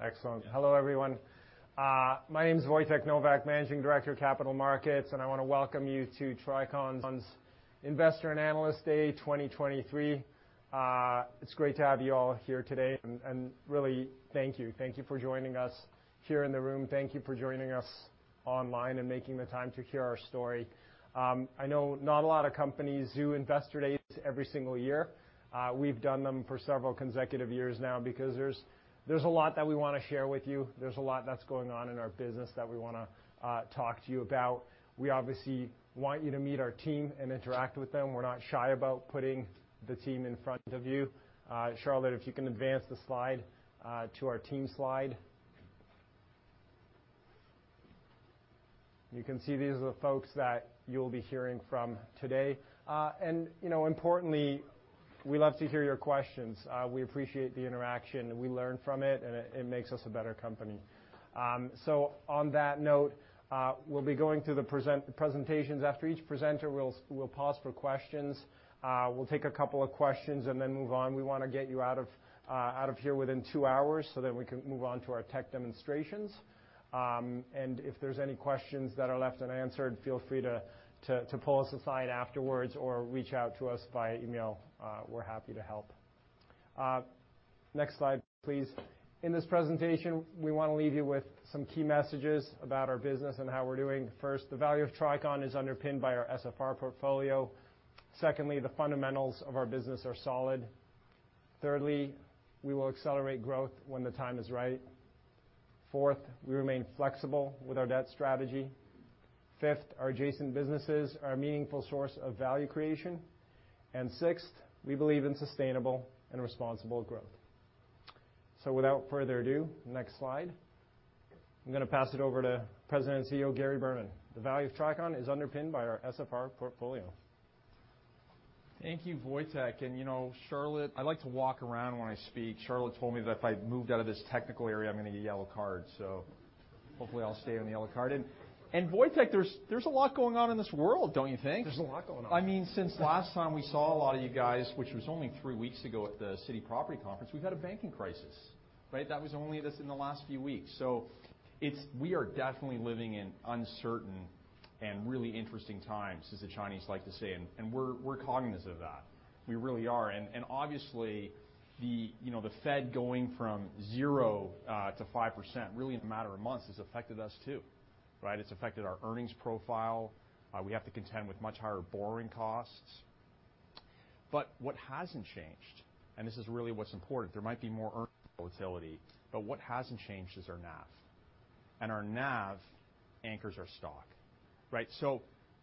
Excellent. Hello everyone. My name is Wojtek Nowak, Managing Director of Capital Markets, I wanna welcome you to Tricon's Investor and Analyst Day 2023. It's great to have you all here today, and really thank you. Thank you for joining us here in the room. Thank you for joining us online and making the time to hear our story. I know not a lot of companies do Investor Days every single year. We've done them for several consecutive years now because there's a lot that we wanna share with you. There's a lot that's going on in our business that we wanna talk to you about. We obviously want you to meet our team and interact with them. We're not shy about putting the team in front of you. Charlotte, if you can advance the slide to our team slide. You can see these are the folks that you'll be hearing from today. You know, importantly, we love to hear your questions. We appreciate the interaction, and we learn from it, and it makes us a better company. On that note, we'll be going through the presentations. After each presenter, we'll pause for questions. We'll take a couple of questions and then move on. We wanna get you out of here within 2 hours so that we can move on to our tech demonstrations. If there's any questions that are left unanswered, feel free to pull us aside afterwards or reach out to us via email. We're happy to help. Next slide, please. In this presentation, we wanna leave you with some key messages about our business and how we're doing. First, the value of Tricon is underpinned by our SFR portfolio. Secondly, the fundamentals of our business are solid. Thirdly, we will accelerate growth when the time is right. Fourth, we remain flexible with our debt strategy. Fifth, our adjacent businesses are a meaningful source of value creation. Sixth, we believe in sustainable and responsible growth. Without further ado, next slide. I'm gonna pass it over to President and CEO, Gary Berman. The value of Tricon is underpinned by our SFR portfolio. Thank you, Wojtek. You know, Charlotte, I like to walk around when I speak. Charlotte told me that if I moved out of this technical area, I'm gonna get a yellow card, so hopefully I'll stay on the yellow card. Wojtek, there's a lot going on in this world, don't you think? There's a lot going on. I mean, since last time we saw a lot of you guys, which was only three weeks ago at the Citi Property Conference, we've had a banking crisis, right? That was only this in the last few weeks. We are definitely living in uncertain and really interesting times, as the Chinese like to say, and we're cognizant of that. We really are. And obviously the, you know, the Fed going from zero to 5% really in a matter of months has affected us too, right? It's affected our earnings profile. We have to contend with much higher borrowing costs. What hasn't changed, and this is really what's important, there might be more earnings volatility, but what hasn't changed is our NAV. Our NAV anchors our stock, right?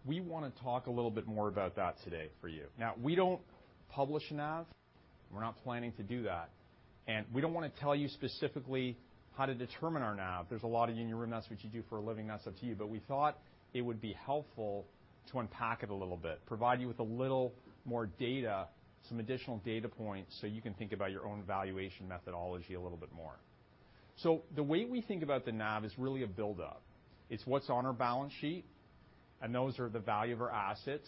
We wanna talk a little bit more about that today for you. We don't publish NAV. We're not planning to do that. We don't wanna tell you specifically how to determine our NAV. There's a lot of you in the room. That's what you do for a living. That's up to you. We thought it would be helpful to unpack it a little bit, provide you with a little more data, some additional data points, so you can think about your own valuation methodology a little bit more. The way we think about the NAV is really a buildup. It's what's on our balance sheet, and those are the value of our assets,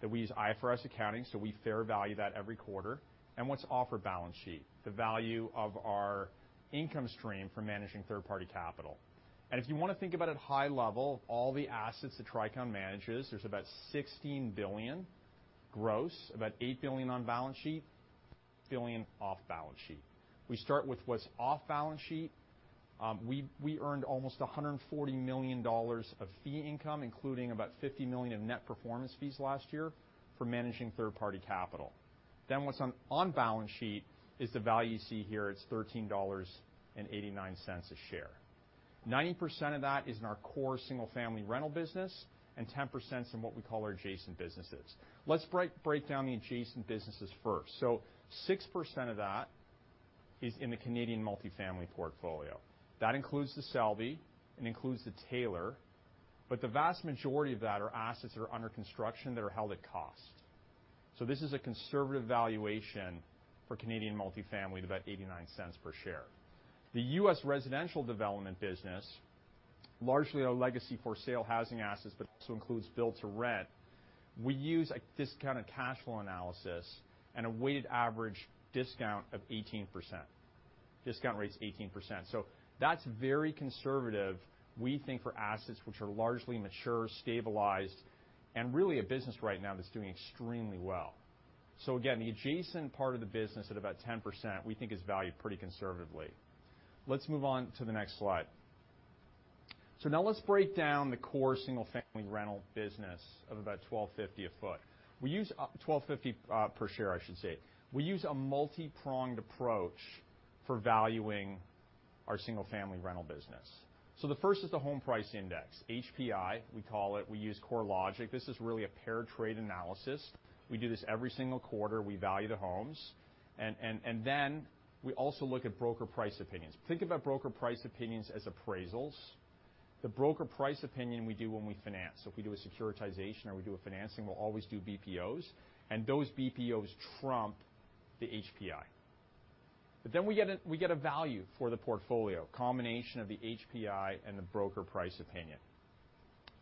that we use IFRS accounting, so we fair value that every quarter, and what's off our balance sheet, the value of our income stream for managing third-party capital. If you wanna think about at high level of all the assets that Tricon manages, there's about $16 billion gross, about $8 billion on balance sheet, $1 billion off balance sheet. We start with what's off balance sheet. We earned almost $140 million of fee income, including about $50 million in net performance fees last year for managing third-party capital. What's on balance sheet is the value you see here. It's $13.89 a share. 90% of that is in our core Single-Family Rental business, and 10%'s in what we call our adjacent businesses. Let's break down the adjacent businesses first. So 6% of that is in the Canadian Multi-Family Portfolio. That includes The Selby. It includes The Taylor. The vast majority of that are assets that are under construction that are held at cost. This is a conservative valuation for Canadian multifamily at about $0.89 per share. The U.S. Residential Development business, largely our legacy for sale housing assets, but also includes build-to-rent. We use a discounted cash flow analysis and a weighted average discount of 18%. Discount rate's 18%. That's very conservative, we think, for assets which are largely mature, stabilized, and really a business right now that's doing extremely well. Again, the adjacent part of the business at about 10% we think is valued pretty conservatively. Let's move on to the next slide. Now let's break down the core Single-Family Rental business of about 12.50 a foot. 12.50 per share, I should say. We use a multi-pronged approach for valuing our Single-Family Rental business. The first is the home price index. HPI, we call it. We use CoreLogic. This is really a pair trade analysis. We do this every single quarter. We value the homes. And then we also look at broker price opinions. Think about broker price opinions as appraisals. The broker price opinion we do when we finance. If we do a securitization or we do a financing, we'll always do BPOs. And those BPOs trump the HPI. Then we get a value for the portfolio, combination of the HPI and the broker price opinion.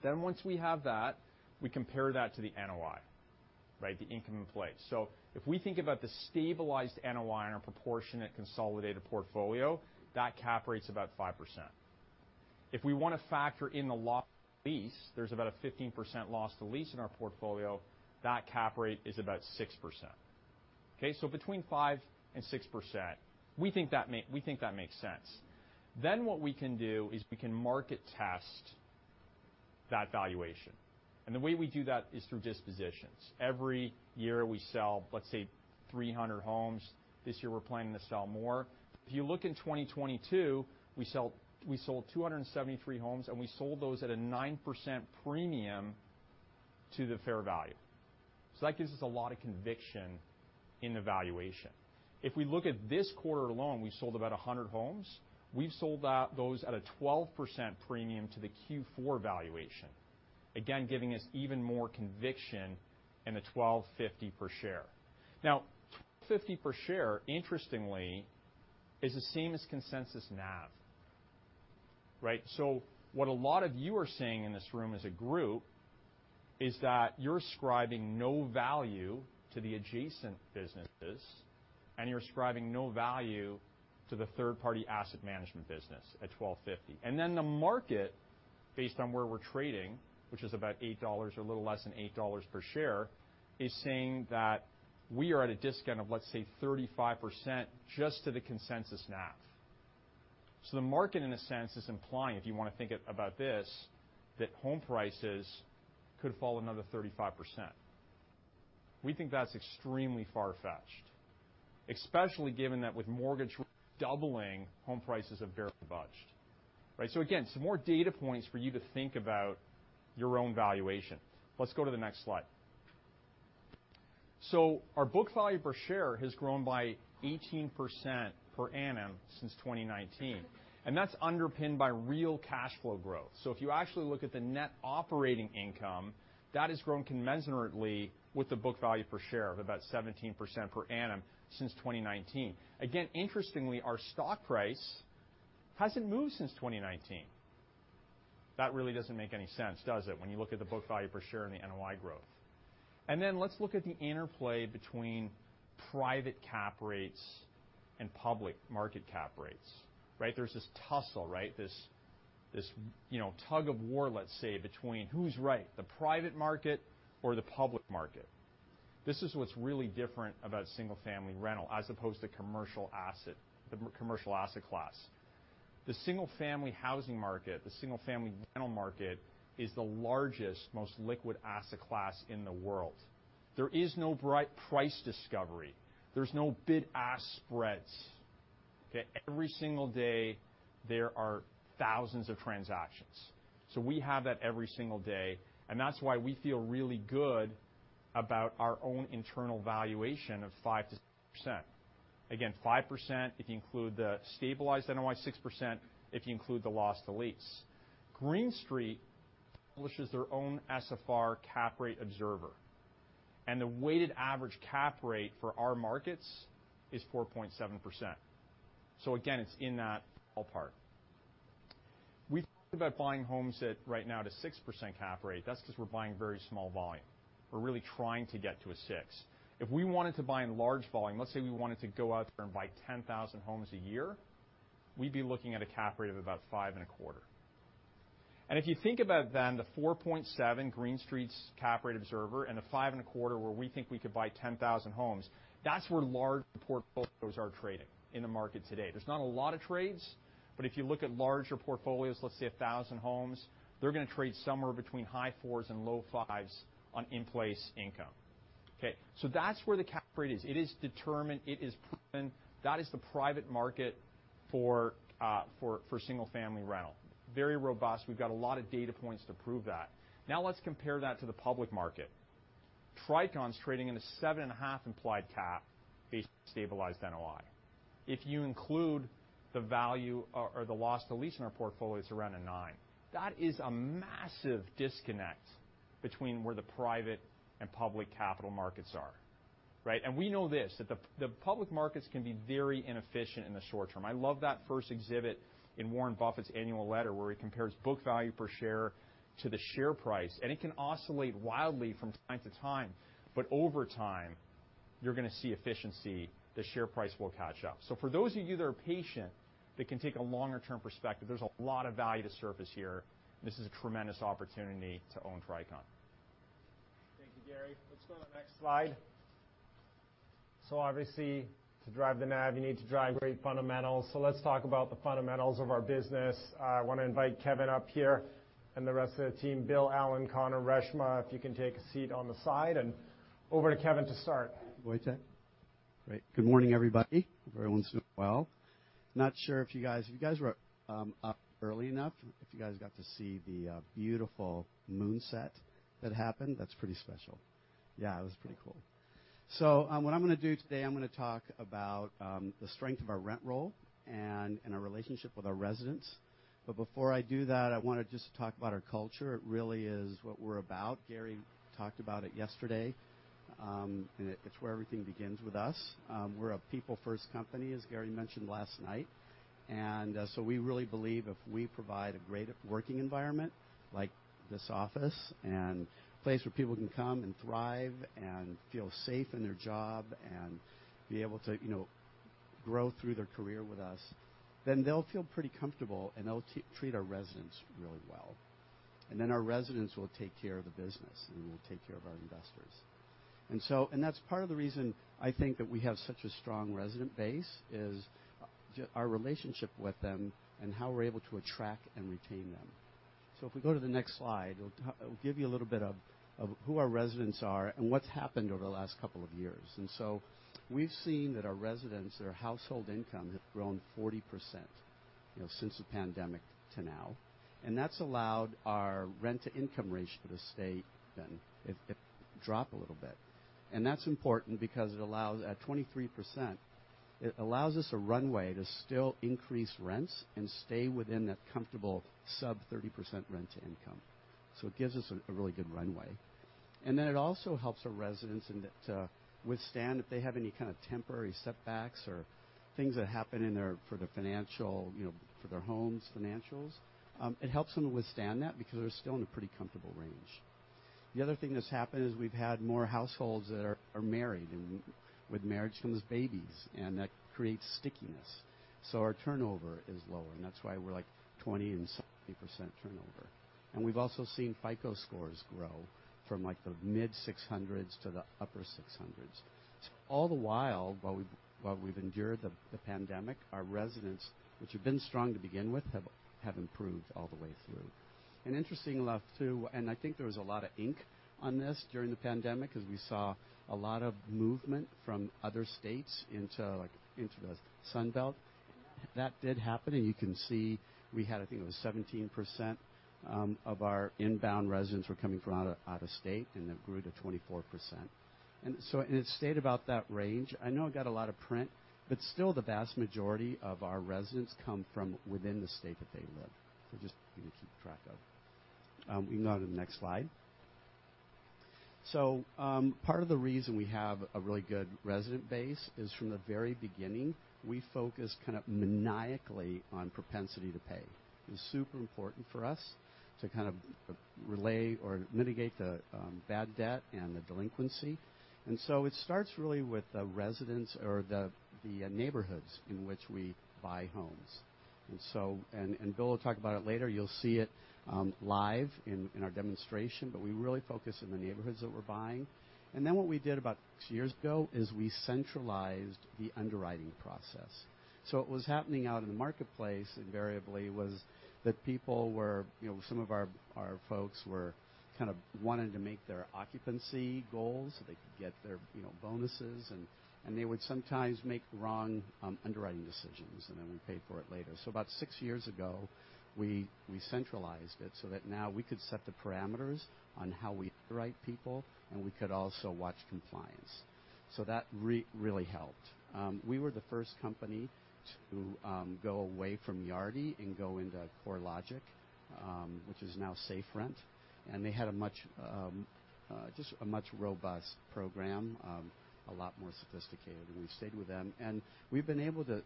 Then once we have that, we compare that to the NOI, right? The income in place. If we think about the stabilized NOI in our proportionate consolidated portfolio, that cap rate's about 5%. If we wanna factor in the [loss to lease], there's about a 15% loss to lease in our portfolio, that cap rate is about 6%. Okay. Between 5% and 6%, we think that makes sense. What we can do is we can market test that valuation. The way we do that is through dispositions. Every year, we sell, let's say, 300 homes. This year, we're planning to sell more. If you look in 2022, we sold 273 homes, and we sold those at a 9% premium to the fair value. That gives us a lot of conviction in the valuation. If we look at this quarter alone, we sold about 100 homes. We've sold those at a 12% premium to the Q4 valuation, again, giving us even more conviction in the $12.50 per share. $50 per share, interestingly, is the same as consensus NAV, right? What a lot of you are saying in this room as a group is that you're ascribing no value to the adjacent businesses, and you're ascribing no value to the third-party asset management business at $12.50. The market, based on where we're trading, which is about $8 or a little less than $8 per share, is saying that we are at a discount of, let's say, 35% just to the consensus NAV. The market, in a sense, is implying, if you wanna think it about this, that home prices could fall another 35%. We think that's extremely far-fetched, especially given that with mortgage doubling, home prices have barely budged, right? Again, some more data points for you to think about your own valuation. Let's go to the next slide. Our book value per share has grown by 18% per annum since 2019, and that's underpinned by real cash flow growth. If you actually look at the NOI, that has grown commensurately with the book value per share of about 17% per annum since 2019. Again, interestingly, our stock price hasn't moved since 2019. That really doesn't make any sense, does it, when you look at the book value per share and the NOI growth? Let's look at the interplay between private cap rates and public market cap rates, right? There's this tussle, right? This, you know, tug-of-war, let's say, between who's right, the private market or the public market. This is what's really different about single-family rental as opposed to commercial asset, the commercial asset class. The Single-Family Housing market, the Single-Family Rental market, is the largest, most liquid asset class in the world. There is no bright price discovery. There's no bid-ask spreads, okay? Every single day, there are thousands of transactions. We have that every single day, and that's why we feel really good about our own internal valuation of 5%-6%. Again, 5% if you include the stabilized NOI, 6% if you include the loss to lease. Green Street publishes their own SFR Cap Rate Observer, and the weighted average cap rate for our markets is 4.7%. Again, it's in that ballpark. We think about buying homes at right now at a 6% cap rate. That's 'cause we're buying very small volume. We're really trying to get to a 6. If we wanted to buy in large volume, let's say we wanted to go out there and buy 10,000 homes a year, we'd be looking at a cap rate of about 5.25. If you think about then the 4.7 Green Street's Cap Rate Observer and the 5.25 where we think we could buy 10,000 homes, that's where large portfolios are trading in the market today. There's not a lot of trades, but if you look at larger portfolios, let's say 1,000 homes, they're gonna trade somewhere between high 4s and low 5s on in-place income. Okay? That's where the cap rate is. It is determined. It is proven. That is the private market for single-family rental. Very robust. We've got a lot of data points to prove that. Let's compare that to the public market. Tricon's trading in a 7.5 implied cap based on stabilized NOI. If you include the value or the loss to lease in our portfolio, it's around a 9. That is a massive disconnect between where the private and public capital markets are, right? We know this, that the public markets can be very inefficient in the short term. I love that first exhibit in Warren Buffett's annual letter where he compares book value per share to the share price, and it can oscillate wildly from time to time. Over time, you're gonna see efficiency. The share price will catch up. For those of you that are patient, that can take a longer term perspective, there's a lot of value to surface here. This is a tremendous opportunity to own Tricon. Thank you, Gary. Let's go to the next slide. Obviously, to drive the NAV, you need to drive great fundamentals. Let's talk about the fundamentals of our business. I wanna invite Kevin up here and the rest of the team. Bill, Alan, Conor, Reshma, if you can take a seat on the side. Over to Kevin to start. Thank you, Wojtek. Great. Good morning, everybody. Hope everyone's doing well. Not sure if you guys were up early enough, if you guys got to see the beautiful moonset that happened. That's pretty special. Yeah, it was pretty cool. What I'm gonna do today, I'm gonna talk about the strength of our rent roll and our relationship with our residents. Before I do that, I wanna just talk about our culture. It really is what we're about. Gary talked about it yesterday. It's where everything begins with us. We're a people-first company, as Gary mentioned last night. We really believe if we provide a great working environment like this office and a place where people can come and thrive and feel safe in their job and be able to, you know, grow through their career with us, then they'll feel pretty comfortable, and they'll treat our residents really well. Our residents will take care of the business, and we'll take care of our investors. That's part of the reason I think that we have such a strong resident base is our relationship with them and how we're able to attract and retain them. If we go to the next slide, it'll give you a little bit of who our residents are and what's happened over the last couple of years. We've seen that our residents, their household income, have grown 40%, you know, since the pandemic to now. That's allowed our rent-to-income ratio to stay it dropped a little bit. That's important because at 23%, it allows us a runway to still increase rents and stay within that comfortable sub 30% rent-to-income. It gives us a really good runway. It also helps our residents and to withstand if they have any kind of temporary setbacks or things that happen in their for their financial, you know, for their homes financials. It helps them to withstand that because they're still in a pretty comfortable range. The other thing that's happened is we've had more households that are married, and with marriage comes babies, and that creates stickiness. Our turnover is lower, and that's why we're like 20% and 70% turnover. We've also seen FICO scores grow from like the mid 600s to the upper 600s. All the while we've endured the pandemic, our residents, which have been strong to begin with, have improved all the way through. Interesting enough, too, and I think there was a lot of ink on this during the pandemic as we saw a lot of movement from other states into, like, into the Sun Belt. That did happen, and you can see we had, I think it was 17% of our inbound residents were coming from out of state, and it grew to 24%. It stayed about that range. I know I got a lot of print, but still the vast majority of our residents come from within the state that they live. Just keep track of. We can go to the next slide. Part of the reason we have a really good resident base is from the very beginning, we focus kind of maniacally on propensity to pay. It's super important for us to kind of relay or mitigate the bad debt and the delinquency. So it starts really with the residents or the neighborhoods in which we buy homes. Bill will talk about it later. You'll see it live in our demonstration, but we really focus on the neighborhoods that we're buying. Then what we did about six years ago is we centralized the underwriting process. What was happening out in the marketplace invariably was that people were, you know, some of our folks were kind of wanting to make their occupancy goals, so they could get their, you know, bonuses and they would sometimes make wrong underwriting decisions, and then we paid for it later. About 6 years ago, we centralized it so that now we could set the parameters on how we underwrite people, and we could also watch compliance. That really helped. We were the first company to go away from Yardi and go into CoreLogic, which is now SafeRent. They had a much just a much robust program, a lot more sophisticated, and we've stayed with them. We've been able to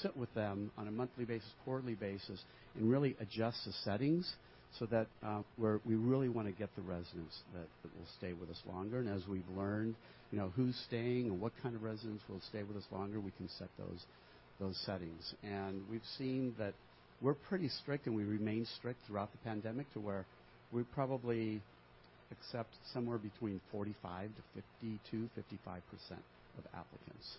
sit with them on a monthly basis, quarterly basis, and really adjust the settings so that where we really wanna get the residents that will stay with us longer. As we've learned, you know, who's staying and what kind of residents will stay with us longer, we can set those settings. We've seen that we're pretty strict, and we remain strict throughout the pandemic to where we probably accept somewhere between 45 to 52, 55% of applicants.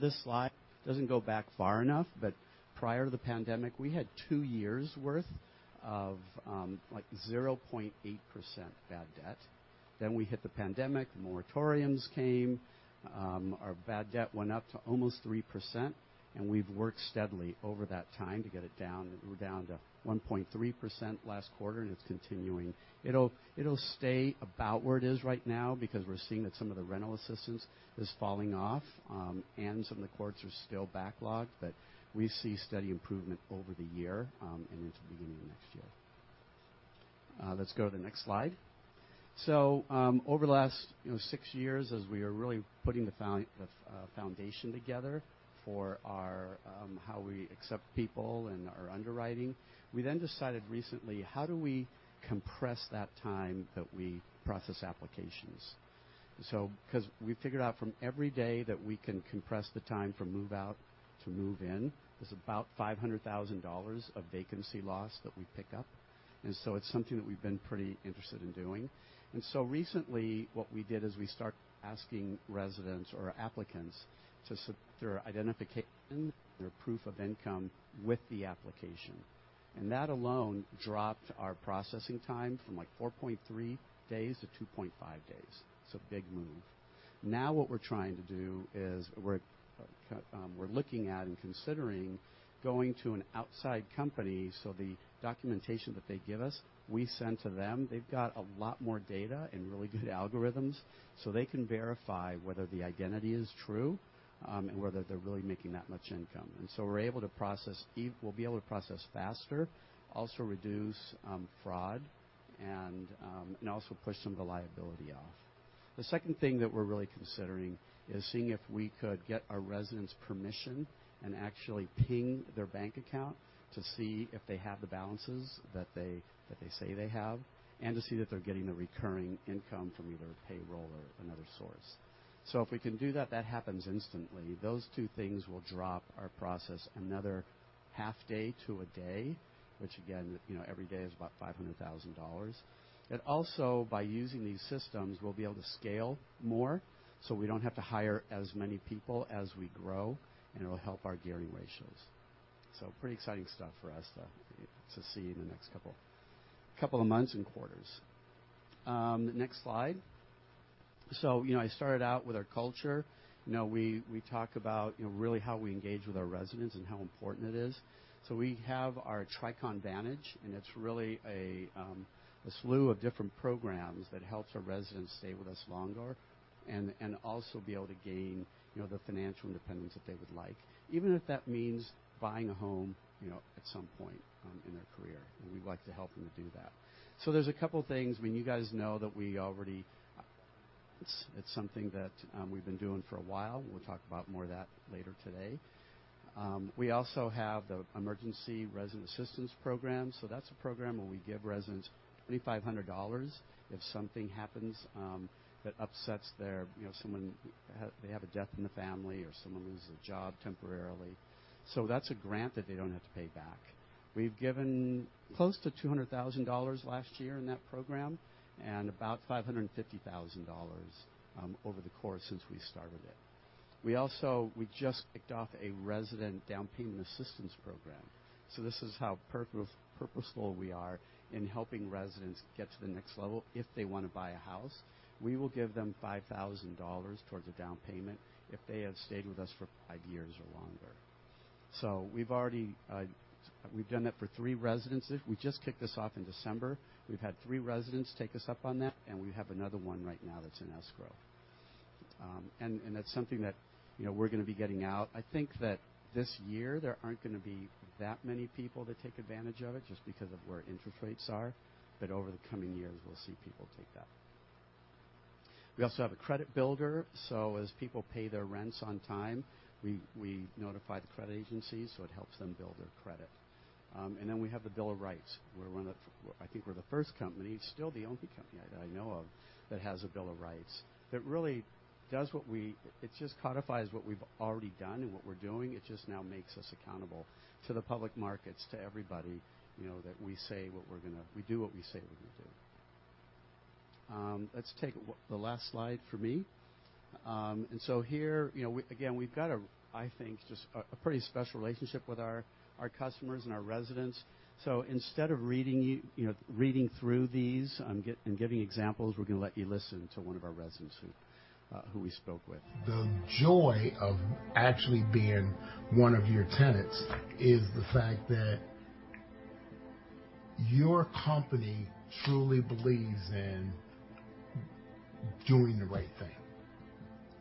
This slide doesn't go back far enough, but prior to the pandemic, we had 2 years worth of, like 0.8% bad debt. We hit the pandemic, the moratoriums came, our bad debt went up to almost 3%, and we've worked steadily over that time to get it down. We're down to 1.3% last quarter. It's continuing. It'll stay about where it is right now because we're seeing that some of the rental assistance is falling off, and some of the courts are still backlogged. We see steady improvement over the year and into the beginning of next year. Let's go to the next slide. Over the last, you know, six years, as we are really putting the foundation together for our how we accept people and our underwriting, we then decided recently, how do we compress that time that we process applications? Because we figured out from every day that we can compress the time from move-out to move-in, there's about $500,000 of vacancy loss that we pick up. It's something that we've been pretty interested in doing. Recently, what we did is we start asking residents or applicants to submit their identification, their proof of income with the application. That alone dropped our processing time from like 4.3 days to 2.5 days. It's a big move. What we're trying to do is we're looking at and considering going to an outside company, so the documentation that they give us, we send to them. They've got a lot more data and really good algorithms, so they can verify whether the identity is true and whether they're really making that much income. We're able to process faster, also reduce fraud and also push some of the liability off. The second thing that we're really considering is seeing if we could get our residents permission and actually ping their bank account to see if they have the balances that they say they have, and to see that they're getting the recurring income from either payroll or another source. If we can do that happens instantly. Those two things will drop our process another half day to a day, which again, you know, every day is about $500,000. Also by using these systems, we'll be able to scale more, so we don't have to hire as many people as we grow, and it'll help our gearing ratios. Pretty exciting stuff for us to see in the next couple of months and quarters. Next slide. You know, I started out with our culture. You know, we talk about, you know, really how we engage with our residents and how important it is. We have our Tricon Vantage, and it's really a slew of different programs that helps our residents stay with us longer and also be able to gain, you know, the financial independence that they would like, even if that means buying a home, you know, at some point in their career. We like to help them to do that. There's a couple things. I mean, you guys know that it's something that we've been doing for a while. We'll talk about more of that later today. We also have the Resident Emergency Assistance Fund. That's a program where we give residents $2,500 if something happens that upsets their, you know, they have a death in the family or someone loses a job temporarily. That's a grant that they don't have to pay back. We've given close to $200,000 last year in that program and about $550,000 over the course since we started it. We just kicked off a Resident Down Payment Assistance Program. This is how purposeful we are in helping residents get to the next level. If they wanna buy a house, we will give them $5,000 towards a down payment if they have stayed with us for 5 years or longer. We've already done that for 3 residents. We just kicked this off in December. We've had 3 residents take us up on that, and we have another one right now that's in escrow. That's something that, you know, we're gonna be getting out. I think that this year there aren't gonna be that many people that take advantage of it just because of where interest rates are, but over the coming years we'll see people take that. We also have a credit builder. As people pay their rents on time, we notify the credit agency, so it helps them build their credit. Then we have the Resident Bill of Rights. I think we're the first company, still the only company I know of that has a Resident Bill of Rights that really does. It just codifies what we've already done and what we're doing. It just now makes us accountable to the public markets, to everybody, you know, that we say what we're gonna. We do what we say we're gonna do. Let's take the last slide for me. Here, you know, we again, we've got a, I think, just a pretty special relationship with our customers and our residents. Instead of reading, you know, reading through these, and giving examples, we're gonna let you listen to one of our residents who we spoke with. The joy of actually being one of your tenants is the fact that your company truly believes in doing the right thing.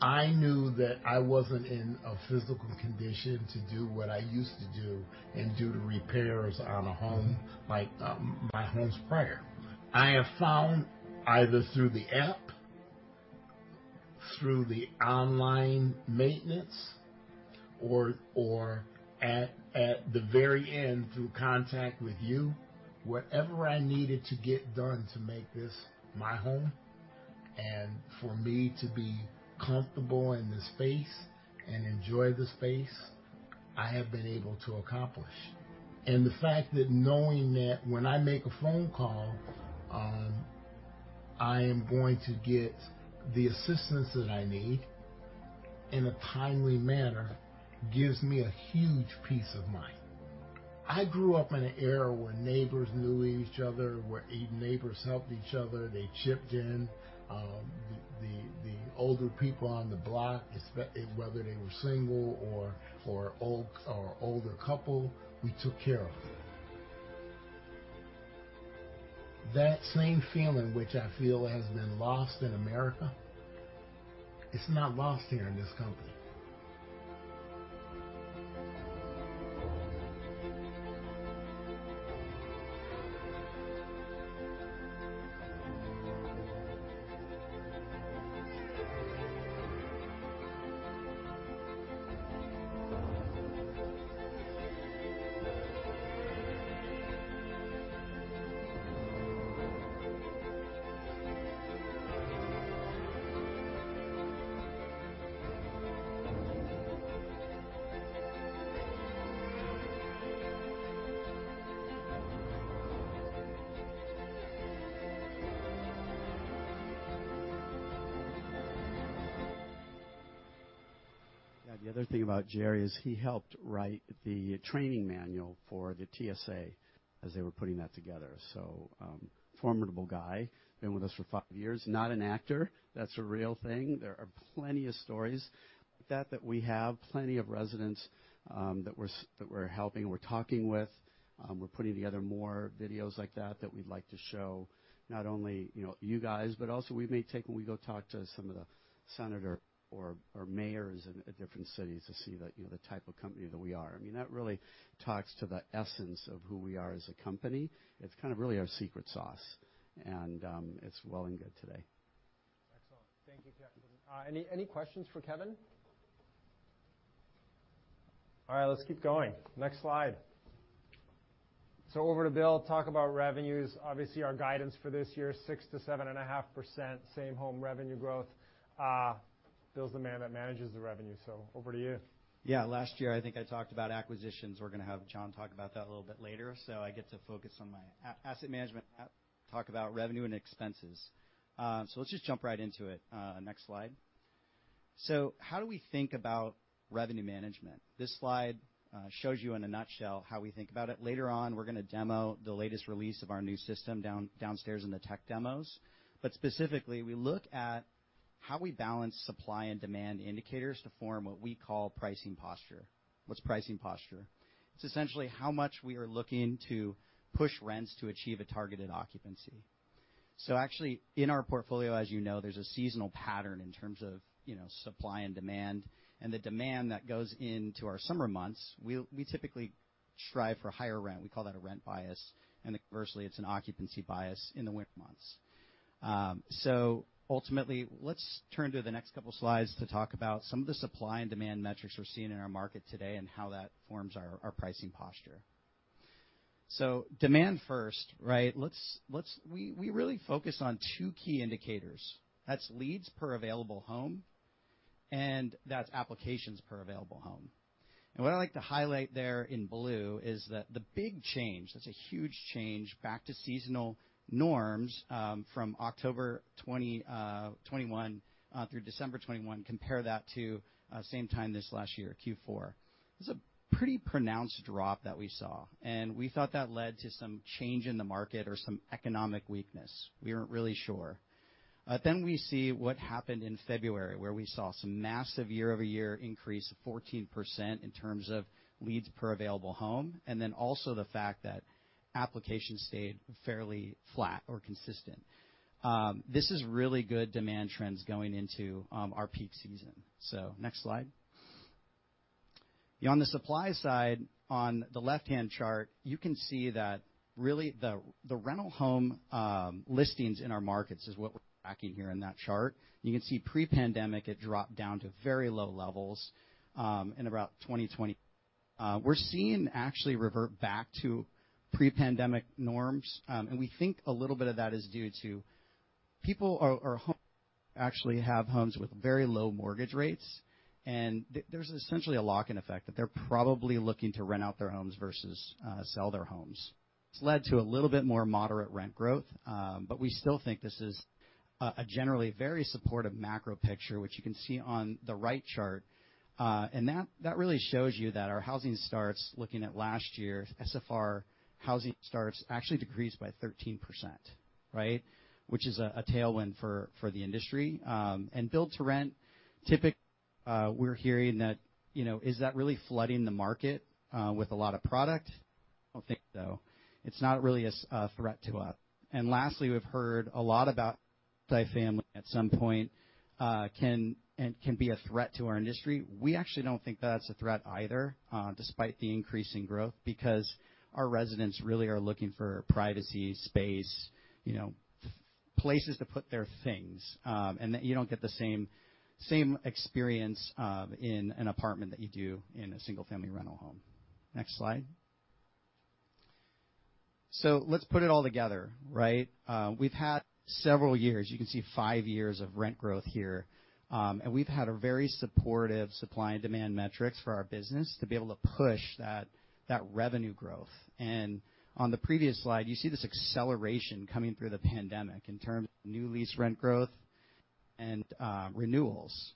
I knew that I wasn't in a physical condition to do what I used to do and do the repairs on a home like my homes prior. I have found either through the app, through the online maintenance or at the very end through contact with you, whatever I needed to get done to make this my home and for me to be comfortable in the space and enjoy the space, I have been able to accomplish. The fact that knowing that when I make a phone call, I am going to get the assistance that I need in a timely manner gives me a huge peace of mind. I grew up in an era where neighbors knew each other, where even neighbors helped each other, they chipped in. The older people on the block, whether they were single or old or older couple, we took care of them. That same feeling which I feel has been lost in America, it's not lost here in this company. Yeah. The other thing about Jerry is he helped write the training manual for the TSA as they were putting that together. Formidable guy, been with us for five years. Not an actor. That's a real thing. There are plenty of stories like that that we have plenty of residents that we're helping, we're talking with. We're putting together more videos like that that we'd like to show not only, you know, you guys, but also we may take when we go talk to senator or mayors at different cities to see the, you know, the type of company that we are. I mean, that really talks to the essence of who we are as a company. It's kind of really our secret sauce. It's well and good today. Excellent. Thank you, Kevin. Any questions for Kevin? All right, let's keep going. Next slide. Over to Bill, talk about revenues. Obviously, our guidance for this year, 6%-7.5% same-home revenue growth. Bill's the man that manages the revenue, over to you. Last year, I think I talked about acquisitions. We're gonna have Jon talk about that a little bit later. I get to focus on my asset management, talk about revenue and expenses. Let's just jump right into it. Next slide. How do we think about revenue management? This slide shows you in a nutshell how we think about it. Later on, we're gonna demo the latest release of our new system downstairs in the tech demos, but specifically, we look at how we balance supply and demand indicators to form what we call pricing posture. What's pricing posture? It's essentially how much we are looking to push rents to achieve a targeted occupancy. Actually in our portfolio, as you know, there's a seasonal pattern in terms of, you know, supply and demand, and the demand that goes into our summer months, we typically strive for higher rent. We call that a rent bias, and conversely, it's an occupancy bias in the winter months. Ultimately, let's turn to the next couple slides to talk about some of the supply and demand metrics we're seeing in our market today and how that forms our pricing posture. Demand first, right? Let's we really focus on two key indicators. That's leads per available home, and that's applications per available home. What I like to highlight there in blue is that the big change, that's a huge change back to seasonal norms, from October 2021 through December 2021, compare that to same time this last year, Q4. It's a pretty pronounced drop that we saw, and we thought that led to some change in the market or some economic weakness. We weren't really sure. Then we see what happened in February, where we saw some massive year-over-year increase of 14% in terms of leads per available home, and then also the fact that applications stayed fairly flat or consistent. This is really good demand trends going into our peak season. Next slide. On the supply side, on the left-hand chart, you can see that really the rental home listings in our markets is what we're tracking here in that chart. You can see pre-pandemic, it dropped down to very low levels in about 2020. We're seeing actually revert back to pre-pandemic norms, and we think a little bit of that is due to people or actually have homes with very low mortgage rates, and there's essentially a lock-in effect, that they're probably looking to rent out their homes versus sell their homes. It's led to a little bit more moderate rent growth, but we still think this is a generally very supportive macro picture, which you can see on the right chart. That really shows you that our housing starts, looking at last year, SFR housing starts actually decreased by 13%, right? Which is a tailwind for the industry. Build to rent, we're hearing that, you know, is that really flooding the market with a lot of product? I don't think so. It's not really a threat to us. Lastly, we've heard a lot about multifamily at some point, can be a threat to our industry. We actually don't think that's a threat either, despite the increase in growth, because our residents really are looking for privacy, space, you know, places to put their things, and that you don't get the same experience in an apartment that you do in a single-family rental home. Next slide. Let's put it all together, right? We've had several years, you can see five years of rent growth here, and we've had a very supportive supply and demand metrics for our business to be able to push that revenue growth. On the previous slide, you see this acceleration coming through the pandemic in terms of new lease rent growth and renewals.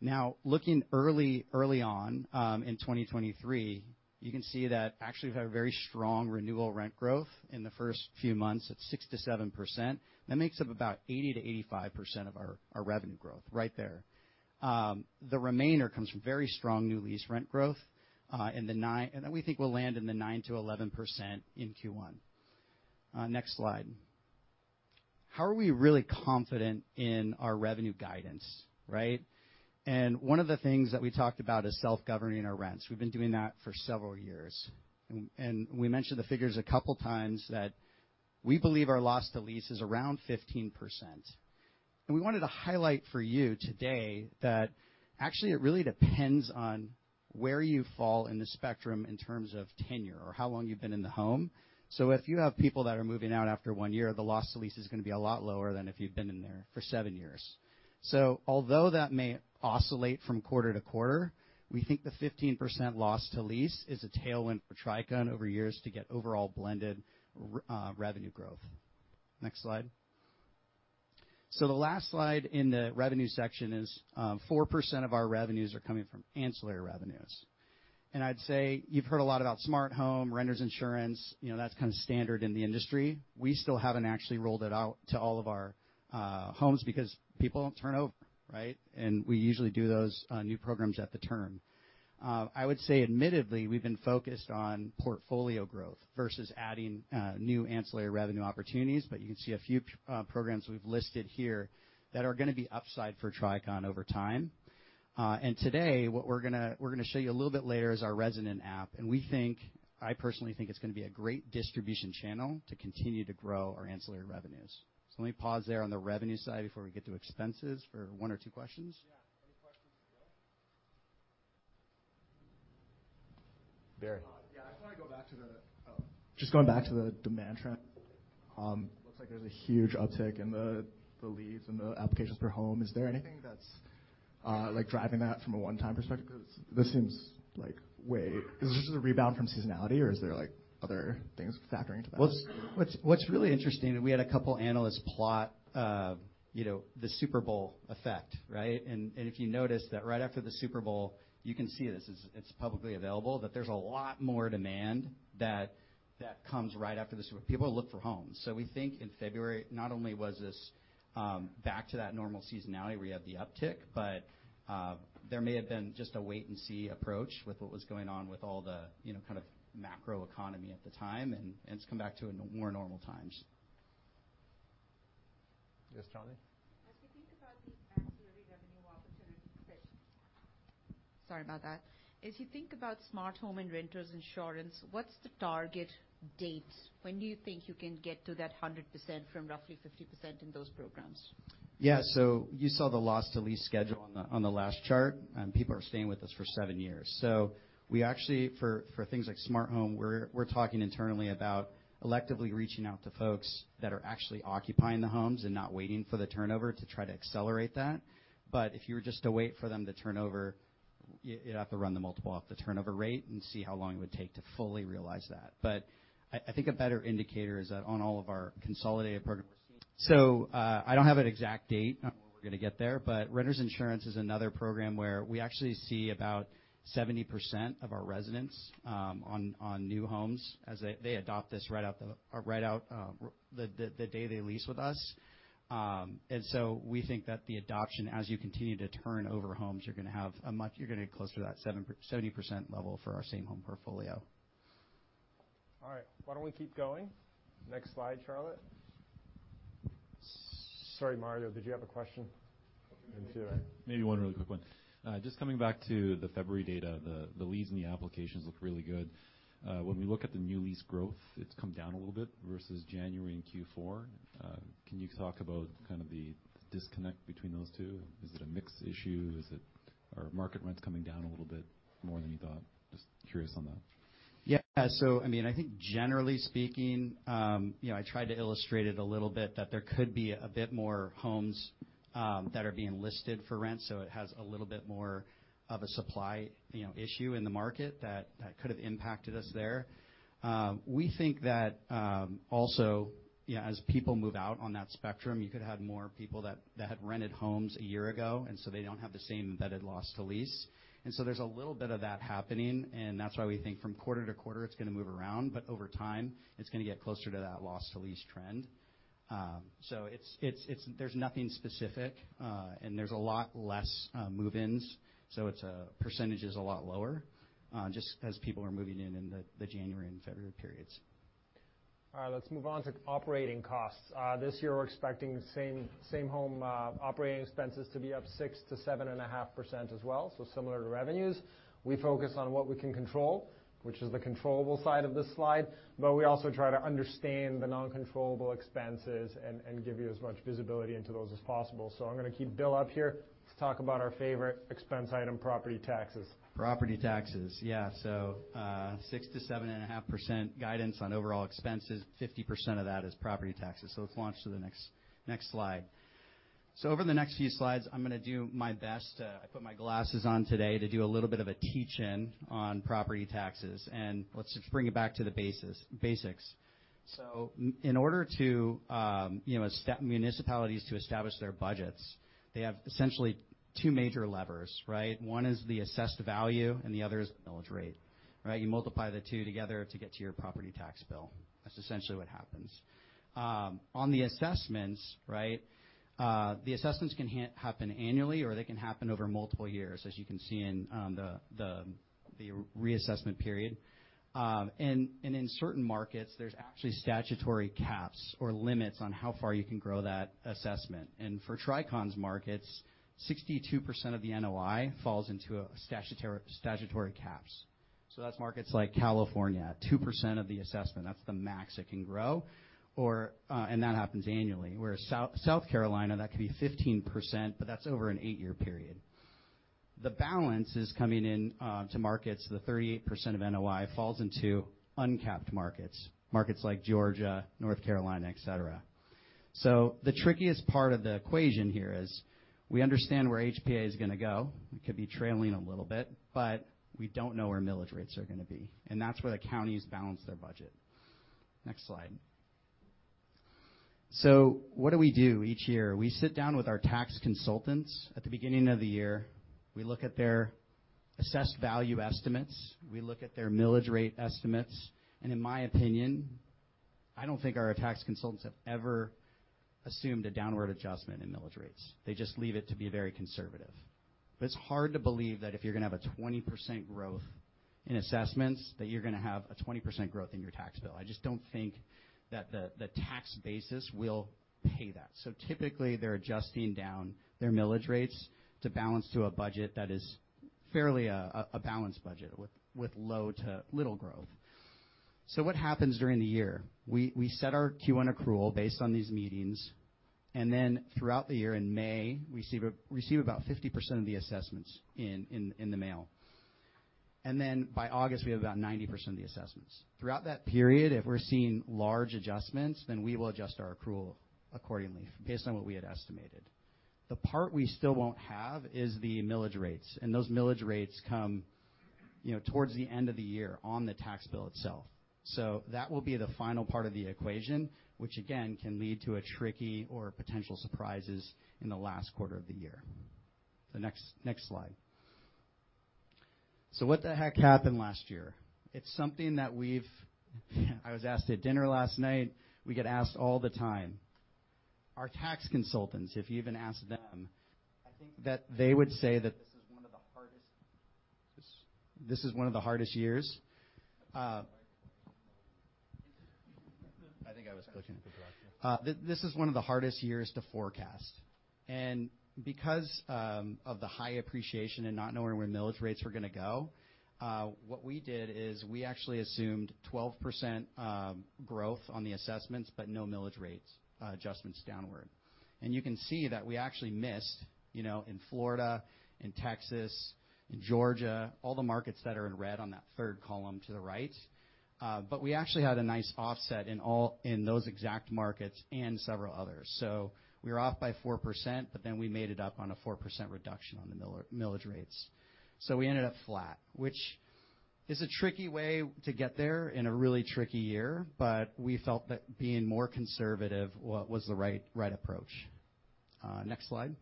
Now, looking early on, in 2023, you can see that actually we've had a very strong renewal rent growth in the first few months at 6%-7%. That makes up about 80%-85% of our revenue growth right there. The remainder comes from very strong new lease rent growth, and then we think we'll land in the 9%-11% in Q1. Next slide. How are we really confident in our revenue guidance, right? One of the things that we talked about is self-governing our rents. We've been doing that for several years. We mentioned the figures a couple times that we believe our loss to lease is around 15%. We wanted to highlight for you today that actually it really depends on where you fall in the spectrum in terms of tenure or how long you've been in the home. If you have people that are moving out after 1 year, the loss to lease is gonna be a lot lower than if you've been in there for 7 years. Although that may oscillate from quarter to quarter, we think the 15% loss to lease is a tailwind for Tricon over years to get overall blended revenue growth. Next slide. The last slide in the revenue section is 4% of our revenues are coming from ancillary revenues. I'd say you've heard a lot about smart home, renter's insurance, you know, that's kind of standard in the industry. We still haven't actually rolled it out to all of our homes because people don't turn over, right? We usually do those new programs at the turn. I would say admittedly, we've been focused on portfolio growth versus adding new ancillary revenue opportunities, but you can see a few programs we've listed here that are gonna be upside for Tricon over time. Today, what we're gonna show you a little bit later is our Resident App, and I personally think it's gonna be a great distribution channel to continue to grow our ancillary revenues. Let me pause there on the revenue side before we get to expenses for one or two questions. Yeah. Any questions for Bill? Barry. Yeah. Just going back to the demand trend. Looks like there's a huge uptick in the leads and the applications per home. Is there anything that's, like, driving that from a one-time perspective? Is this just a rebound from seasonality, or is there, like, other things factoring into that? What's really interesting, we had a couple analysts plot, you know, the Super Bowl effect, right? If you notice that right after the Super Bowl, you can see it's publicly available, but there's a lot more demand that comes right after the Super... People look for homes. We think in February, not only was this back to that normal seasonality where you have the uptick, but there may have been just a wait and see approach with what was going on with all the, you know, kind of macroeconomy at the time, and it's come back to a more normal times. Yes, Charlie. As you think about the ancillary revenue opportunities. Sorry about that. If you think about smart home and renters insurance, what's the target dates? When do you think you can get to that 100% from roughly 50% in those programs? Yeah. You saw the loss to lease schedule on the last chart, and people are staying with us for seven years. We actually for things like smart home, we're talking internally about electively reaching out to folks that are actually occupying the homes and not waiting for the turnover to try to accelerate that. If you were just to wait for them to turn over, you'd have to run the multiple off the turnover rate and see how long it would take to fully realize that. I think a better indicator is that on all of our consolidated program we're seeing... I don't have an exact date on when we're gonna get there, but renters insurance is another program where we actually see about 70% of our residents on new homes as they adopt this right out the day they lease with us. We think that the adoption, as you continue to turn over homes, you're gonna have a much. You're gonna get closer to that 70% level for our Same Home portfolio. All right. Why don't we keep going? Next slide, Charlotte. Sorry, Mario. Did you have a question? I didn't see. Maybe one really quick one. Just coming back to the February data, the leads in the applications look really good. When we look at the new lease growth, it's come down a little bit versus January and Q4. Can you talk about kind of the disconnect between those two? Is it a mix issue? Are market rents coming down a little bit more than you thought? Just curious on that. Yeah. I think generally speaking, I tried to illustrate it a little bit that there could be a bit more homes that are being listed for rent, so it has a little bit more of a supply issue in the market that could have impacted us there. We think that also, as people move out on that spectrum, you could have more people that had rented homes a year ago, and so they don't have the same embedded loss to lease. There's a little bit of that happening, and that's why we think from quarter to quarter, it's gonna move around, but over time, it's gonna get closer to that loss to lease trend. There's nothing specific, and there's a lot less move-ins. It's percentage is a lot lower, just as people are moving in in the January and February periods. All right. Let's move on to operating costs. This year, we're expecting Same Home operating expenses to be up 6% to 7.5% as well, similar to revenues. We focus on what we can control, which is the controllable side of this slide, but we also try to understand the non-controllable expenses and give you as much visibility into those as possible. I'm gonna keep Bill up here to talk about our favorite expense item, property taxes. Property taxes. Yeah. 6% to 7.5% guidance on overall expenses, 50% of that is property taxes. Let's launch to the next slide. Over the next few slides, I'm gonna do my best. I put my glasses on today to do a little bit of a teach-in on property taxes. Let's just bring it back to the basics. In order to, you know, municipalities to establish their budgets, they have essentially 2 major levers, right? 1 is the assessed value, and the other is millage rate, right? You multiply the 2 together to get to your property tax bill. That's essentially what happens. On the assessments, right, the assessments can happen annually, or they can happen over multiple years, as you can see in the reassessment period. In certain markets, there's actually statutory caps or limits on how far you can grow that assessment. For Tricon's markets, 62% of the NOI falls into statutory caps. That's markets like California, 2% of the assessment, that's the max it can grow or, and that happens annually. Whereas South Carolina, that could be 15%, but that's over an eight-year period. The balance is coming in to markets. The 38% of NOI falls into uncapped markets like Georgia, North Carolina, et cetera. The trickiest part of the equation here is we understand where HPA is gonna go. It could be trailing a little bit, but we don't know where millage rates are gonna be, and that's where the counties balance their budget. Next slide. What do we do each year? We sit down with our tax consultants at the beginning of the year. We look at their assessed value estimates. We look at their millage rate estimates. In my opinion, I don't think our tax consultants have ever assumed a downward adjustment in millage rates. They just leave it to be very conservative. It's hard to believe that if you're gonna have a 20% growth in assessments, that you're gonna have a 20% growth in your tax bill. I just don't think that the tax basis will pay that. Typically, they're adjusting down their millage rates to balance to a budget that is fairly a balanced budget with low to little growth. What happens during the year? We set our Q1 accrual based on these meetings. Throughout the year in May, we receive about 50% of the assessments in the mail. By August, we have about 90% of the assessments. Throughout that period, if we're seeing large adjustments, then we will adjust our accrual accordingly based on what we had estimated. The part we still won't have is the millage rates. Those millage rates come, you know, towards the end of the year on the tax bill itself. That will be the final part of the equation, which again, can lead to a tricky or potential surprises in the last quarter of the year. The next slide. What the heck happened last year? It's something that I was asked at dinner last night, we get asked all the time. Our tax consultants, if you even ask them, I think that they would say that this is one of the hardest years. I think I was clicking too fast. This is one of the hardest years to forecast. Because of the high appreciation and not knowing where millage rates were gonna go, what we did is we actually assumed 12% growth on the assessments, but no millage rates adjustments downward. You can see that we actually missed, you know, in Florida, in Texas, in Georgia, all the markets that are in red on that third column to the right. We actually had a nice offset in those exact markets and several others. We were off by 4%, we made it up on a 4% reduction on the millage rates. We ended up flat, which is a tricky way to get there in a really tricky year, we felt that being more conservative was the right approach. Next slide.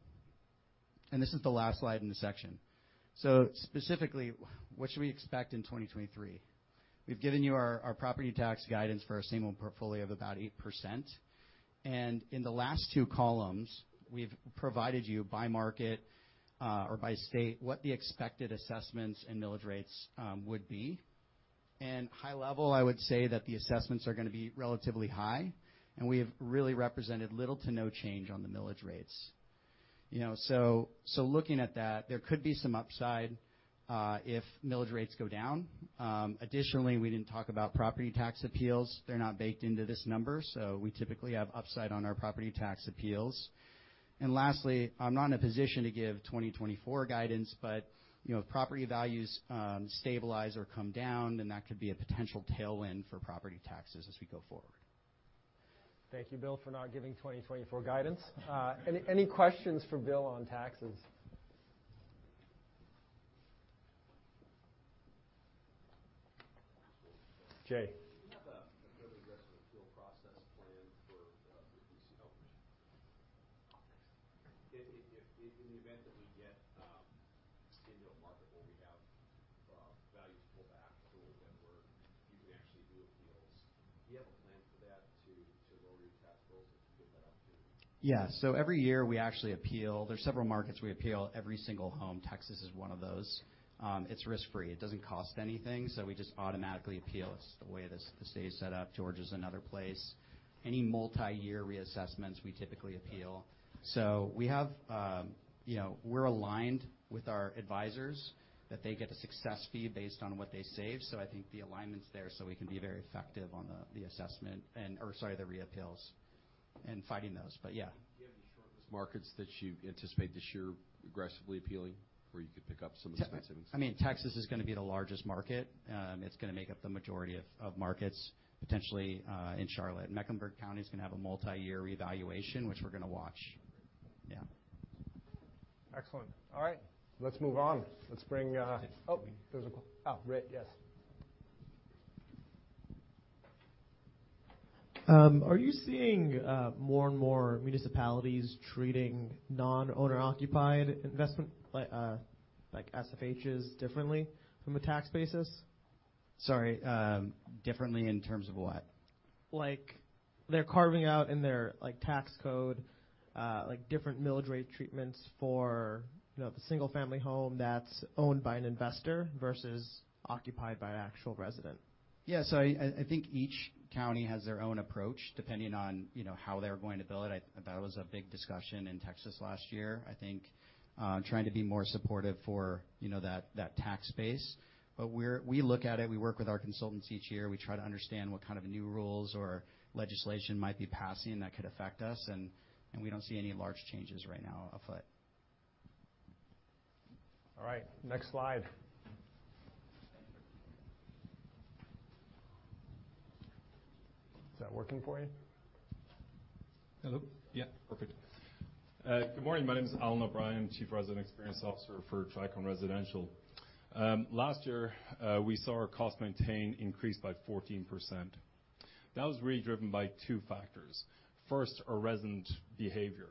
This is the last slide in this section. Specifically, what should we expect in 2023? We've given you our property tax guidance for our single portfolio of about 8%. In the last two columns, we've provided you by market, or by state, what the expected assessments and millage rates would be. High level, I would say that the assessments are gonna be relatively high, we have really represented little to no change on the millage rates. You know, looking at that, there could be some upside if millage rates go down. Additionally, we didn't talk about property tax appeals. They're not baked into this number, so we typically have upside on our property tax appeals. Lastly, I'm not in a position to give 2024 guidance, but, you know, if property values stabilize or come down, then that could be a potential tailwind for property taxes as we go forward. Thank you, Bill, for not giving 2024 guidance. Any questions for Bill on taxes? Jay. Do you have a fairly aggressive appeal process plan for reducing ownership? Oh, thanks. If in the event that we get into a market where we have values pull back to where you can actually do appeals. Do you have a plan for that to lower your tax bills if you get that opportunity? Yeah. Every year, we actually appeal. There's several markets we appeal every single home. Texas is one of those. It's risk-free. It doesn't cost anything, so we just automatically appeal. It's the way the state is set up. Georgia's another place. Any multi-year reassessments, we typically appeal. We have, you know, we're aligned with our advisors that they get a success fee based on what they save. I think the alignment's there, so we can be very effective on the assessment or sorry, the re-appeals and fighting those. Yeah. Do you have the shortest markets that you anticipate this year aggressively appealing, where you could pick up some of the savings? I mean, Texas is gonna be the largest market. It's gonna make up the majority of markets potentially, in Charlotte. Mecklenburg County is gonna have a multi-year reevaluation, which we're gonna watch. Yeah. Excellent. All right. Let's move on. Let's bring. Oh. Oh, Rick, yes. Are you seeing, more and more municipalities treating non-owner occupied investment like, SFHs differently from a tax basis? Sorry, differently in terms of what? Like, they're carving out in their, like, tax code, like, different millage rate treatments for, you know, the single-family home that's owned by an investor versus occupied by an actual resident. I think each county has their own approach depending on, you know, how they're going to bill it. That was a big discussion in Texas last year. I think, trying to be more supportive for, you know, that tax base. We look at it. We work with our consultants each year. We try to understand what kind of new rules or legislation might be passing that could affect us, and we don't see any large changes right now afoot. All right. Next slide. Is that working for you? Hello? Yeah. Perfect. Good morning. My name is Alan O'Brien, Chief Resident Experience Officer for Tricon Residential. Last year, we saw our cost maintain increase by 14%. That was really driven by two factors. First, our resident behavior.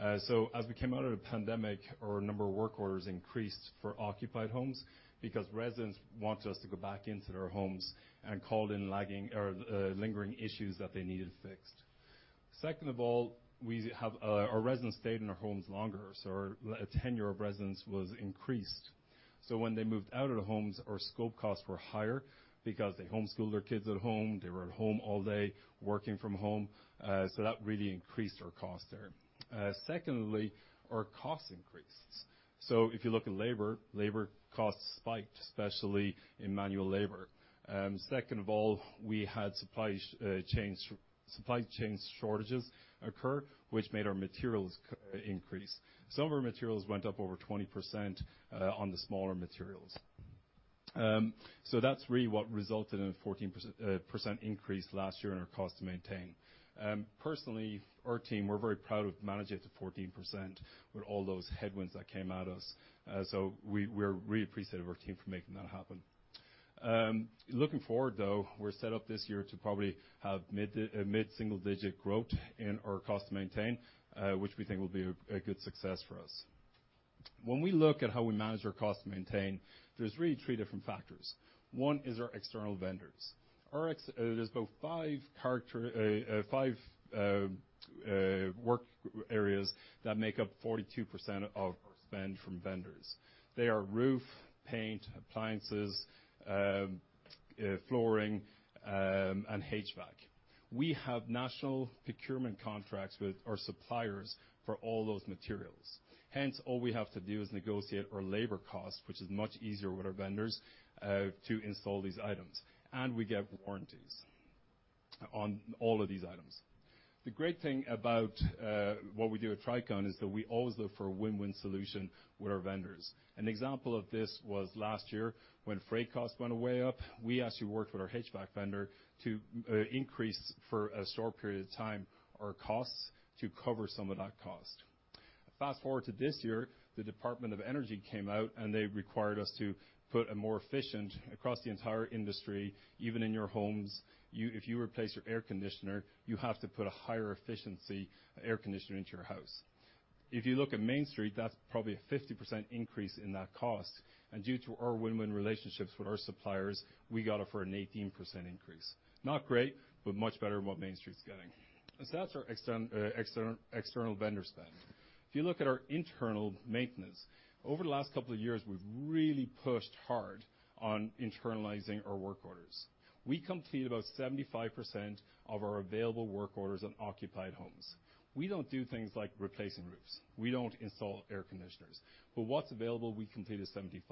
As we came out of the pandemic, our number of work orders increased for occupied homes because residents want us to go back into their homes and called in lagging or lingering issues that they needed fixed. Second of all, our residents stayed in their homes longer, our tenure of residents was increased. When they moved out of the homes, our scope costs were higher because they homeschooled their kids at home. They were at home all day working from home. That really increased our cost there. Secondly, our cost increased. If you look at labor costs spiked, especially in manual labor. Second of all, we had supply chain shortages occur which made our materials increase. Some of our materials went up over 20%, on the smaller materials. That's really what resulted in a 14% percent increase last year in our cost to maintain. Personally, our team, we're very proud of managing it to 14% with all those headwinds that came at us. We're really appreciative of our team for making that happen. Looking forward, though, we're set up this year to probably have mid-single digit growth in our cost to maintain, which we think will be a good success for us. When we look at how we manage our cost to maintain, there's really 3 different factors. One is our external vendors. There's about five work areas that make up 42% of our spend from vendors. They are roof, paint, appliances, flooring, and HVAC. We have national procurement contracts with our suppliers for all those materials. Hence, all we have to do is negotiate our labor cost, which is much easier with our vendors to install these items, and we get warranties on all of these items. The great thing about what we do at Tricon is that we always look for a win-win solution with our vendors. An example of this was last year when freight costs went way up. We actually worked with our HVAC vendor to increase for a short period of time our costs to cover some of that cost. Fast-forward to this year, the Department of Energy came out, and they required us to put a more efficient across the entire industry, even in your homes. If you replace your air conditioner, you have to put a higher efficiency air conditioner into your house. If you look at Main Street, that's probably a 50% increase in that cost, and due to our win-win relationships with our suppliers, we got it for an 18% increase. Not great, but much better than what Main Street's getting. That's our external vendor spend. If you look at our internal maintenance, over the last couple of years, we've really pushed hard on internalizing our work orders. We complete about 75% of our available work orders on occupied homes. We don't do things like replacing roofs. We don't install air conditioners, but what's available, we complete at 75%.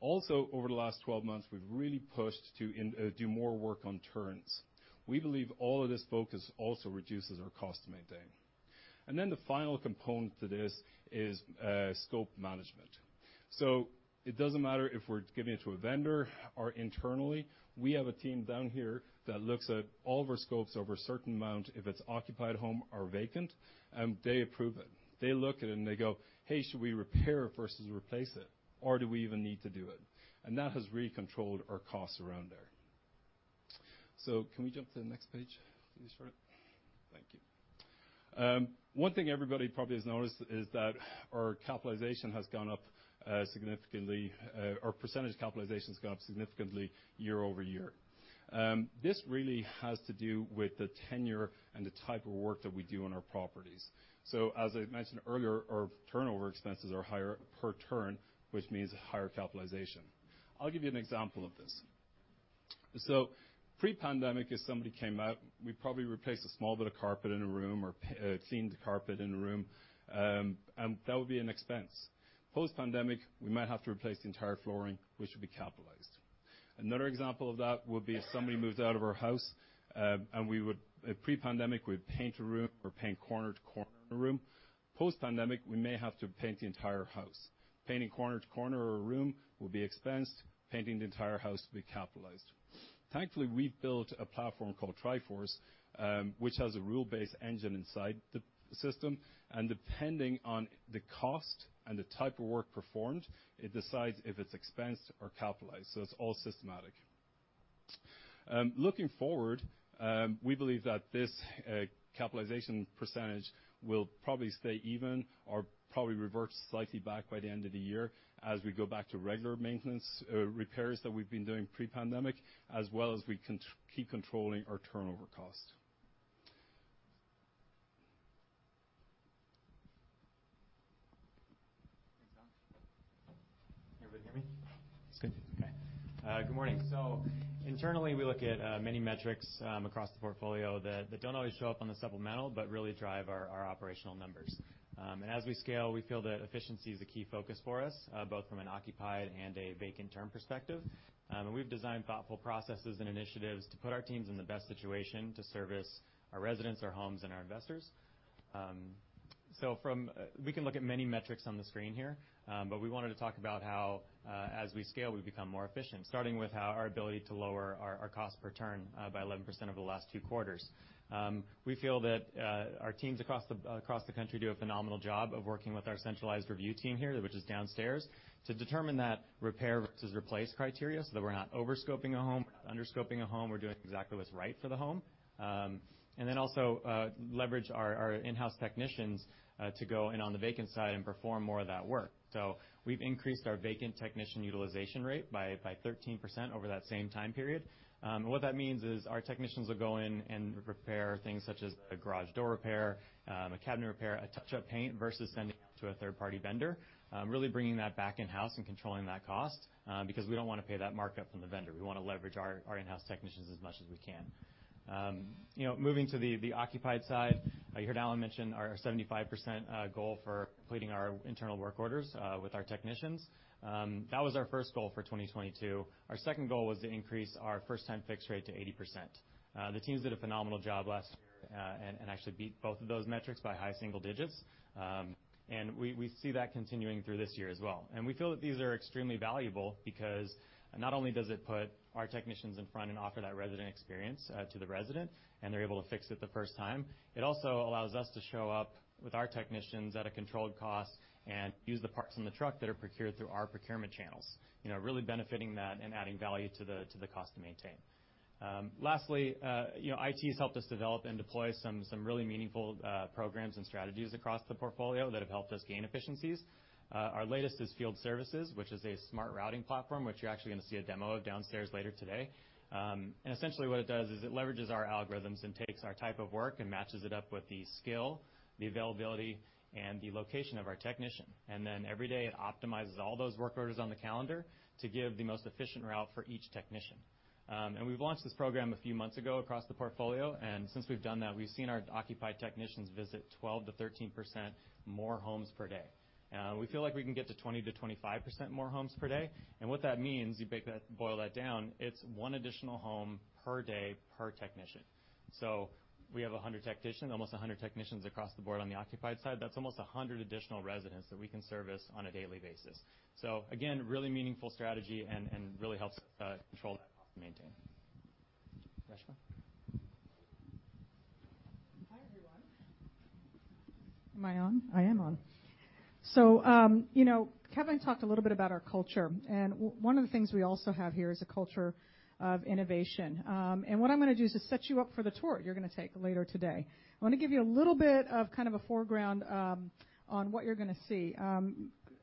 Also, over the last 12 months, we've really pushed to do more work on turns. We believe all of this focus also reduces our cost to maintain. The final component to this is scope management. It doesn't matter if we're giving it to a vendor or internally, we have a team down here that looks at all of our scopes over a certain amount, if it's occupied home or vacant, and they approve it. They look at it, and they go, "Hey, should we repair versus replace it, or do we even need to do it?" That has really controlled our costs around there. Can we jump to the next page, please, Charlotte? Thank you. One thing everybody probably has noticed is that our capitalization has gone up significantly. Our percentage capitalization has gone up significantly year-over-year. This really has to do with the tenure and the type of work that we do on our properties. As I mentioned earlier, our turnover expenses are higher per turn, which means higher capitalization. I'll give you an example of this. Pre-pandemic, if somebody came out, we'd probably replace a small bit of carpet in a room or clean the carpet in a room, and that would be an expense. Post-pandemic, we might have to replace the entire flooring, which would be capitalized. Another example of that would be if somebody moves out of our house, pre-pandemic, we'd paint a room or paint corner to corner in a room. Post-pandemic, we may have to paint the entire house. Painting corner to corner or a room will be expensed. Painting the entire house will be capitalized. Thankfully, we've built a platform called TriForce, which has a rule-based engine inside the system, and depending on the cost and the type of work performed, it decides if it's expensed or capitalized. It's all systematic. Looking forward, we believe that this capitalization % will probably stay even or probably revert slightly back by the end of the year as we go back to regular maintenance repairs that we've been doing pre-pandemic as well as we keep controlling our turnover cost. Thanks, Don. Can everybody hear me? It's good? Okay. Good morning. Internally, we look at many metrics across the portfolio that don't always show up on the supplemental but really drive our operational numbers. As we scale, we feel that efficiency is a key focus for us, both from an occupied and a vacant turn perspective. We've designed thoughtful processes and initiatives to put our teams in the best situation to service our residents, our homes, and our investors. We can look at many metrics on the screen here, but we wanted to talk about how, as we scale, we become more efficient, starting with how our ability to lower our cost per turn by 11% over the last two quarters. We feel that our teams across the country do a phenomenal job of working with our centralized review team here, which is downstairs, to determine that repair versus replace criteria so that we're not over scoping a home, we're not under scoping a home, we're doing exactly what's right for the home. Also leverage our in-house technicians to go in on the vacant side and perform more of that work. We've increased our vacant technician utilization rate by 13% over that same time period. What that means is our technicians will go in and repair things such as a garage door repair, a cabinet repair, a touch-up paint, versus sending it to a third-party vendor. Really bringing that back in-house and controlling that cost, because we don't wanna pay that markup from the vendor. We wanna leverage our in-house technicians as much as we can. You know, moving to the occupied side, I heard Alan mention our 75% goal for completing our internal work orders with our technicians. That was our first goal for 2022. Our second goal was to increase our first-time fix rate to 80%. The teams did a phenomenal job last year, and actually beat both of those metrics by high single digits. We see that continuing through this year as well. We feel that these are extremely valuable because not only does it put our technicians in front and offer that resident experience to the resident, and they're able to fix it the first time, it also allows us to show up with our technicians at a controlled cost and use the parts in the truck that are procured through our procurement channels. You know, really benefiting that and adding value to the cost to maintain. Lastly, you know, IT has helped us develop and deploy some really meaningful programs and strategies across the portfolio that have helped us gain efficiencies. Our latest is Field Services, which is a smart routing platform, which you're actually gonna see a demo of downstairs later today. Essentially what it does is it leverages our algorithms and takes our type of work and matches it up with the skill, the availability, and the location of our technician. Every day, it optimizes all those work orders on the calendar to give the most efficient route for each technician. We've launched this program a few months ago across the portfolio, since we've done that, we've seen our occupied technicians visit 12%-13% more homes per day. We feel like we can get to 20%-25% more homes per day. What that means, you boil that down, it's one additional home per day, per technician. We have 100 technicians, almost 100 technicians across the board on the occupied side. That's almost 100 additional residents that we can service on a daily basis. Again, really meaningful strategy and really helps control that maintain. Reshma. Hi, everyone. Am I on? I am on. You know, Kevin talked a little bit about our culture, and one of the things we also have here is a culture of innovation. What I'm gonna do is to set you up for the tour you're gonna take later today. I wanna give you a little bit of kind of a foreground on what you're gonna see.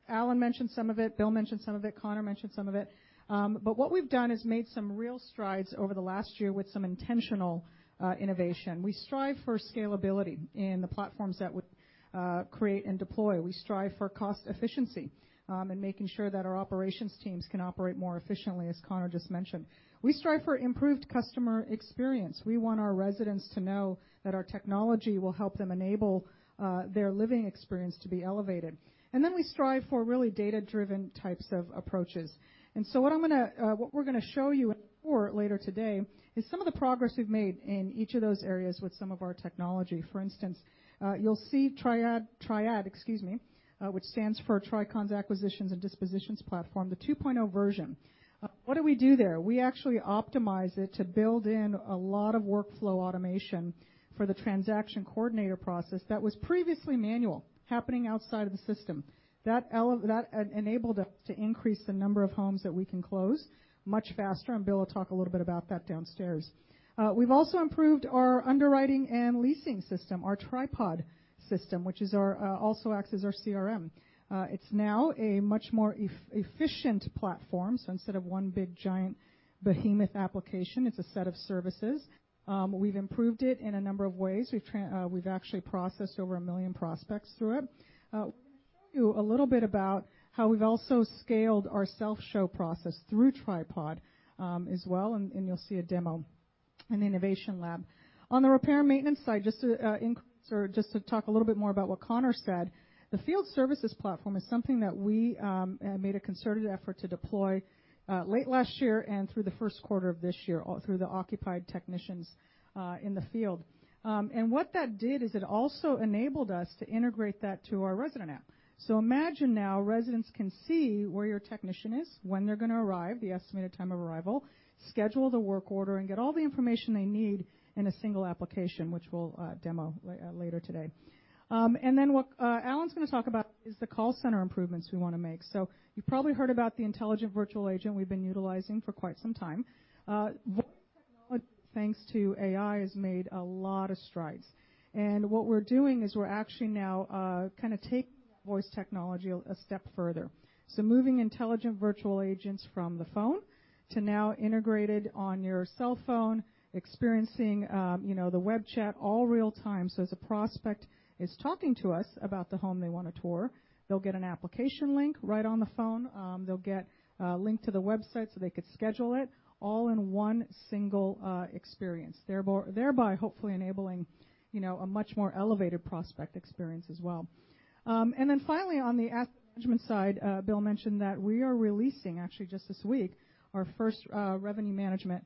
Alan mentioned some of it, Bill mentioned some of it, Connor mentioned some of it. What we've done is made some real strides over the last year with some intentional innovation. We strive for scalability in the platforms that we create and deploy. We strive for cost efficiency, and making sure that our operations teams can operate more efficiently, as Connor just mentioned. We strive for improved customer experience. We want our residents to know that our technology will help them enable their living experience to be elevated. We strive for really data-driven types of approaches. What I'm gonna what we're gonna show you more later today is some of the progress we've made in each of those areas with some of our technology. For instance, you'll see Triad, excuse me, which stands for Tricon's Acquisitions and Dispositions platform, the 2.0 version. What do we do there? We actually optimize it to build in a lot of workflow automation for the transaction coordinator process that was previously manual, happening outside of the system. That enabled us to increase the number of homes that we can close much faster, and Bill will talk a little bit about that downstairs. We've also improved our underwriting and leasing system, our Tripod system, which is our, also acts as our CRM. It's now a much more efficient platform. Instead of one big, giant behemoth application, it's a set of services. We've improved it in a number of ways. We've actually processed over 1 million prospects through it. We're gonna show you a little bit about how we've also scaled our self-show process through Tripod, as well, and you'll see a demo in innovation lab. On the repair and maintenance side, just to increase or just to talk a little bit more about what Connor said, the Field Services platform is something that we made a concerted effort to deploy late last year and through the first quarter of this year all through the occupied technicians in the field. What that did is it also enabled us to integrate that to our Resident App. Imagine now residents can see where your technician is, when they're gonna arrive, the estimated time of arrival, schedule the work order, and get all the information they need in a single application, which we'll demo later today. What Alan's gonna talk about is the call center improvements we wanna make. You probably heard about the intelligent virtual agent we've been utilizing for quite some time. Voice technology, thanks to AI, has made a lot of strides. What we're doing is we're actually now, kinda taking voice technology a step further. Moving intelligent virtual agents from the phone to now integrated on your cell phone, experiencing, you know, the web chat all real-time. As a prospect is talking to us about the home they want to tour, they'll get an application link right on the phone. They'll get a link to the website so they could schedule it all in one single experience, thereby hopefully enabling, you know, a much more elevated prospect experience as well. Finally on the app management side, Bill mentioned that we are releasing actually just this week, our first revenue management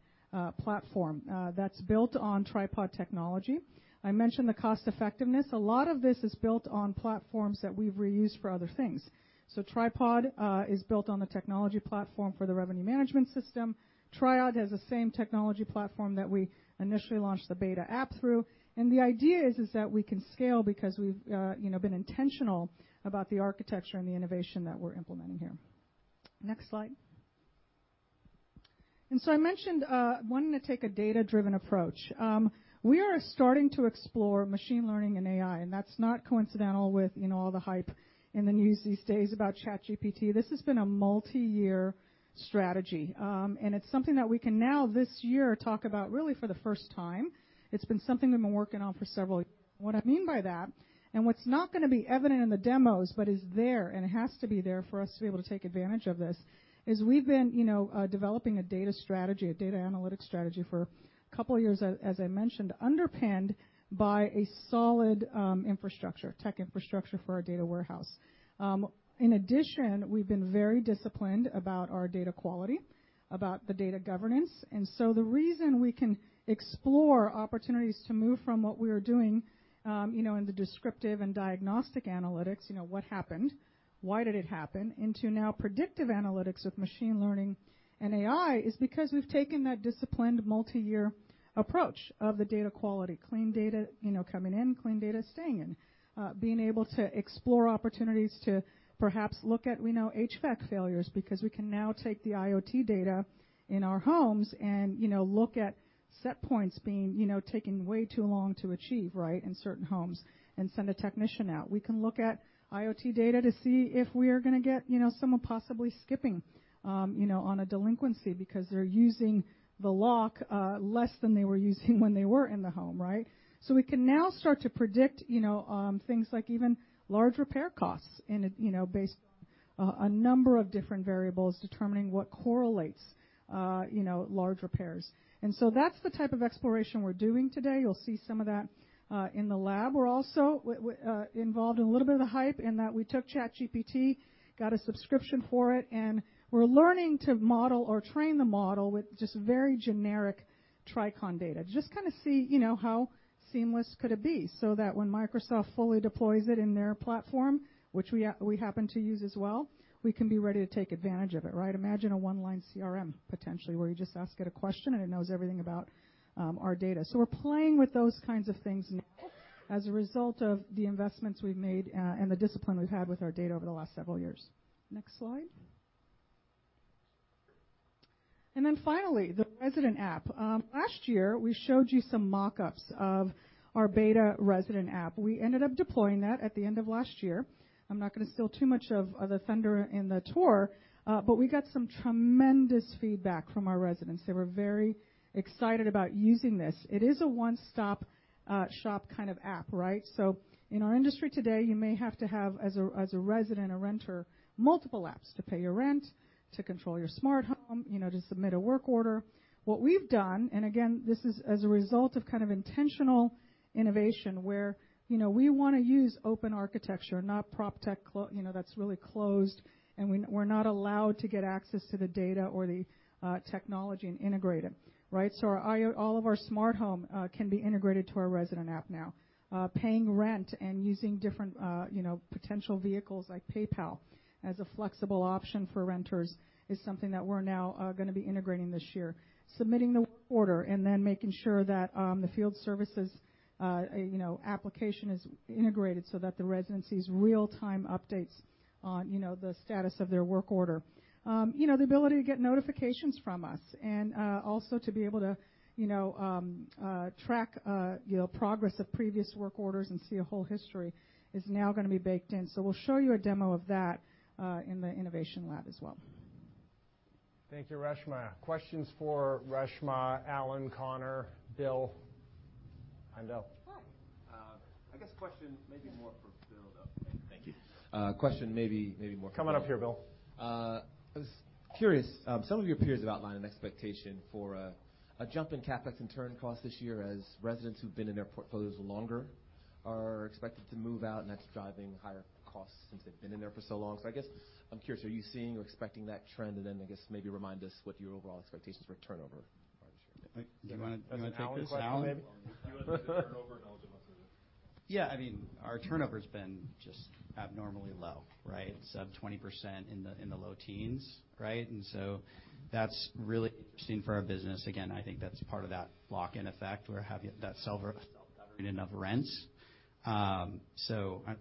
platform that's built on Tripod technology. I mentioned the cost effectiveness. A lot of this is built on platforms that we've reused for other things. Tripod is built on the technology platform for the revenue management system. Triad has the same technology platform that we initially launched the beta app through. The idea is that we can scale because we've, you know, been intentional about the architecture and the innovation that we're implementing here. Next slide. I mentioned wanting to take a data-driven approach. We are starting to explore machine learning and AI, and that's not coincidental with, you know, all the hype in the news these days about ChatGPT. This has been a multi-year strategy. It's something that we can now this year talk about really for the first time. It's been something we've been working on for several years. What I mean by that, and what's not gonna be evident in the demos, but is there, and it has to be there for us to be able to take advantage of this, is we've been, you know, developing a data strategy, a data analytic strategy for a couple of years as I, as I mentioned, underpinned by a solid infrastructure, tech infrastructure for our data warehouse. In addition, we've been very disciplined about our data quality, about the data governance. The reason we can explore opportunities to move from what we are doing, you know, in the descriptive and diagnostic analytics, you know, what happened, why did it happen, into now predictive analytics with machine learning and AI, is because we've taken that disciplined multi-year approach of the data quality. Clean data, you know, coming in, clean data staying in. Being able to explore opportunities to perhaps look at, we know, HVAC failures because we can now take the IoT data in our homes and, you know, look at set points being, you know, taking way too long to achieve, right, in certain homes and send a technician out. We can look at IoT data to see if we're gonna get, you know, someone possibly skipping, you know, on a delinquency because they're using the lock less than they were using when they were in the home, right? We can now start to predict, you know, things like even large repair costs and, you know, based on a number of different variables determining what correlates, you know, large repairs. That's the type of exploration we're doing today. You'll see some of that in the lab. We're also involved in a little bit of the hype in that we took ChatGPT, got a subscription for it, and we're learning to model or train the model with just very generic Tricon data. Just see, you know, how seamless could it be so that when Microsoft fully deploys it in their platform, which we happen to use as well, we can be ready to take advantage of it, right? Imagine a one-line CRM, potentially, where you just ask it a question, and it knows everything about our data. We're playing with those kinds of things now as a result of the investments we've made and the discipline we've had with our data over the last several years. Next slide. Then finally, the Resident App. Last year, we showed you some mock-ups of our beta Resident App. We ended up deploying that at the end of last year. I'm not gonna steal too much of the thunder in the tour, we got some tremendous feedback from our residents. They were very excited about using this. It is a one-stop shop kind of app, right? In our industry today, you may have to have, as a resident or renter, multiple apps to pay your rent, to control your smart home, you know, to submit a work order. What we've done, again, this is as a result of kind of intentional innovation where, you know, we wanna use open architecture, not prop tech, you know, that's really closed, and we're not allowed to get access to the data or the technology and integrate it, right? All of our smart home can be integrated to our Resident App now. Paying rent and using different, you know, potential vehicles like PayPal as a flexible option for renters is something that we're now gonna be integrating this year. Submitting the order and then making sure that the Field Services, you know, application is integrated so that the resident sees real-time updates on, you know, the status of their work order. You know, the ability to get notifications from us and also to be able to, you know, track, you know, progress of previous work orders and see a whole history is now gonna be baked in. We'll show you a demo of that in the innovation lab as well. Thank you, Reshma. Questions for Reshma, Alan, Connor, Bill? Hi, Bill. Hi. I guess question maybe more for Bill, though. Thank you. question maybe more for Bill. Come on up here, Bill. I was curious. Some of your peers have outlined an expectation for a jump in CapEx and turn cost this year as residents who've been in their portfolios longer are expected to move out, and that's driving higher costs since they've been in there for so long. I guess I'm curious, are you seeing or expecting that trend? Then I guess maybe remind us what your overall expectations for turnover are this year. You wanna take this, Alan? That's an Alan question. Alan, maybe. You wanna take the turnover and I'll do the rest of it. Yeah. I mean, our turnover's been just abnormally low, right? It's up 20% in the, in the low teens, right? That's really interesting for our business. Again, I think that's part of that lock-in effect. That self-governing of rents. I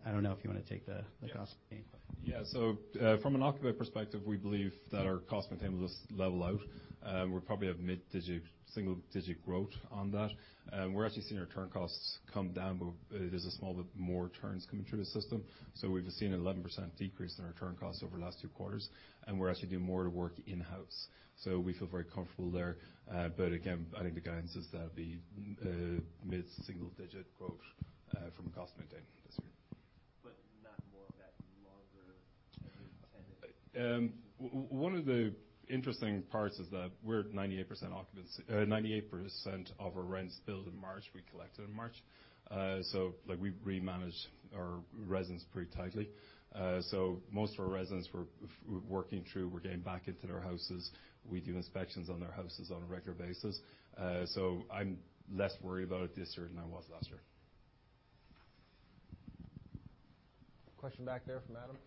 don't know if you wanna take the cost gain. Yeah. From an occupy perspective, we believe that our cost maintainable just level out. We're probably of mid-digit, single-digit growth on that. We're actually seeing our turn costs come down, but there's a small bit more turns coming through the system. We've seen an 11% decrease in our turn costs over the last two quarters, and we're actually doing more of the work in-house. We feel very comfortable there. But again, I think the guidance is that'll be mid-single-digit growth from a cost maintain this year. not more One of the interesting parts is that we're at 98% occupancy. 98% of our rent's billed in March. We collected in March. Like we manage our residents pretty tightly. Most of our residents we're working through. We're getting back into their houses. We do inspections on their houses on a regular basis. I'm less worried about it this year than I was last year. Question back there from Adam.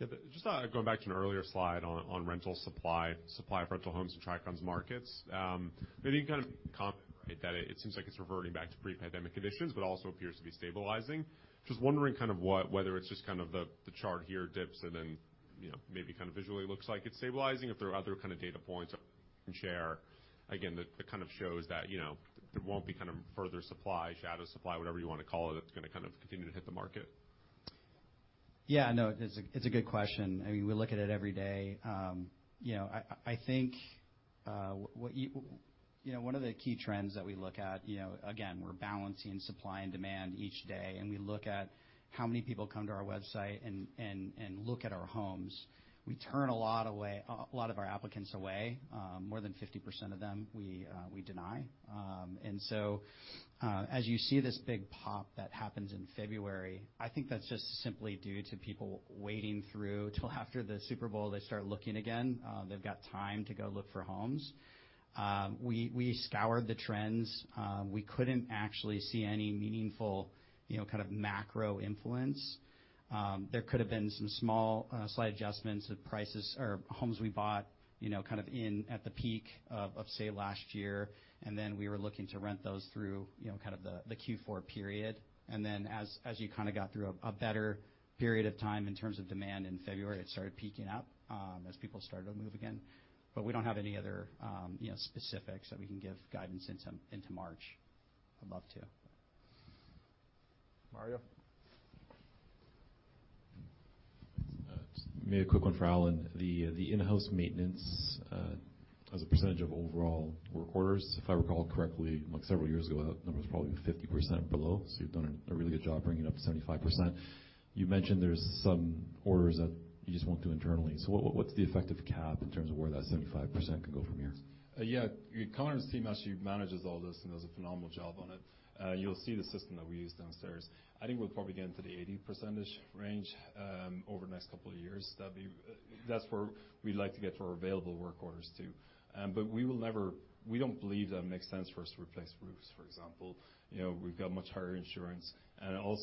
Yeah. Just going back to an earlier slide on rental supply of rental homes in Tricon's markets. Maybe you can kind of comment that it seems like it's reverting back to pre-pandemic conditions, but also appears to be stabilizing. Just wondering kind of what whether it's just kind of the chart here dips and then, you know, maybe kind of visually looks like it's stabilizing. If there are other kind of data points you can share again, that kind of shows that, you know, there won't be kind of further supply, shadow supply, whatever you wanna call it, that's gonna kind of continue to hit the market? Yeah. No, it's a good question. I mean, we look at it every day. You know, I think, you know, one of the key trends that we look at, you know, again, we're balancing supply and demand each day, and we look at how many people come to our website and look at our homes. We turn a lot of our applicants away. More than 50% of them, we deny. As you see this big pop that happens in February, I think that's just simply due to people waiting through till after the Super Bowl, they start looking again. They've got time to go look for homes. We scoured the trends. We couldn't actually see any meaningful, you know, kind of macro influence. There could have been some small, slight adjustments of prices or homes we bought, you know, kind of in at the peak of, say, last year. Then we were looking to rent those through, you know, kind of the Q4 period. Then as you kind of got through a better period of time in terms of demand in February, it started peaking up, as people started to move again. We don't have any other, you know, specifics that we can give guidance into March. I'd love to. Mario. Maybe a quick one for Alan. The in-house maintenance as a percentage of overall work orders, if I recall correctly, like several years ago, that number was probably 50% or below, so you've done a really good job bringing it up to 75%. You mentioned there's some orders that you just won't do internally. What's the effective cap in terms of where that 75% can go from here? Yeah. Connor's team actually manages all this and does a phenomenal job on it. You'll see the system that we use downstairs. I think we'll probably get into the 80% range over the next 2 years. That's where we'd like to get to our available work orders too. We will never. We don't believe that it makes sense for us to replace roofs, for example. You know, we've got much higher insurance.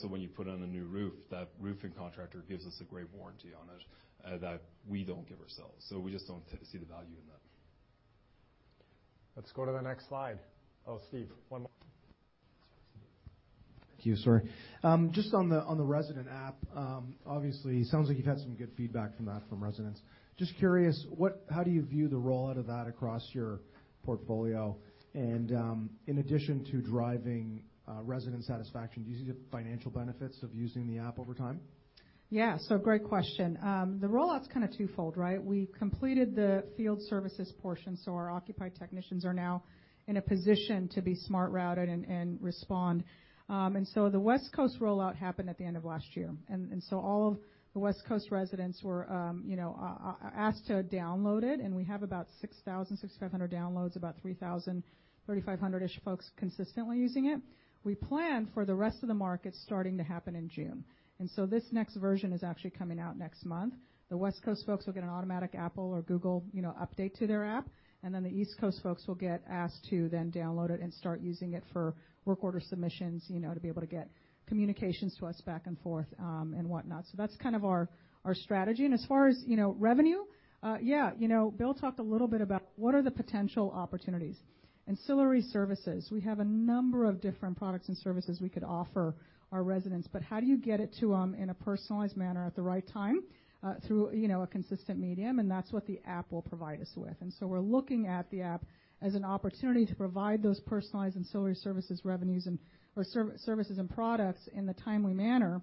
When you put on a new roof, that roofing contractor gives us a great warranty on it that we don't give ourselves. We just don't see the value in that. Let's go to the next slide. Oh, Steve, one more. Thank you. Sorry. Just on the, on the Resident App, obviously sounds like you've had some good feedback from that from residents. Just curious, how do you view the rollout of that across your portfolio? In addition to driving, resident satisfaction, do you see the financial benefits of using the app over time? Yeah. Great question. The rollout's kind of twofold, right? We've completed the Field Services portion, so our occupied technicians are now in a position to be smart routed and respond. The West Coast rollout happened at the end of last year. All of the West Coast residents were, you know, asked to download it, and we have about 6,000-6,500 downloads, about 3,000-3,500-ish folks consistently using it. We plan for the rest of the market starting to happen in June. This next version is actually coming out next month. The West Coast folks will get an automatic Apple or Google, you know, update to their app. The East Coast folks will get asked to then download it and start using it for work order submissions, you know, to be able to get communications to us back and forth, and whatnot. That's kind of our strategy. As far as, you know, revenue, yeah, you know, Bill talked a little bit about what are the potential opportunities. Ancillary services. We have a number of different products and services we could offer our residents, but how do you get it to them in a personalized manner at the right time, through, you know, a consistent medium? That's what the app will provide us with. We're looking at the app as an opportunity to provide those personalized ancillary services revenues or services and products in a timely manner,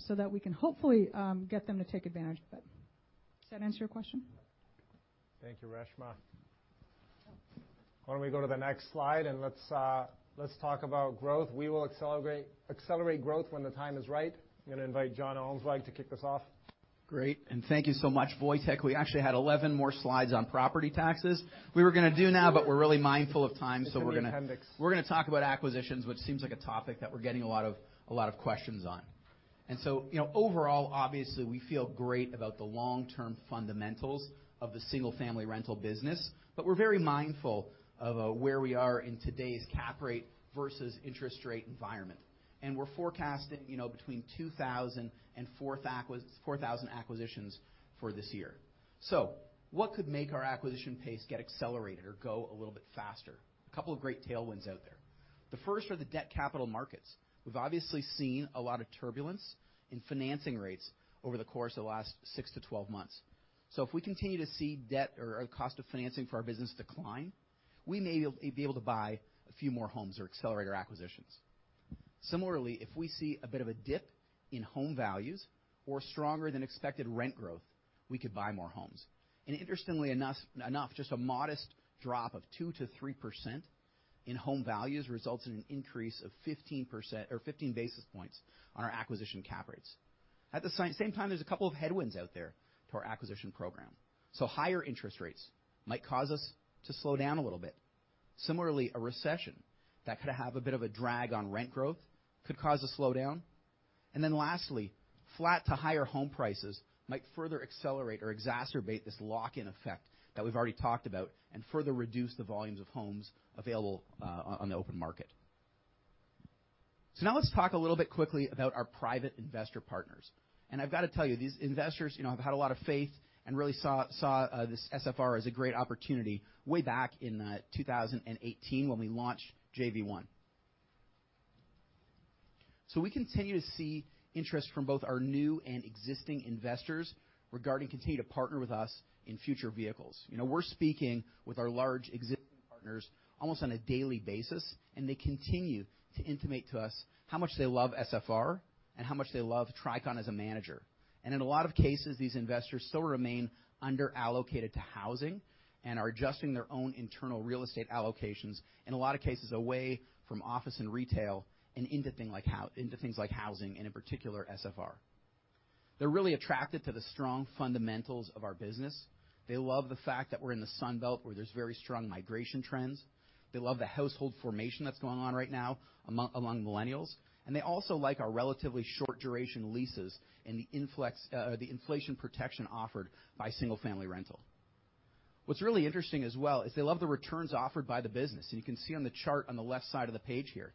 so that we can hopefully get them to take advantage of it. Does that answer your question? Thank you, Reshma. Why don't we go to the next slide, and let's talk about growth. We will accelerate growth when the time is right. I'm gonna invite Jon Ellenzweig to kick us off. Great. Thank you so much, Wojtek. We actually had 11 more slides on property taxes we were gonna do now, but we're really mindful of time. It's in the appendix. We're gonna talk about acquisitions, which seems like a topic that we're getting a lot of questions on. You know, overall, obviously, we feel great about the long-term fundamentals of the Single-Family Rental business, but we're very mindful of where we are in today's cap rate versus interest rate environment. We're forecasting, you know, between 2,000-4,000 acquisitions for this year. What could make our acquisition pace get accelerated or go a little bit faster? A couple of great tailwinds out there. The first are the debt capital markets. We've obviously seen a lot of turbulence in financing rates over the course of the last 6-12 months. If we continue to see debt or cost of financing for our business decline, we may be able to buy a few more homes or accelerate our acquisitions. Similarly, if we see a bit of a dip in home values or stronger than expected rent growth, we could buy more homes. Interestingly enough, just a modest drop of 2%-3% In home values results in an increase of 15% or 15 basis points on our acquisition cap rates. At the same time, there's a couple of headwinds out there to our acquisition program. Higher interest rates might cause us to slow down a little bit. Similarly, a recession that could have a bit of a drag on rent growth could cause a slowdown. Lastly, flat to higher home prices might further accelerate or exacerbate this lock-in effect that we've already talked about and further reduce the volumes of homes available on the open market. Now let's talk a little bit quickly about our private investor partners. I've got to tell you, these investors, you know, have had a lot of faith and really saw this SFR as a great opportunity way back in 2018 when we launched JV-1. We continue to see interest from both our new and existing investors regarding continue to partner with us in future vehicles. You know, we're speaking with our large existing partners almost on a daily basis, and they continue to intimate to us how much they love SFR and how much they love Tricon as a manager. In a lot of cases, these investors still remain under-allocated to housing and are adjusting their own internal real estate allocations, in a lot of cases, away from office and retail and into things like housing and in particular SFR. They're really attracted to the strong fundamentals of our business. They love the fact that we're in the Sun Belt where there's very strong migration trends. They love the household formation that's going on right now among millennials. They also like our relatively short duration leases and the inflation protection offered by single-family rental. What's really interesting as well is they love the returns offered by the business. You can see on the chart on the left side of the page here.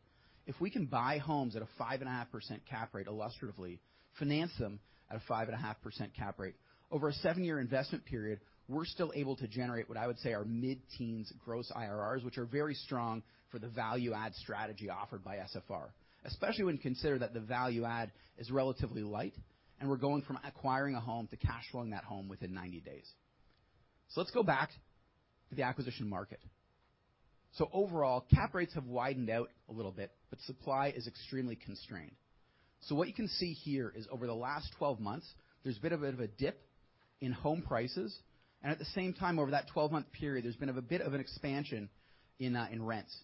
If we can buy homes at a 5.5% cap rate, illustratively, finance them at a 5.5% cap rate. Over a 7-year investment period, we're still able to generate what I would say are mid-teens gross IRRs, which are very strong for the value add strategy offered by SFR, especially when you consider that the value add is relatively light and we're going from acquiring a home to cash flowing that home within 90 days. Let's go back to the acquisition market. Overall, cap rates have widened out a little bit, but supply is extremely constrained. What you can see here is over the last 12 months, there's been a bit of a dip in home prices. At the same time, over that 12-month period, there's been a bit of an expansion in rents.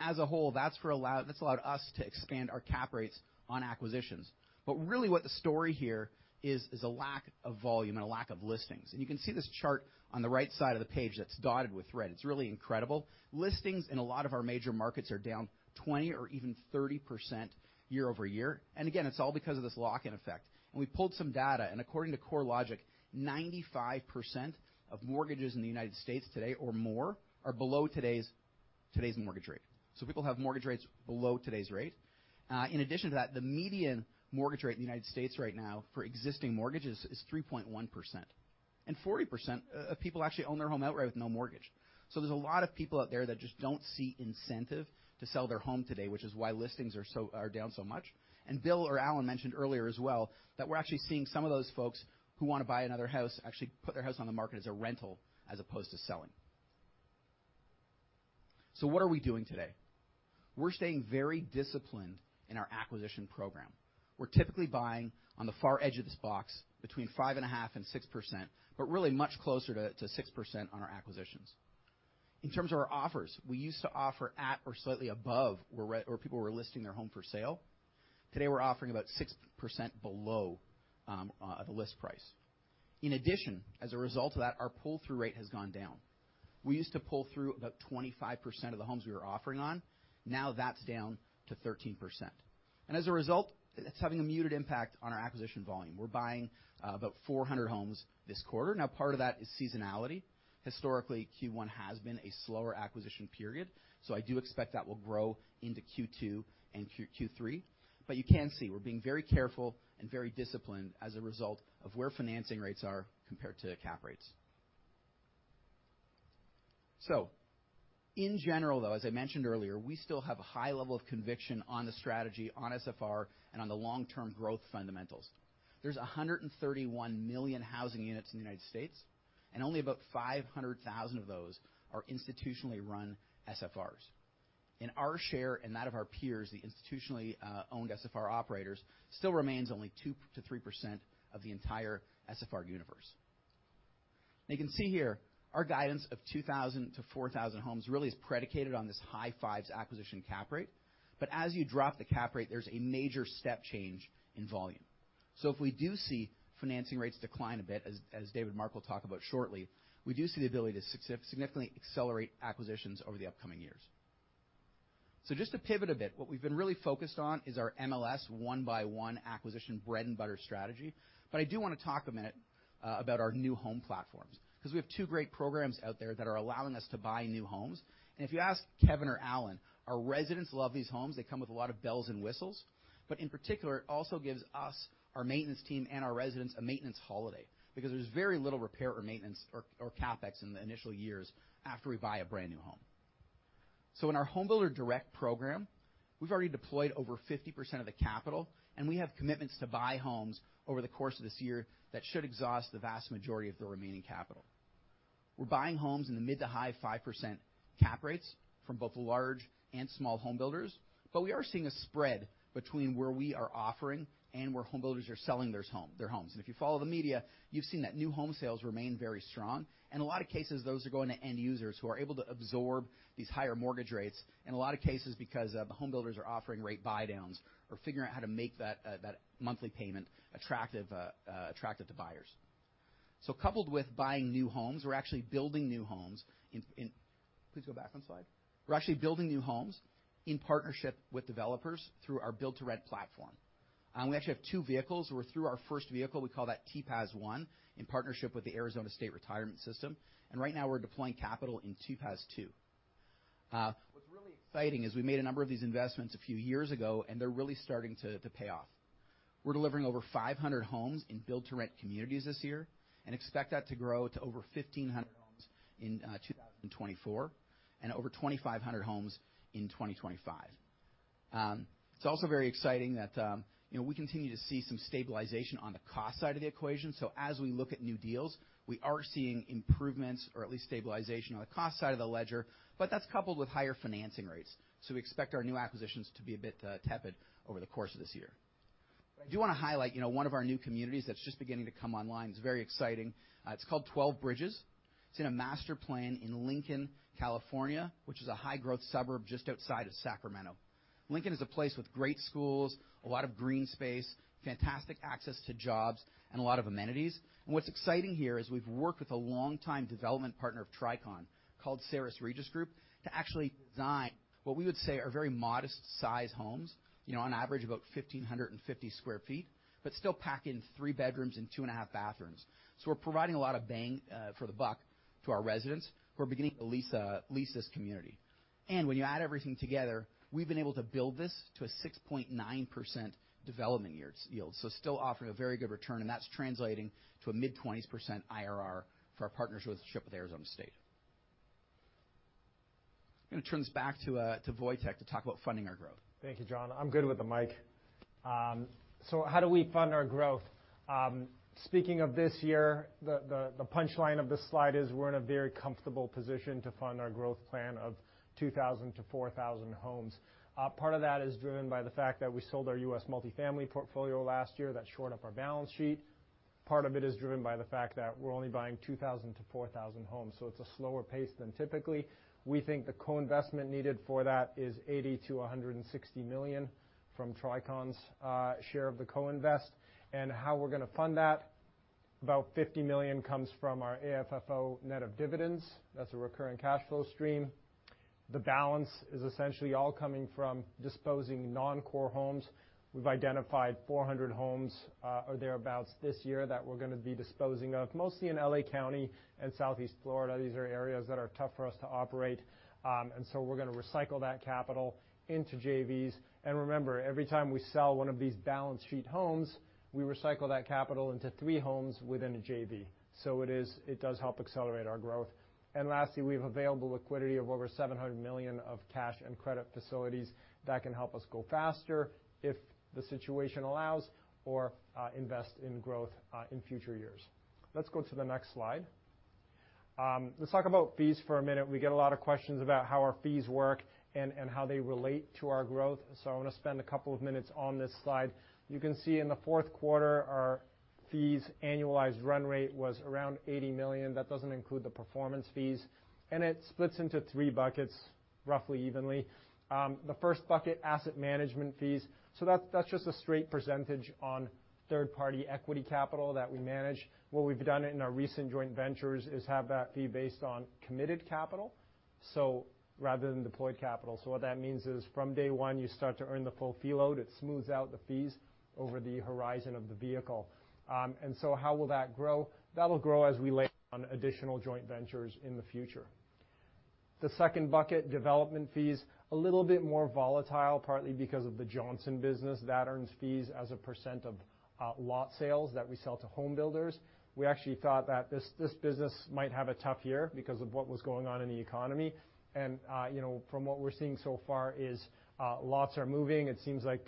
As a whole, that's allowed us to expand our cap rates on acquisitions. Really what the story here is a lack of volume and a lack of listings. You can see this chart on the right side of the page that's dotted with red. It's really incredible. Listings in a lot of our major markets are down 20% or even 30% year-over-year. Again, it's all because of this lock-in effect. We pulled some data, and according to CoreLogic, 95% of mortgages in the United States today or more are below today's mortgage rate. In addition to that, the median mortgage rate in the United States right now for existing mortgages is 3.1%. 40%, of people actually own their home outright with no mortgage. There's a lot of people out there that just don't see incentive to sell their home today, which is why listings are down so much. Bill or Alan mentioned earlier as well that we're actually seeing some of those folks who wanna buy another house actually put their house on the market as a rental as opposed to selling. What are we doing today? We're staying very disciplined in our acquisition program. We're typically buying on the far edge of this box between 5.5% and 6%, but really much closer to 6% on our acquisitions. In terms of our offers, we used to offer at or slightly above where people were listing their home for sale. Today, we're offering about 6% below the list price. In addition, as a result of that, our pull-through rate has gone down. We used to pull through about 25% of the homes we were offering on. Now that's down to 13%. As a result, it's having a muted impact on our acquisition volume. We're buying about 400 homes this quarter. Part of that is seasonality. Historically, Q1 has been a slower acquisition period. I do expect that will grow into Q2 and Q3. You can see we're being very careful and very disciplined as a result of where financing rates are compared to cap rates. In general, though, as I mentioned earlier, we still have a high level of conviction on the strategy, on SFR, and on the long-term growth fundamentals. There's 131 million housing units in the United States, and only about 500,000 of those are institutionally run SFRs. Our share and that of our peers, the institutionally owned SFR operators, still remains only 2%-3% of the entire SFR universe. You can see here our guidance of 2,000-4,000 homes really is predicated on this high 5s acquisition cap rate. As you drop the cap rate, there's a major step change in volume. If we do see financing rates decline a bit, as David Mark will talk about shortly, we do see the ability to significantly accelerate acquisitions over the upcoming years. Just to pivot a bit, what we've been really focused on is our MLS 1 by 1 acquisition bread and butter strategy. I do wanna talk a minute about our new home platforms 'cause we have two great programs out there that are allowing us to buy new homes. If you ask Kevin or Alan, our residents love these homes. They come with a lot of bells and whistles. In particular, it also gives us, our maintenance team, and our residents a maintenance holiday because there's very little repair or maintenance or CapEx in the initial years after we buy a brand-new home. In our Homebuilder Direct program, we've already deployed over 50% of the capital, and we have commitments to buy homes over the course of this year that should exhaust the vast majority of the remaining capital. We're buying homes in the mid to high 5% cap rates from both large and small home builders. We are seeing a spread between where we are offering and where home builders are selling their homes. If you follow the media, you've seen that new home sales remain very strong. In a lot of cases, those are going to end users who are able to absorb these higher mortgage rates, in a lot of cases, because the home builders are offering rate buydowns or figuring out how to make that monthly payment attractive to buyers. Coupled with buying new homes, we're actually building new homes in partnership with developers through our build to rent platform. We actually have two vehicles. We're through our first vehicle, we call that THPAS JV-1, in partnership with the Arizona State Retirement System. Right now we're deploying capital in THPAS JV-2. What's really exciting is we made a number of these investments a few years ago, they're really starting to pay off. We're delivering over 500 homes in build-to-rent communities this year and expect that to grow to over 1,500 homes in 2024 and over 2,500 homes in 2025. It's also very exciting that, you know, we continue to see some stabilization on the cost side of the equation. As we look at new deals, we are seeing improvements or at least stabilization on the cost side of the ledger, that's coupled with higher financing rates. We expect our new acquisitions to be a bit tepid over the course of this year. I do want to highlight, you know, one of our new communities that's just beginning to come online. It's very exciting. It's called Twelve Bridges. It's in a master plan in Lincoln, California, which is a high-growth suburb just outside of Sacramento. Lincoln is a place with great schools, a lot of green space, fantastic access to jobs, and a lot of amenities. What's exciting here is we've worked with a long-time development partner of Tricon, called Sares Regis Group, to actually design what we would say are very modest size homes, you know, on average about 1,550 sq ft, but still pack in 3 bedrooms and 2 and a half bathrooms. We're providing a lot of bang for the buck to our residents who are beginning to lease this community. When you add everything together, we've been able to build this to a 6.9% development yield, so still offering a very good return, and that's translating to a mid-20s% IRR for our partnership with Arizona State. I'm gonna turn this back to Wojtek to talk about funding our growth. Thank you, Jon. I'm good with the mic. How do we fund our growth? Speaking of this year, the punchline of this slide is we're in a very comfortable position to fund our growth plan of 2,000 to 4,000 homes. Part of that is driven by the fact that we sold our U.S. multifamily portfolio last year. That shored up our balance sheet. Part of it is driven by the fact that we're only buying 2,000 to 4,000 homes, so it's a slower pace than typically. We think the co-investment needed for that is $80 million-$160 million from Tricon's share of the co-invest. How we're gonna fund that, about $50 million comes from our AFFO net of dividends. That's a recurring cash flow stream. The balance is essentially all coming from disposing non-core homes. We've identified 400 homes, or thereabout, this year that we're gonna be disposing of, mostly in L.A. County and Southeast Florida. These are areas that are tough for us to operate, and so we're gonna recycle that capital into JVs. Remember, every time we sell one of these balance sheet homes, we recycle that capital into 3 homes within a JV. It does help accelerate our growth. Lastly, we have available liquidity of over $700 million of cash and credit facilities that can help us go faster if the situation allows or invest in growth in future years. Let's go to the next slide. Let's talk about fees for a minute. We get a lot of questions about how our fees work and how they relate to our growth, so I wanna spend a couple of minutes on this slide. You can see in the fourth quarter, our fees annualized run rate was around $80 million. That doesn't include the performance fees, and it splits into three buckets, roughly evenly. The first bucket, asset management fees. That's just a straight percentage on third-party equity capital that we manage. What we've done in our recent joint ventures is have that fee based on committed capital, so rather than deployed capital. What that means is from day one, you start to earn the full fee load. It smooths out the fees over the horizon of the vehicle. How will that grow? That'll grow as we lay on additional joint ventures in the future. The second bucket, development fees. A little bit more volatile, partly because of the Johnson business that earns fees as a percent of lot sales that we sell to home builders. We actually thought that this business might have a tough year because of what was going on in the economy. You know, from what we're seeing so far is lots are moving. It seems like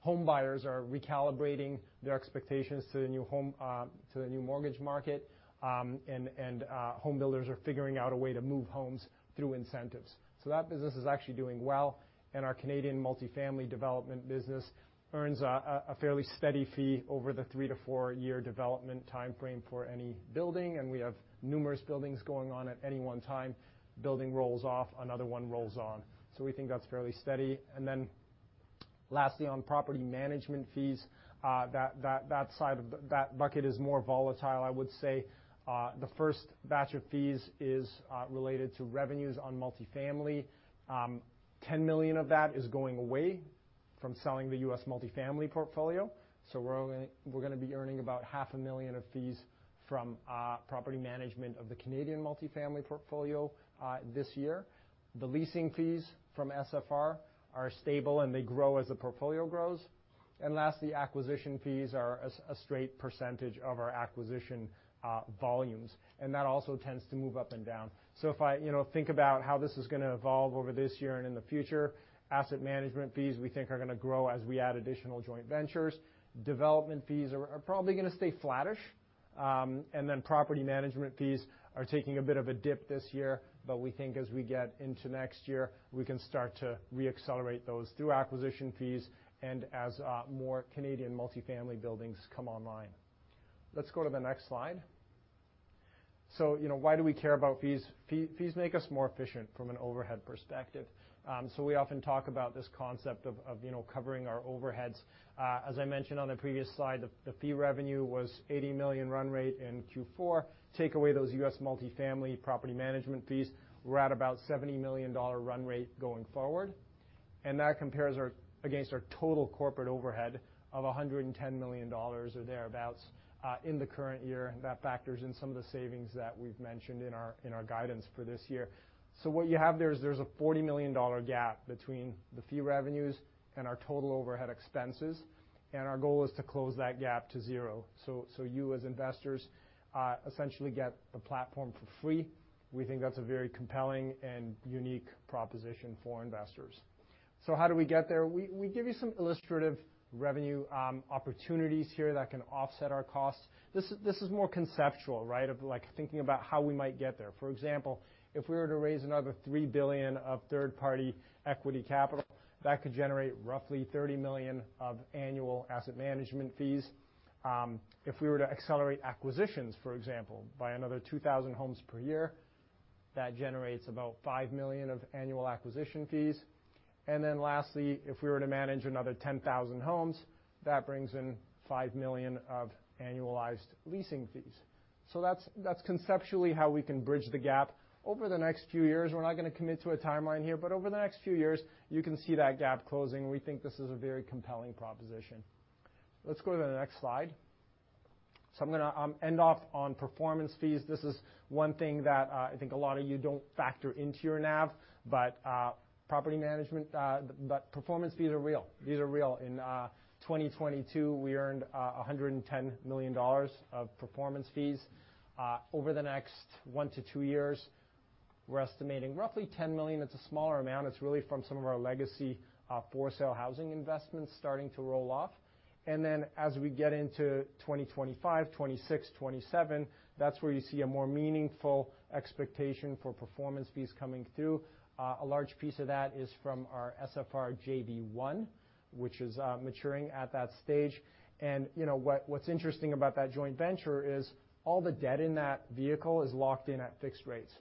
home buyers are recalibrating their expectations to the new home to the new mortgage market, and home builders are figuring out a way to move homes through incentives. That business is actually doing well. Our Canadian multifamily development business earns a fairly steady fee over the three to four-year development timeframe for any building, and we have numerous buildings going on at any one time. Building rolls off, another one rolls on. We think that's fairly steady. Then lastly, on property management fees, that bucket is more volatile, I would say. The first batch of fees is related to revenues on multifamily. $10 million of that is going away from selling the U.S. multifamily portfolio. We're gonna be earning about half a million of fees from property management of the Canadian Multi-Family Portfolio this year. The leasing fees from SFR are stable, and they grow as the portfolio grows. Lastly, acquisition fees are a straight percentage of our acquisition volumes, and that also tends to move up and down. If I, you know, think about how this is going to evolve over this year and in the future, asset management fees we think are going to grow as we add additional joint ventures. Development fees are probably going to stay flattish. Then property management fees are taking a bit of a dip this year, but we think as we get into next year, we can start to re-accelerate those through acquisition fees and as more Canadian Multi-Family buildings come online. Let's go to the next slide. You know, why do we care about fees? Fees make us more efficient from an overhead perspective. We often talk about this concept of, you know, covering our overheads. As I mentioned on the previous slide, the fee revenue was $80 million run rate in Q4. Take away those U.S. multifamily property management fees, we're at about a $70 million run rate going forward. That compares against our total corporate overhead of $110 million or thereabouts in the current year. That factors in some of the savings that we've mentioned in our, in our guidance for this year. What you have there is there's a $40 million gap between the fee revenues and our total overhead expenses, and our goal is to close that gap to 0. You, as investors, essentially get the platform for free. We think that's a very compelling and unique proposition for investors. How do we get there? We give you some illustrative revenue opportunities here that can offset our costs. This is more conceptual, right? Of like thinking about how we might get there. For example, if we were to raise another $3 billion of third-party equity capital, that could generate roughly $30 million of annual asset management fees. If we were to accelerate acquisitions, for example, by another 2,000 homes per year, that generates about $5 million of annual acquisition fees. Lastly, if we were to manage another 10,000 homes, that brings in $5 million of annualized leasing fees. That's conceptually how we can bridge the gap. Over the next few years, we're not gonna commit to a timeline here, but over the next few years, you can see that gap closing, and we think this is a very compelling proposition. Let's go to the next slide. I'm gonna end off on performance fees. This is one thing that I think a lot of you don't factor into your NAV, property management, performance fees are real. These are real. In 2022, we earned $110 million of performance fees. Over the next 1-2 years, we're estimating roughly $10 million. It's a smaller amount. It's really from some of our legacy, for-sale housing investments starting to roll off. As we get into 2025, 2026, 2027, that's where you see a more meaningful expectation for performance fees coming through. A large piece of that is from our SFR JV-1, which is maturing at that stage. You know, what's interesting about that joint venture is all the debt in that vehicle is locked in at fixed rates,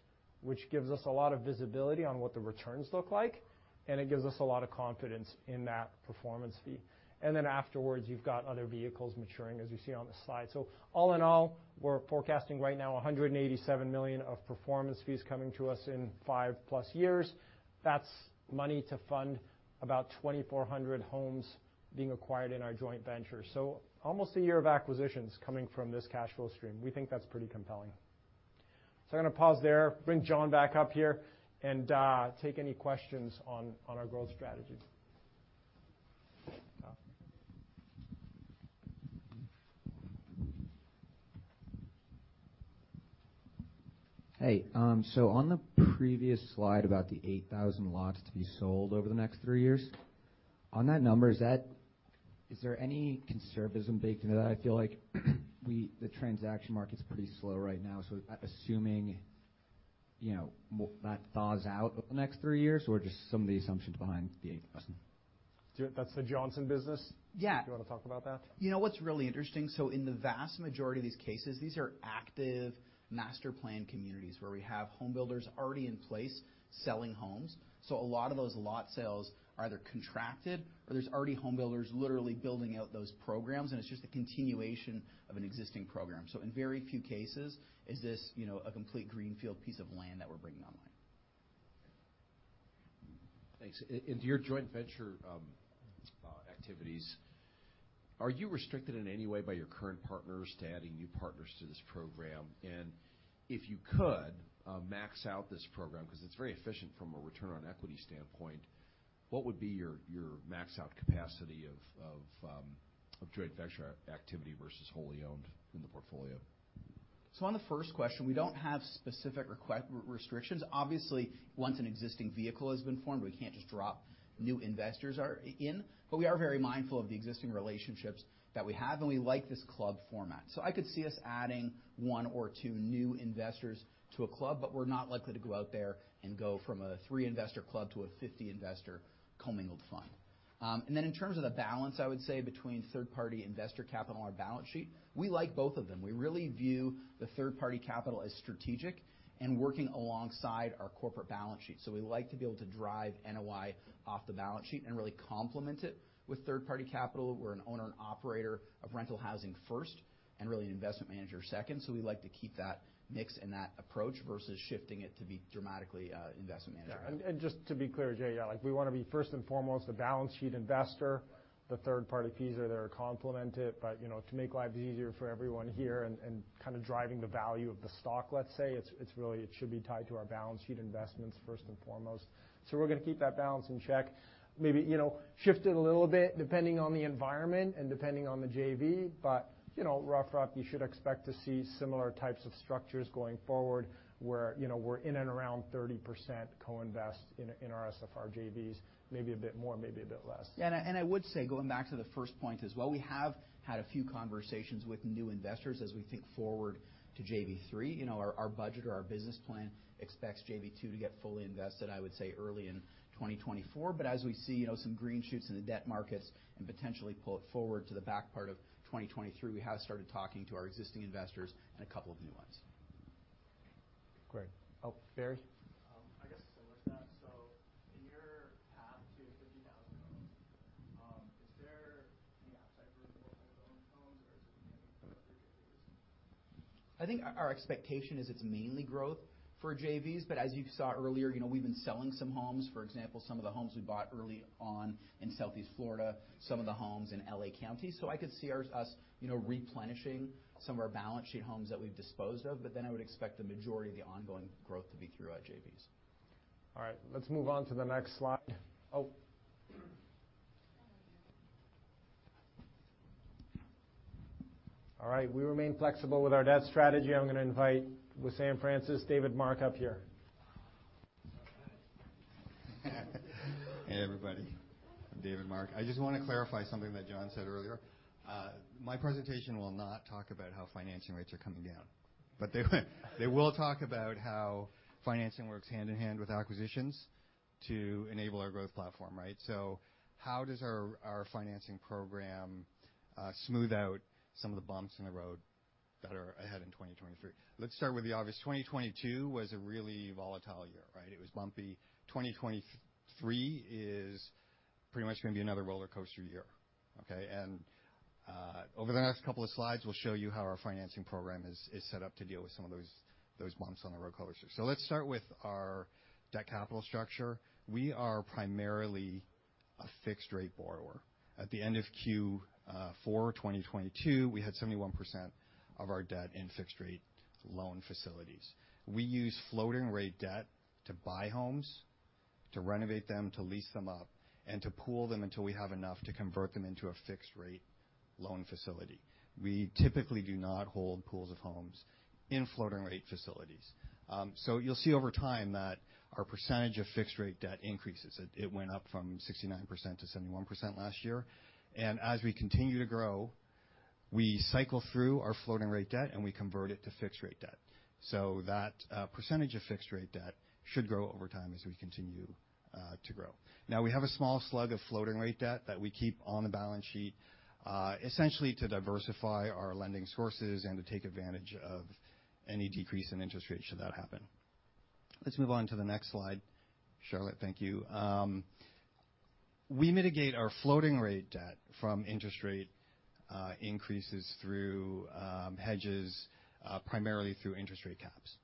which gives us a lot of visibility on what the returns look like, and it gives us a lot of confidence in that performance fee. Afterwards, you've got other vehicles maturing, as you see on the slide. All in all, we're forecasting right now $187 million of performance fees coming to us in 5+ years. That's money to fund about 2,400 homes being acquired in our joint venture. Almost a year of acquisitions coming from this cash flow stream. We think that's pretty compelling. I'm gonna pause there, bring Jon back up here and take any questions on our growth strategy. Jon. Hey. On the previous slide about the 8,000 lots to be sold over the next 3 years. On that number, is there any conservatism baked into that? I feel like the transaction market's pretty slow right now, assuming, you know, that thaws out over the next 3 years, or just some of the assumptions behind the 8,000. Stuart, that's the Johnson business. Yeah. Do you wanna talk about that? You know what's really interesting, in the vast majority of these cases, these are active master plan communities where we have home builders already in place selling homes. A lot of those lot sales are either contracted or there's already home builders literally building out those programs, and it's just a continuation of an existing program. In very few cases is this, you know, a complete greenfield piece of land that we're bringing online. Thanks. In your joint venture activities, are you restricted in any way by your current partners to adding new partners to this program? If you could max out this program, 'cause it's very efficient from a return on equity standpoint, what would be your max out capacity of joint venture activity versus wholly owned in the portfolio? On the first question, we don't have specific restrictions. Obviously, once an existing vehicle has been formed, we can't just drop new investors or in, but we are very mindful of the existing relationships that we have, and we like this club format. I could see us adding one or two new investors to a club, but we're not likely to go out there and go from a three-investor club to a 50-investor commingled fund. In terms of the balance, I would say between third-party investor capital on our balance sheet, we like both of them. We really view the third-party capital as strategic and working alongside our corporate balance sheet. We like to be able to drive NOI off the balance sheet and really complement it with third-party capital. We're an owner and operator of rental housing first and really an investment manager second. We like to keep that mix and that approach versus shifting it to be dramatically investment management. Yeah. Just to be clear, Jay, yeah, like we wanna be first and foremost a balance sheet investor. The third-party fees are there to complement it. You know, to make lives easier for everyone here and kinda driving the value of the stock, let's say, it's really, it should be tied to our balance sheet investments first and foremost. We're gonna keep that balance in check. Maybe, you know, shift it a little bit depending on the environment and depending on the JV, but, you know, rough, you should expect to see similar types of structures going forward, where, you know, we're in and around 30% co-invest in our SFR JVs, maybe a bit more, maybe a bit less. Yeah. I would say going back to the first point as well, we have had a few conversations with new investors as we think forward to SFR JV-3. You know, our budget or our business plan expects SFR JV-2 to get fully invested, I would say, early in 2024. As we see, you know, some green shoots in the debt markets and potentially pull it forward to the back part of 2023, we have started talking to our existing investors and a couple of new ones. Great. Oh, Barry? I guess similar to that. In your path to 50,000 homes, is there any upside for multi-family homes or is it gonna be through JVs? I think our expectation is it's mainly growth for JVs. As you saw earlier, you know, we've been selling some homes. For example, some of the homes we bought early on in Southeast Florida, some of the homes in L.A. County. I could see us, you know, replenishing some of our balance sheet homes that we've disposed of. I would expect the majority of the ongoing growth to be through our JVs. All right. Let's move on to the next slide. All right. We remain flexible with our debt strategy. I'm gonna invite with Wissam Francis, David Mark up here. Hey, everybody. I'm David Mark. I just wanna clarify something that Jon said earlier. My presentation will not talk about how financing rates are coming down. They will talk about how financing works hand in hand with acquisitions to enable our growth platform, right? How does our financing program smooth out some of the bumps in the road that are ahead in 2023? Let's start with the obvious. 2022 was a really volatile year, right? It was bumpy. 2023 is pretty much gonna be another rollercoaster year. Okay? Over the next couple of slides, we'll show you how our financing program is set up to deal with some of those bumps on the rollercoaster. Let's start with our debt capital structure. We are primarily a fixed rate borrower. At the end of Q4 2022, we had 71% of our debt in fixed rate loan facilities. We use floating rate debt to buy homes, to renovate them, to lease them up, and to pool them until we have enough to convert them into a fixed rate loan facility. We typically do not hold pools of homes in floating rate facilities. You'll see over time that our percentage of fixed rate debt increases. It went up from 69% to 71% last year. As we continue to grow, we cycle through our floating rate debt and we convert it to fixed rate debt. That percentage of fixed rate debt should grow over time as we continue to grow. We have a small slug of floating rate debt that we keep on the balance sheet, essentially to diversify our lending sources and to take advantage of any decrease in interest rates should that happen. Let's move on to the next slide. Charlotte, thank you. We mitigate our floating rate debt from interest rate increases through hedges, primarily through interest rate caps.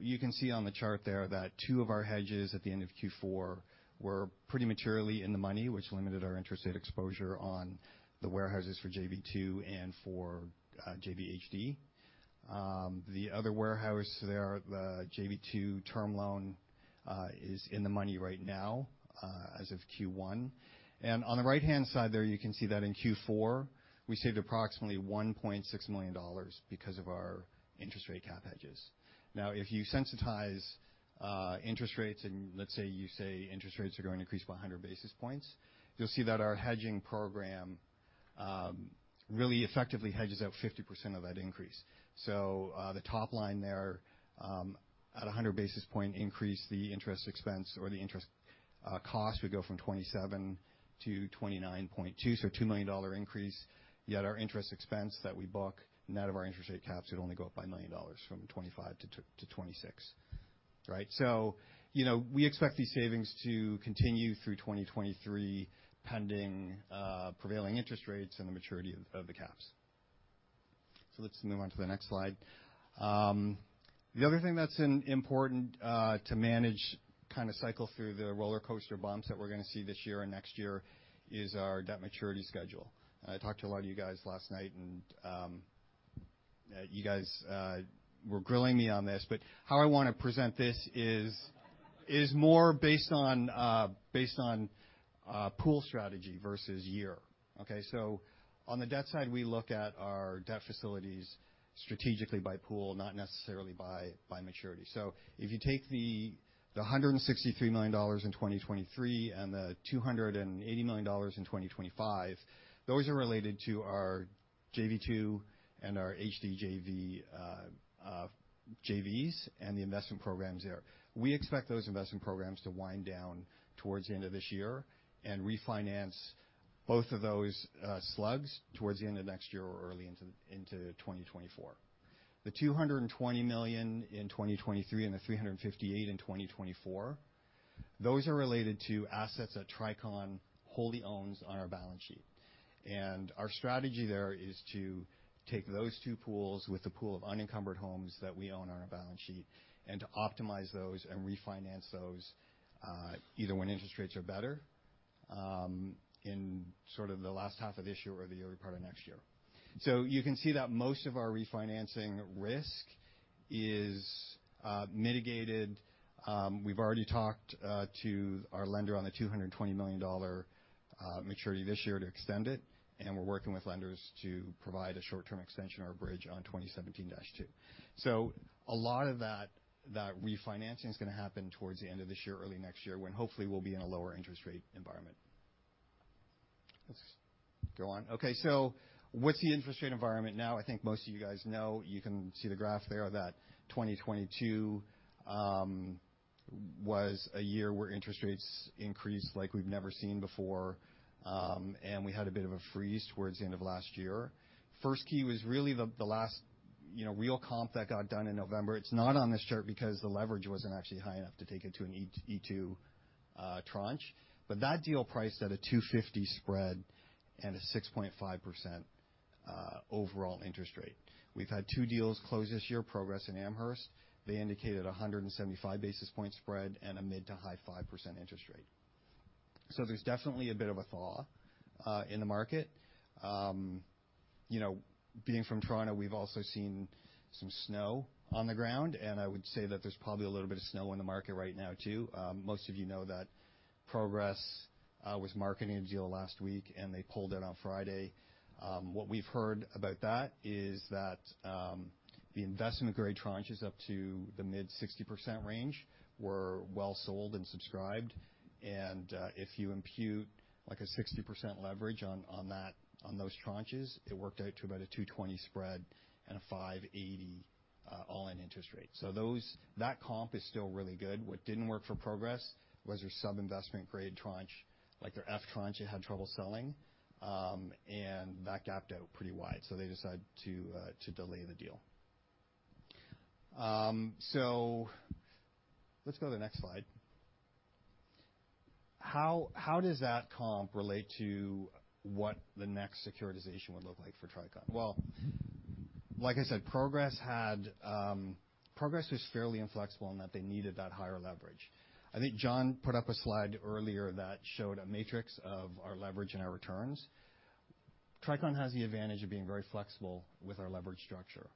You can see on the chart there that two of our hedges at the end of Q4 were pretty maturely in the money, which limited our interest rate exposure on the warehouses for SFR JV-2 and for SFR JV-HD. The other warehouse there, the SFR JV-2 term loan, is in the money right now, as of Q1. On the right-hand side there, you can see that in Q4, we saved approximately $1.6 million because of our interest rate cap hedges. If you sensitize interest rates, and let's say you say interest rates are going to increase by 100 basis points, you'll see that our hedging program really effectively hedges out 50% of that increase. The top line there, at a 100 basis point increase the interest expense or the interest cost would go from $27 to $29.2, so a $2 million increase. Yet our interest expense that we book, net of our interest rate caps would only go up by $1 million from $25 to $26. Right? You know, we expect these savings to continue through 2023, pending prevailing interest rates and the maturity of the caps. Let's move on to the next slide. The other thing that's important to manage, kinda cycle through the rollercoaster bumps that we're gonna see this year and next year is our debt maturity schedule. I talked to a lot of you guys last night and you guys were grilling me on this. How I wanna present this is more based on pool strategy versus year. Okay? On the debt side, we look at our debt facilities strategically by pool, not necessarily by maturity. If you take the $163 million in 2023 and the $280 million in 2025, those are related to our SFR JV-2 and our SFR JV-HD JVs and the investment programs there. We expect those investment programs to wind down towards the end of this year and refinance both of those slugs towards the end of next year or early into 2024. The $220 million in 2023 and the $358 million in 2024, those are related to assets that Tricon wholly owns on our balance sheet. Our strategy there is to take those two pools with a pool of unencumbered homes that we own on our balance sheet and to optimize those and refinance those, either when interest rates are better, in sort of the last half of this year or the early part of next year. You can see that most of our refinancing risk is mitigated. We've already talked to our lender on the $220 million maturity this year to extend it, and we're working with lenders to provide a short-term extension or a bridge on 2017-2. A lot of that refinancing is going to happen towards the end of this year, early next year, when hopefully we'll be in a lower interest rate environment. Let's go on. Okay, so what's the interest rate environment now? I think most of you guys know you can see the graph there that 2022 was a year where interest rates increased like we've never seen before, and we had a bit of a freeze towards the end of last year. FirstKey was really the last, you know, real comp that got done in November. It's not on this chart because the leverage wasn't actually high enough to take it to an E-E2 tranche. That deal priced at a 250 spread and a 6.5% overall interest rate. We've had two deals close this year, Progress and Amherst. They indicated a 175 basis point spread and a mid to high 5% interest rate. There's definitely a bit of a thaw in the market. You know, being from Toronto, we've also seen some snow on the ground, and I would say that there's probably a little bit of snow in the market right now too. Most of you know that Progress was marketing a deal last week and they pulled it on Friday. What we've heard about that is that the investment-grade tranches up to the mid 60% range were well sold and subscribed. If you impute like a 60% leverage on those tranches, it worked out to about a 220 spread and a 580 all-in interest rate. That comp is still really good. What didn't work for Progress was their sub-investment grade tranche. Like their F tranche, it had trouble selling, and that gapped out pretty wide, so they decided to delay the deal. Let's go to the next slide. How does that comp relate to what the next securitization would look like for Tricon Residential? Well, like I said, Progress Residential was fairly inflexible in that they needed that higher leverage. I think Jon Ellenzweig put up a slide earlier that showed a matrix of our leverage and our returns. Tricon Residential has the advantage of being very flexible with our leverage structure.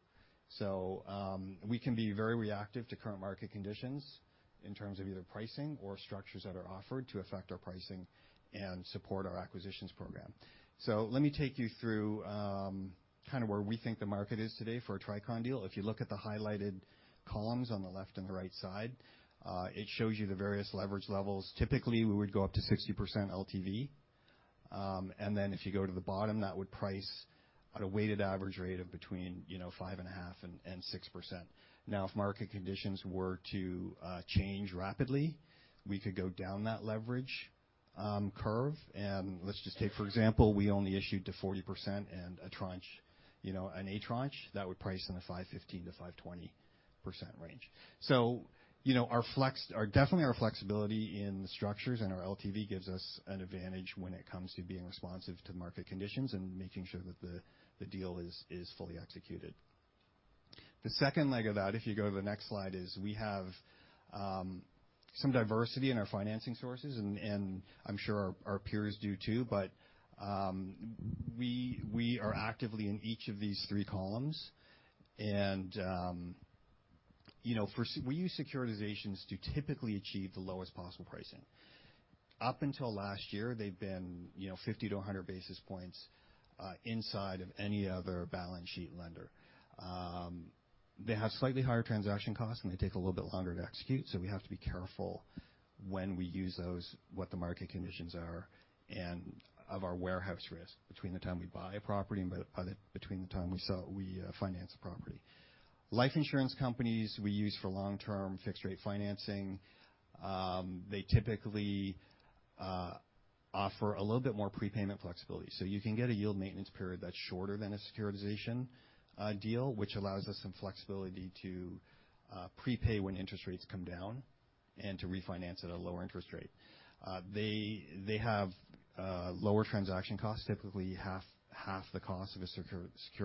We can be very reactive to current market conditions in terms of either pricing or structures that are offered to affect our pricing and support our acquisitions program. Let me take you through kind of where we think the market is today for a Tricon Residential deal. If you look at the highlighted columns on the left and the right side, it shows you the various leverage levels. Typically, we would go up to 60% LTV. If you go to the bottom, that would price at a weighted average rate of between, you know, 5.5% and 6%. If market conditions were to change rapidly, we could go down that leverage curve. Let's just take, for example, we only issued to 40% and a tranche, you know, an A tranche that would price in the 5.15%-5.20% range. You know, our flexibility in the structures and our LTV gives us an advantage when it comes to being responsive to market conditions and making sure that the deal is fully executed. The second leg of that, if you go to the next slide, is we have some diversity in our financing sources, and I'm sure our peers do too. We are actively in each of these 3 columns. You know, we use securitizations to typically achieve the lowest possible pricing. Up until last year, they've been, you know, 50 to 100 basis points inside of any other balance sheet lender. They have slightly higher transaction costs, and they take a little bit longer to execute. We have to be careful when we use those, what the market conditions are and of our warehouse risk between the time we buy a property and between the time we finance the property. Life insurance companies we use for long-term fixed rate financing. They typically offer a little bit more prepayment flexibility. You can get a yield maintenance period that's shorter than a securitization deal, which allows us some flexibility to prepay when interest rates come down and to refinance at a lower interest rate. They have lower transaction costs, typically half the cost of a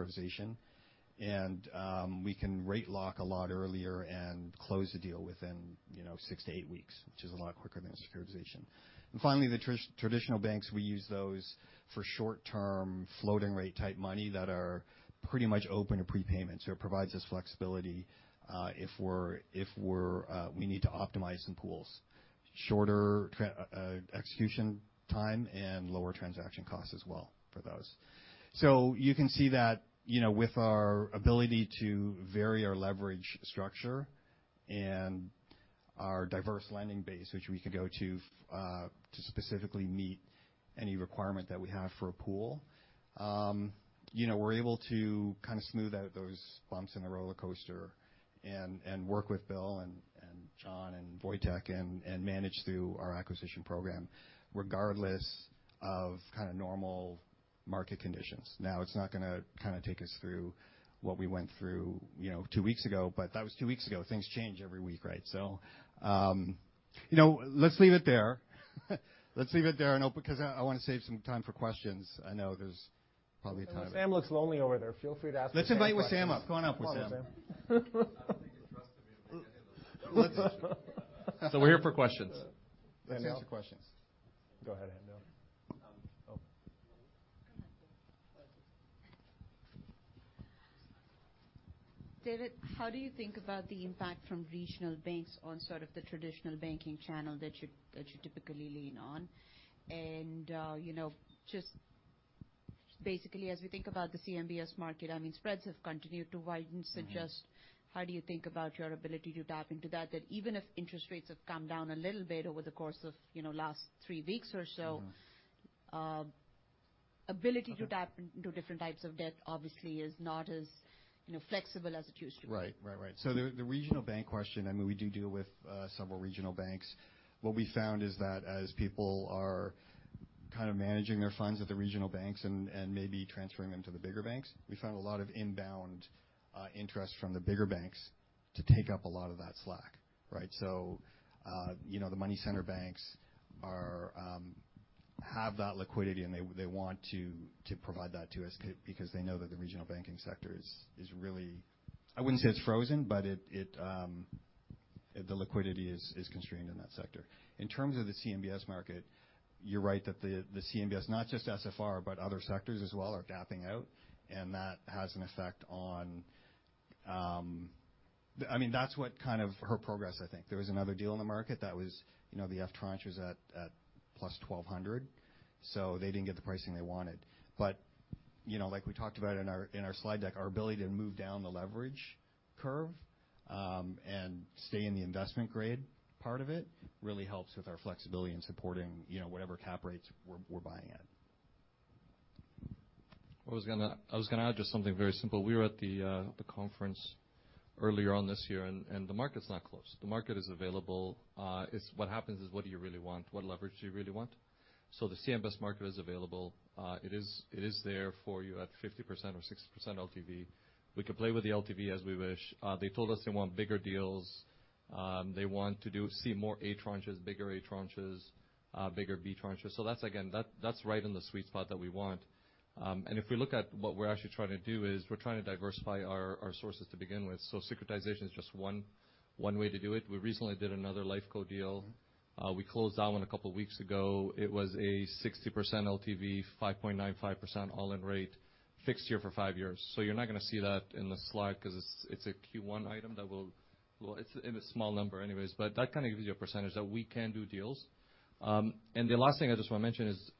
securitization. We can rate lock a lot earlier and close the deal within, you know, six to eight weeks, which is a lot quicker than a securitization. Finally, the traditional banks, we use those for short-term floating rate type money that are pretty much open to prepayment. It provides us flexibility if we're, we need to optimize some pools. Shorter execution time and lower transaction costs as well for those. You can see that, you know, with our ability to vary our leverage structure and our diverse lending base, which we can go to specifically meet any requirement that we have for a pool, you know, we're able to kind of smooth out those bumps in the rollercoaster and work with Bill and Jon and Wojtek and manage through our acquisition program regardless of kind of normal market conditions. It's not gonna kind of take us through what we went through, you know, 2 weeks ago, but that was 2 weeks ago. Things change every week, right? You know, let's leave it there. I'll because I wanna save some time for questions. I know there's probably time. Wissam looks lonely over there. Feel free to ask him any questions. Let's invite Wissam up. Come on up, Wissam. Come on up, Wissam. I don't think you trust me with any of those. We're here for questions. Let's answer questions. Go ahead, Andy. Oh. Go ahead, David. Thank you. David, how do you think about the impact from regional banks on sort of the traditional banking channel that you typically lean on? You know, just basically as we think about the CMBS market, I mean, spreads have continued to widen. Mm-hmm. Just how do you think about your ability to tap into that? That even if interest rates have come down a little bit over the course of, you know, last three weeks or so. Mm-hmm. Ability to tap into different types of debt obviously is not as, you know, flexible as it used to be. Right. Right, right. The regional bank question, I mean, we do deal with several regional banks. What we found is that as people are kind of managing their funds at the regional banks and maybe transferring them to the bigger banks, we found a lot of inbound interest from the bigger banks to take up a lot of that slack, right? You know, the money center banks are have that liquidity, and they want to provide that to us because they know that the regional banking sector is really I wouldn't say it's frozen, but it the liquidity is constrained in that sector. In terms of the CMBS market, you're right that the CMBS, not just SFR, but other sectors as well are gapping out, and that has an effect on. I mean, that's what kind of her progress, I think. There was another deal in the market that was, you know, the F tranche was at plus 1,200, so they didn't get the pricing they wanted. You know, like we talked about in our, in our slide deck, our ability to move down the leverage curve and stay in the investment grade part of it really helps with our flexibility in supporting, you know, whatever cap rates we're buying in. I was gonna add just something very simple. We were at the conference earlier on this year. The market's not closed. The market is available. It is what happens is what do you really want? What leverage do you really want? The CMBS market is available. It is there for you at 50% or 60% LTV. We could play with the LTV as we wish. They told us they want bigger deals. They want to see more A tranches, bigger A tranches, bigger B tranches. That's again, that's right in the sweet spot that we want. And if we look at what we're actually trying to do is we're trying to diversify our sources to begin with. Securitization is just one way to do it. We recently did another Life Co. deal. We closed that one a couple weeks ago. It was a 60% LTV, 5.95% all-in rate, fixed year for five years. You're not gonna see that in the slide 'cause it's a Q1 item that will... It's in a small number anyways, but that kind of gives you a percentage that we can do deals. The last thing I just wanna mention is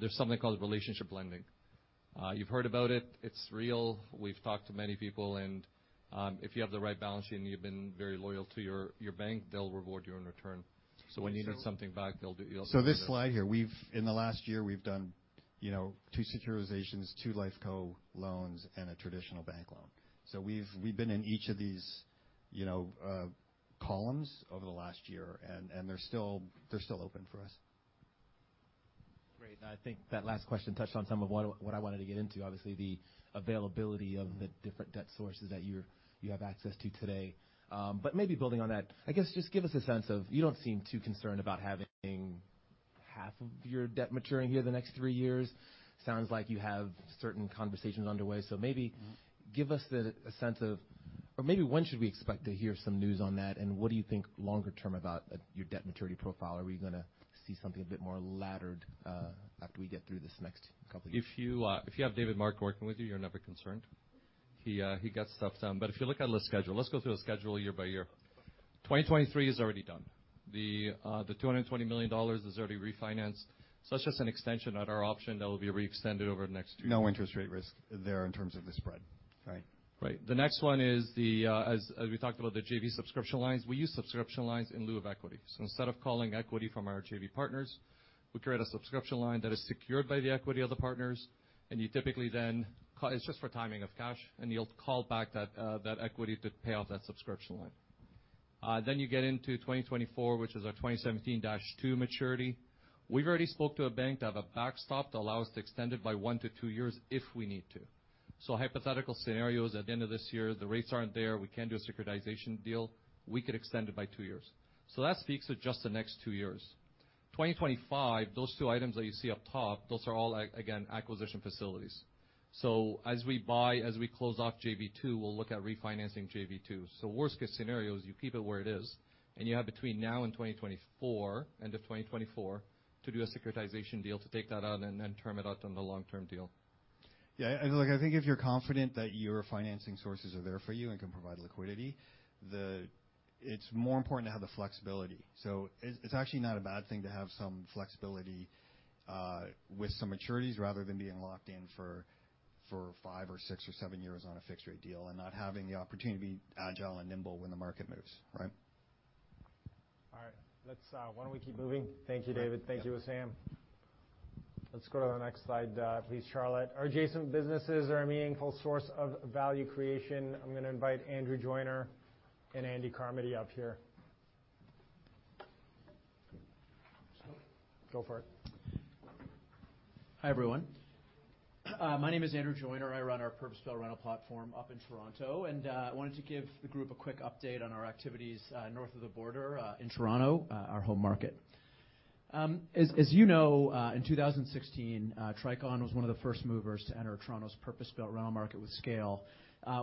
there's something called relationship lending. You've heard about it. It's real. We've talked to many people, and if you have the right balance sheet and you've been very loyal to your bank, they'll reward you in return. When you need something back, they'll do... You'll- This slide here, we've In the last year, we've done, you know, 2 securitizations, 2 Life Co. loans, and a traditional bank loan. We've been in each of these, you know, columns over the last year, and they're still, they're still open for us. Great. I think that last question touched on some of what I wanted to get into, obviously the availability of the different debt sources that you have access to today. Maybe building on that. I guess, just give us a sense of... You don't seem too concerned about having half of your debt maturing here the next 3 years. Sounds like you have certain conversations underway. Maybe give us a sense of... Or maybe when should we expect to hear some news on that, and what do you think longer term about your debt maturity profile? Are we gonna see something a bit more laddered after we get through this next couple years? If you have David Mark working with you're never concerned. He gets stuff done. If you look at the schedule. Let's go through the schedule year by year. 2023 is already done. The $220 million is already refinanced, so that's just an extension at our option that will be re-extended over the next 2 years. No interest rate risk there in terms of the spread. Right. Right. The next one is the as we talked about the JV subscription lines. We use subscription lines in lieu of equity. Instead of calling equity from our JV partners, we create a subscription line that is secured by the equity of the partners, and you typically then It's just for timing of cash, and you'll call back that equity to pay off that subscription line. You get into 2024, which is our 2017-2 maturity. We've already spoke to a bank to have a backstop to allow us to extend it by 1-2 years if we need to. Hypothetical scenario is at the end of this year, the rates aren't there, we can't do a securitization deal, we could extend it by 2 years. That speaks to just the next 2 years. 2025, those two items that you see up top, those are all again, acquisition facilities. As we buy, as we close off JV-2, we'll look at refinancing JV-2. Worst case scenario is you keep it where it is, and you have between now and 2024, end of 2024, to do a securitization deal to take that out and then term it out on the long-term deal. Yeah. Look, I think if you're confident that your financing sources are there for you and can provide liquidity, it's more important to have the flexibility. It's actually not a bad thing to have some flexibility with some maturities rather than being locked in for five or six or seven years on a fixed rate deal and not having the opportunity to be agile and nimble when the market moves, right? All right. Why don't we keep moving? Thank you, David. Thank you, Sam. Let's go to the next slide, please, Charlotte. Adjacent businesses are a meaningful source of value creation. I'm gonna invite Andrew Joyner and Andy Carmody up here. Go for it. Hi, everyone. My name is Andrew Joyner. I run our purpose-built rental platform up in Toronto. I wanted to give the group a quick update on our activities north of the border in Toronto, our home market. As you know, in 2016, Tricon was one of the first movers to enter Toronto's purpose-built rental market with scale,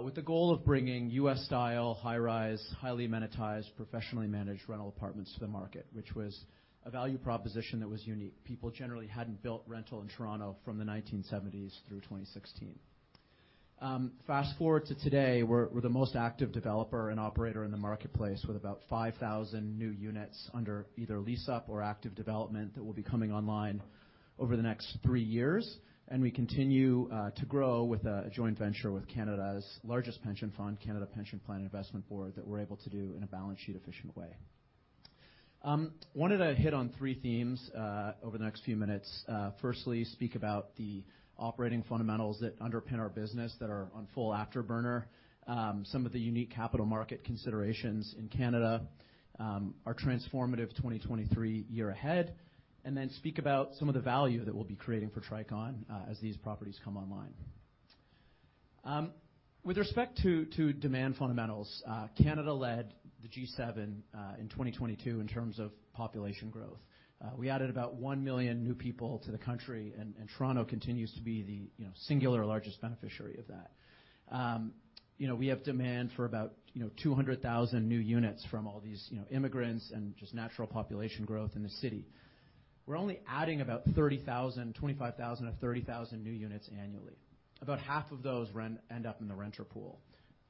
with the goal of bringing U.S.-style, high-rise, highly monetized, professionally managed rental apartments to the market, which was a value proposition that was unique. People generally hadn't built rental in Toronto from the 1970s through 2016. Fast-forward to today, we're the most active developer and operator in the marketplace with about 5,000 new units under either lease-up or active development that will be coming online over the next three years. We continue to grow with a joint venture with Canada's largest pension fund, Canada Pension Plan Investment Board, that we're able to do in a balance sheet efficient way. Wanted to hit on three themes over the next few minutes. Firstly, speak about the operating fundamentals that underpin our business that are on full afterburner. Some of the unique capital market considerations in Canada, our transformative 2023 year ahead, and then speak about some of the value that we'll be creating for Tricon as these properties come online. With respect to demand fundamentals, Canada led the G7 in 2022 in terms of population growth. We added about 1 million new people to the country, and Toronto continues to be the, you know, singular largest beneficiary of that. You know, we have demand for about, you know, 200,000 new units from all these, you know, immigrants and just natural population growth in the city. We're only adding about 30,000, 25,000-30,000 new units annually. About half of those end up in the renter pool,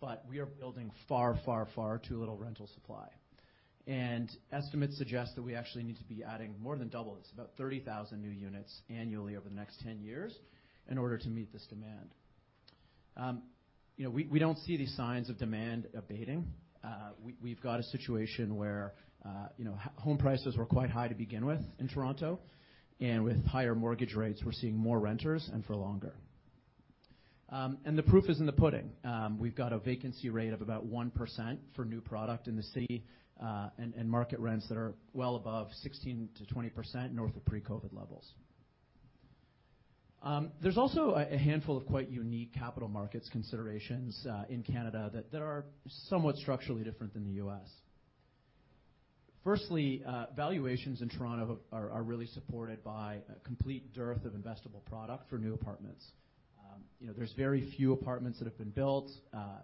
but we are building far, far, far too little rental supply. Estimates suggest that we actually need to be adding more than double this, about 30,000 new units annually over the next 10 years in order to meet this demand. You know, we don't see these signs of demand abating. We, we've got a situation where, you know, home prices were quite high to begin with in Toronto, and with higher mortgage rates, we're seeing more renters and for longer. The proof is in the pudding. We've got a vacancy rate of about 1% for new product in the city, and market rents that are well above 16%-20% north of pre-COVID levels. There's also a handful of quite unique capital markets considerations in Canada that are somewhat structurally different than the U.S. Firstly, valuations in Toronto are really supported by a complete dearth of investable product for new apartments. You know, there's very few apartments that have been built.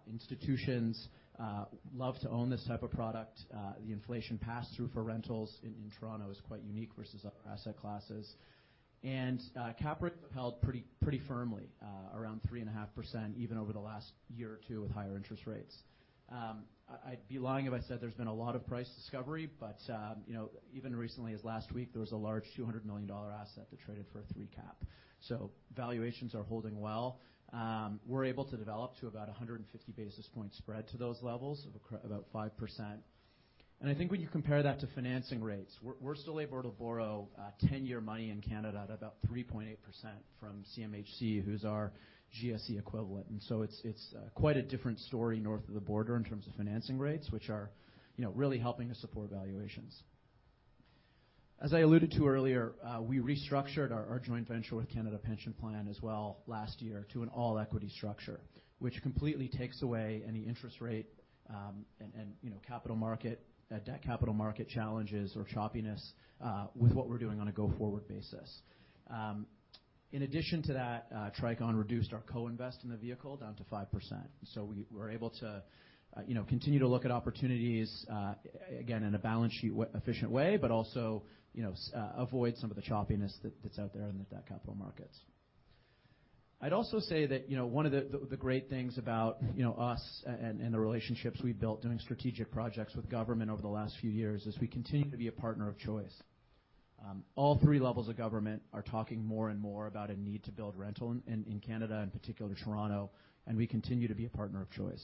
Institutions love to own this type of product. The inflation pass-through for rentals in Toronto is quite unique versus other asset classes. Cap rates have held pretty firmly around 3.5% even over the last year or two with higher interest rates. I'd be lying if I said there's been a lot of price discovery. Even recently as last week, there was a large $200 million asset that traded for a 3% cap. Valuations are holding well. We're able to develop to about 150 basis points spread to those levels of about 5%. I think when you compare that to financing rates, we're still able to borrow 10-year money in Canada at about 3.8% from CMHC, who's our GSE equivalent. It's quite a different story north of the border in terms of financing rates, which are really helping to support valuations. As I alluded to earlier, we restructured our joint venture with Canada Pension Plan as well last year to an all-equity structure, which completely takes away any interest rate, and, you know, capital market, debt capital market challenges or choppiness, with what we're doing on a go-forward basis. In addition to that, Tricon reduced our co-invest in the vehicle down to 5%. we're able to, you know, continue to look at opportunities, again, in a balance sheet efficient way, but also, you know, avoid some of the choppiness that's out there in the debt capital markets. I'd also say that, you know, one of the, the great things about, you know, us and the relationships we've built doing strategic projects with government over the last few years is we continue to be a partner of choice. All three levels of government are talking more and more about a need to build rental in Canada, in particular Toronto, and we continue to be a partner of choice.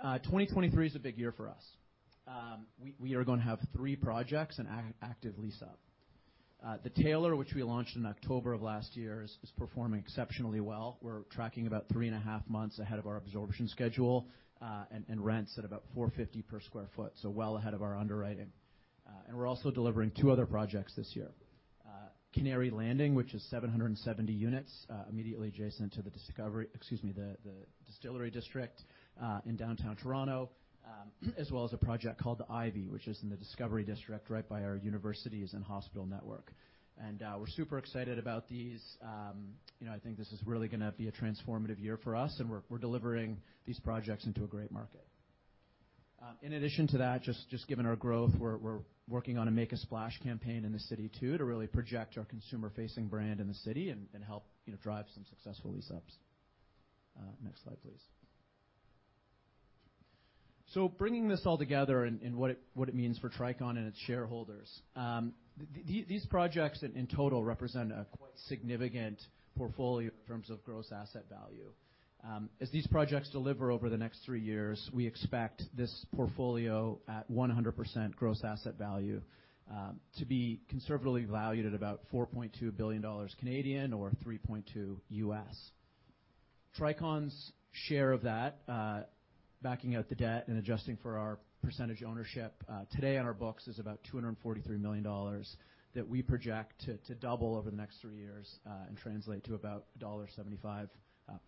2023 is a big year for us. We are gonna have three projects in active lease up. The Taylor, which we launched in October of last year, is performing exceptionally well. We're tracking about 3.5 months ahead of our absorption schedule, and rents at about $4.50 per square foot, so well ahead of our underwriting. We're also delivering 2 other projects this year. Canary Landing, which is 770 units, immediately adjacent to the Distillery District in downtown Toronto, as well as a project called The Ivy, which is in the Discovery District, right by our universities and hospital network. We're super excited about these. You know, I think this is really gonna be a transformative year for us, we're delivering these projects into a great market. In addition to that, just given our growth, we're working on a Make a Splash campaign in the city too, to really project our consumer-facing brand in the city and help, you know, drive some successful lease-ups. Next slide, please. Bringing this all together and what it means for Tricon and its shareholders. These projects in total represent a quite significant portfolio in terms of gross asset value. As these projects deliver over the next three years, we expect this portfolio at 100% gross asset value to be conservatively valued at about 4.2 billion Canadian dollars or $3.2 billion. Tricon's share of that, backing out the debt and adjusting for our percentage ownership today on our books is about $243 million that we project to double over the next three years and translate to about $1.75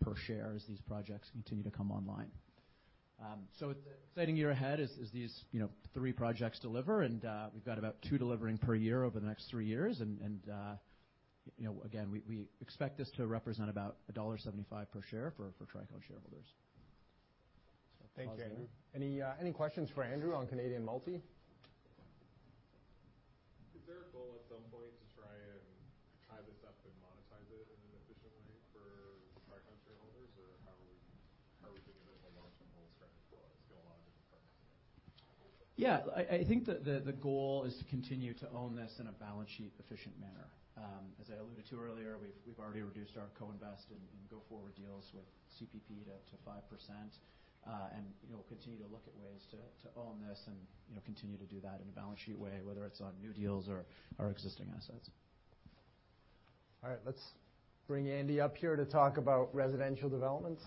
per share as these projects continue to come online.It's an exciting year ahead as these, you know, three projects deliver, and we've got about two delivering per year over the next three years. You know, again, we expect this to represent about $1.75 per share for Tricon shareholders. Thank you, Andrew. Any questions for Andrew on Canadian Multi? Is there a goal at some point to try and tie this up and monetize it in an efficient way for Tricon shareholders? How are we thinking about the long-term goal strategy for it still a lot of different parts of it? Yeah. I think the goal is to continue to own this in a balance sheet efficient manner. As I alluded to earlier, we've already reduced our co-invest in go forward deals with CPP to 5%. you know, we'll continue to look at ways to own this and, you know, continue to do that in a balance sheet way, whether it's on new deals or existing assets. All right, let's bring Andy up here to talk about residential developments.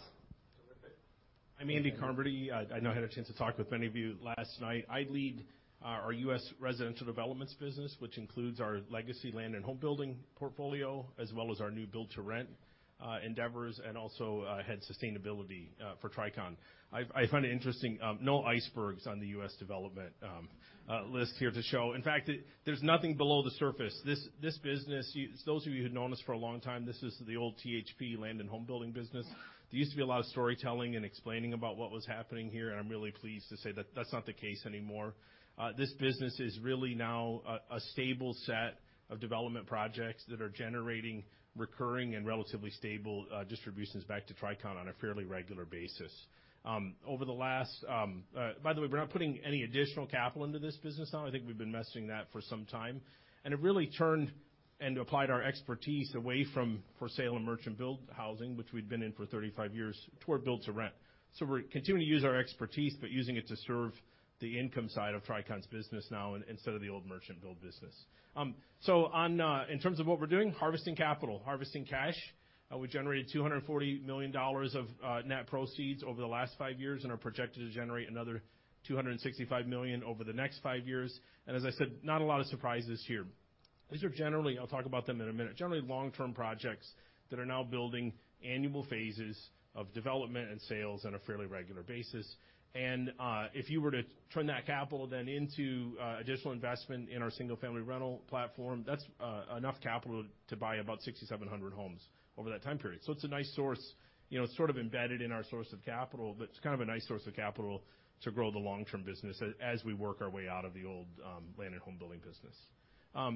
Terrific. I'm Andy Carmody. I know I had a chance to talk with many of you last night. I lead our US residential developments business, which includes our legacy land and home building portfolio, as well as our new build to rent endeavors, and also head sustainability for Tricon. I find it interesting, no icebergs on the US development list here to show. In fact, there's nothing below the surface. This business, Those of you who've known us for a long time, this is the old THP land and home building business. There used to be a lot of storytelling and explaining about what was happening here. I'm really pleased to say that that's not the case anymore. This business is really now a stable set of development projects that are generating recurring and relatively stable distributions back to Tricon on a fairly regular basis. Over the last. By the way, we're not putting any additional capital into this business now. I think we've been investing that for some time. It really turned and applied our expertise away from for sale and merchant build housing, which we'd been in for 35 years, toward build to rent. We're continuing to use our expertise, but using it to serve the income side of Tricon's business now instead of the old merchant build business. In terms of what we're doing, harvesting capital, harvesting cash. We generated $240 million of net proceeds over the last five years and are projected to generate another $265 million over the next five years. As I said, not a lot of surprises here. These are generally, I'll talk about them in a minute, generally long-term projects that are now building annual phases of development and sales on a fairly regular basis. If you were to turn that capital then into additional investment in our single-family rental platform, that's enough capital to buy about 6,700 homes over that time period. It's a nice source. You know, it's sort of embedded in our source of capital, but it's kind of a nice source of capital to grow the long-term business as we work our way out of the old land and home building business.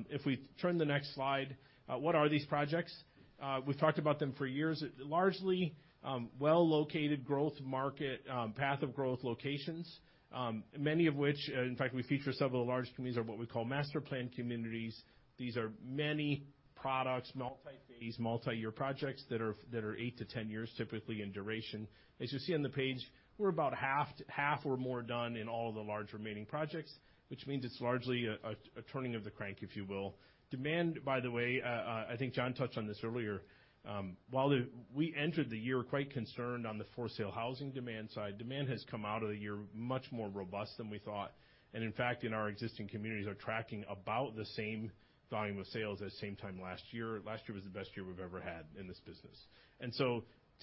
If we turn the next slide, what are these projects? We've talked about them for years. Largely, well located growth market, path of growth locations, many of which, in fact, we feature several of the large communities are what we call master-plan communities. These are many products, multi-phase, multi-year projects that are 8-10 years typically in duration. As you see on the page, we're about half or more done in all of the large remaining projects, which means it's largely a turning of the crank, if you will. Demand, by the way, I think Jon touched on this earlier. While we entered the year quite concerned on the for sale housing demand side. Demand has come out of the year much more robust than we thought. In fact, in our existing communities are tracking about the same volume of sales as same time last year. Last year was the best year we've ever had in this business.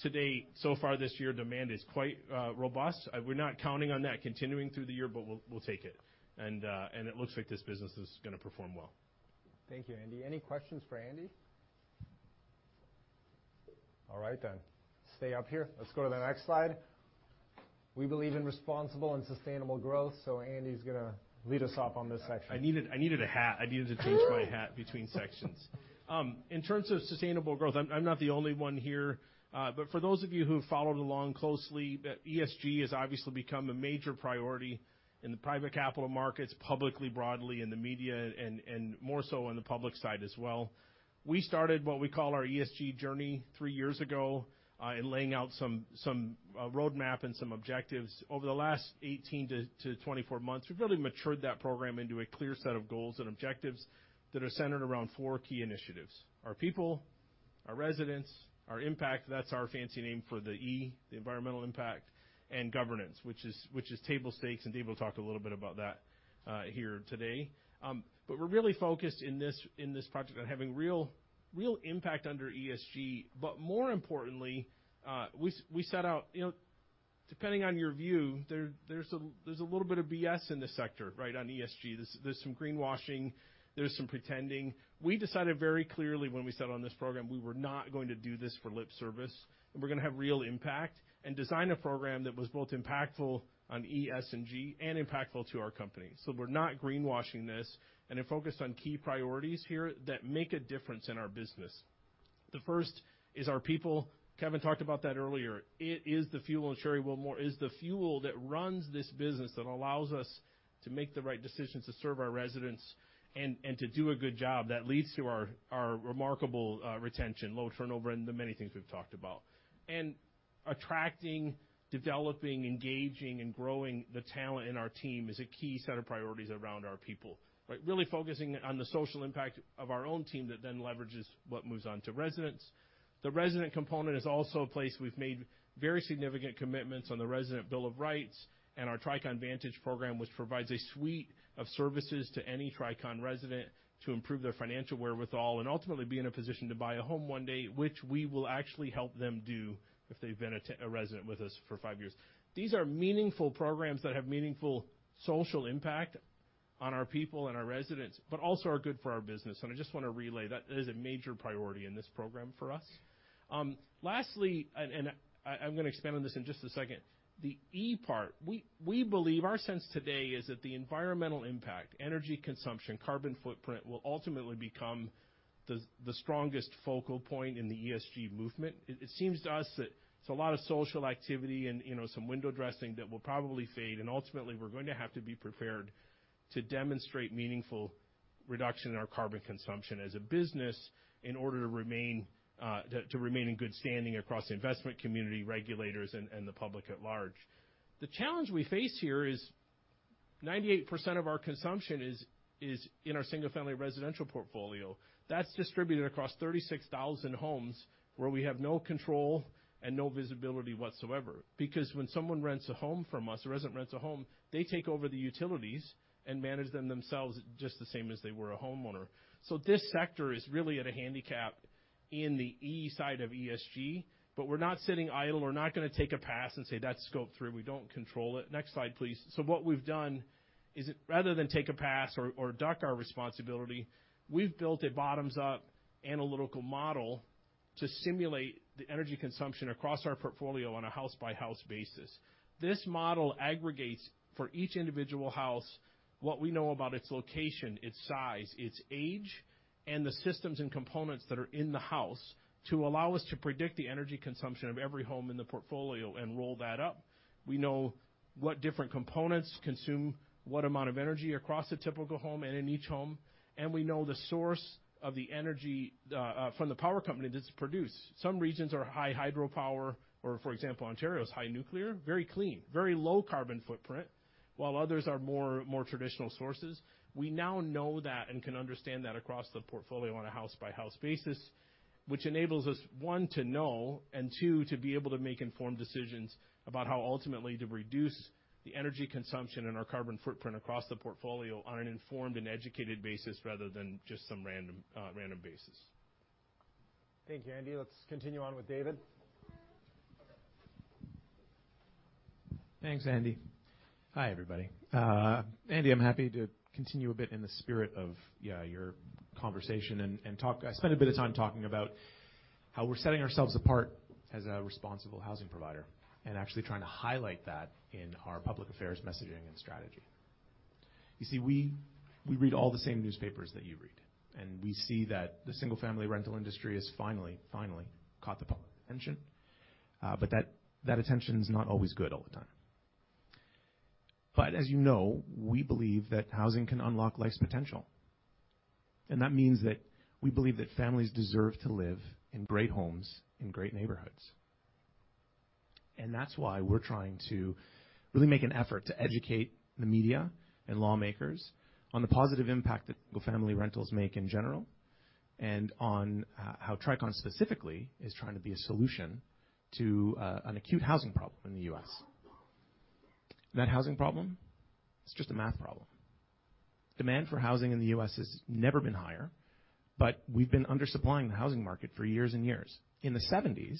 Today, so far this year, demand is quite robust. We're not counting on that continuing through the year, but we'll take it. It looks like this business is gonna perform well. Thank you, Andy. Any questions for Andy? All right. Stay up here. Let's go to the next slide. We believe in responsible and sustainable growth, so Andy's gonna lead us off on this section. I needed a hat. I needed to change my hat between sections. In terms of sustainable growth, I'm not the only one here. For those of you who've followed along closely, ESG has obviously become a major priority in the private capital markets, publicly, broadly in the media and more so on the public side as well. We started what we call our ESG journey three years ago, in laying out some roadmap and some objectives. Over the last 18-24 months, we've really matured that program into a clear set of goals and objectives that are centered around four key initiatives: our people, our residents, our impact, that's our fancy name for the E, the environmental impact, and governance, which is table stakes, and Dave will talk a little bit about that here today. We're really focused in this project on having real impact under ESG. More importantly, we set out... You know, depending on your view, there's a little bit of BS in this sector, right? On ESG. There's some greenwashing, there's some pretending. We decided very clearly when we set on this program, we were not going to do this for lip service, and we're gonna have real impact and design a program that was both impactful on E, S, and G and impactful to our company. We're not greenwashing this and are focused on key priorities here that make a difference in our business. The first is our people. Kevin talked about that earlier. It is the fuel and Sherrie will more... is the fuel that runs this business that allows us to make the right decisions to serve our residents and to do a good job that leads to our remarkable retention, low turnover, and the many things we've talked about. Attracting, developing, engaging, and growing the talent in our team is a key set of priorities around our people. Right? Really focusing on the social impact of our own team that then leverages what moves on to residents. The resident component is also a place we've made very significant commitments on the Resident Bill of Rights and our Tricon Vantage program, which provides a suite of services to any Tricon resident to improve their financial wherewithal and ultimately be in a position to buy a home one day, which we will actually help them do if they've been a resident with us for five years. These are meaningful programs that have meaningful social impact on our people and our residents, also are good for our business. I just wanna relay that is a major priority in this program for us. Lastly, and I'm gonna expand on this in just a second. The E part. We believe our sense today is that the environmental impact, energy consumption, carbon footprint will ultimately become the strongest focal point in the ESG movement. It seems to us that it's a lot of social activity and, you know, some window dressing that will probably fade, ultimately, we're going to have to be prepared to demonstrate meaningful reduction in our carbon consumption as a business in order to remain in good standing across the investment community regulators and the public at large. The challenge we face here is 98% of our consumption is in our single-family residential portfolio. That's distributed across 36,000 homes where we have no control and no visibility whatsoever. When someone rents a home from us, a resident rents a home, they take over the utilities and manage them themselves just the same as they were a homeowner. This sector is really at a handicap in the E side of ESG. We're not sitting idle. We're not gonna take a pass and say, "That's scope three. We don't control it." Next slide, please. What we've done is rather than take a pass or duck our responsibility, we've built a bottoms-up analytical model to simulate the energy consumption across our portfolio on a house-by-house basis. This model aggregates for each individual house what we know about its location, its size, its age, and the systems and components that are in the house to allow us to predict the energy consumption of every home in the portfolio and roll that up. We know what different components consume, what amount of energy across a typical home and in each home, and we know the source of the energy from the power company that's produced. Some regions are high hydropower or, for example, Ontario is high nuclear, very clean, very low carbon footprint, while others are more traditional sources. We now know that and can understand that across the portfolio on a house-by-house basis, which enables us, one, to know, and two, to be able to make informed decisions about how ultimately to reduce the energy consumption and our carbon footprint across the portfolio on an informed and educated basis rather than just some random basis. Thank you, Andy. Let's continue on with David. Thanks, Andy. Hi, everybody. Andy, I'm happy to continue a bit in the spirit of, yeah, your conversation. I spent a bit of time talking about how we're setting ourselves apart as a responsible housing provider and actually trying to highlight that in our public affairs messaging and strategy. You see, we read all the same newspapers that you read, and we see that the single-family rental industry has finally caught the public attention, but that attention is not always good all the time. As you know, we believe that housing can unlock life's potential. That means that we believe that families deserve to live in great homes in great neighborhoods. That's why we're trying to really make an effort to educate the media and lawmakers on the positive impact that single-family rentals make in general, and on how Tricon specifically is trying to be a solution to an acute housing problem in the U.S. That housing problem, it's just a math problem. Demand for housing in the U.S. has never been higher, but we've been under-supplying the housing market for years and years. In the 1970s,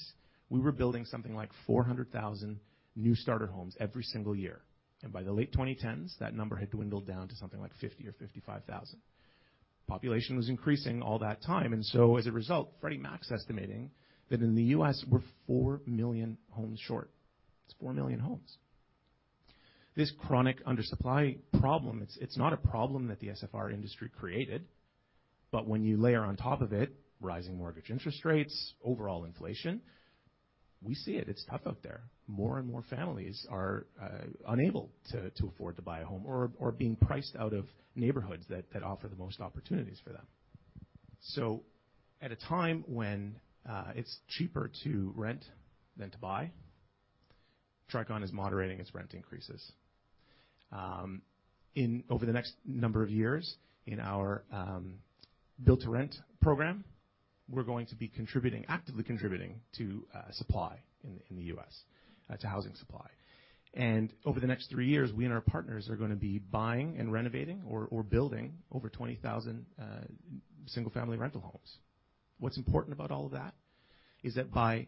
we were building something like 400,000 new starter homes every single year, and by the late 2010s, that number had dwindled down to something like 50,000 or 55,000. Population was increasing all that time, and so as a result, Freddie Mac's estimating that in the U.S., we're 4 million homes short. It's 4 million homes. This chronic under-supply problem, it's not a problem that the SFR industry created, but when you layer on top of it, rising mortgage interest rates, overall inflation, we see it. It's tough out there. More and more families are unable to afford to buy a home or being priced out of neighborhoods that offer the most opportunities for them. At a time when it's cheaper to rent than to buy, Tricon is moderating its rent increases. Over the next number of years in our build-to-rent program, we're going to be contributing, actively contributing to supply in the U.S. to housing supply. Over the next three years, we and our partners are gonna be buying and renovating or building over 20,000 single-family rental homes. What's important about all of that is that by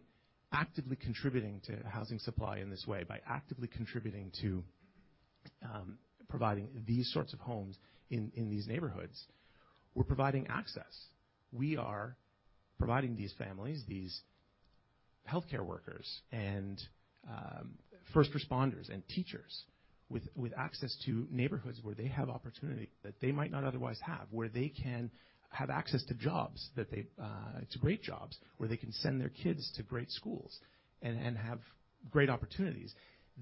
actively contributing to housing supply in this way, by actively contributing to providing these sorts of homes in these neighborhoods, we're providing access. We are providing these families, these healthcare workers and first responders and teachers with access to neighborhoods where they have opportunity that they might not otherwise have, where they can have access to great jobs, where they can send their kids to great schools and have great opportunities.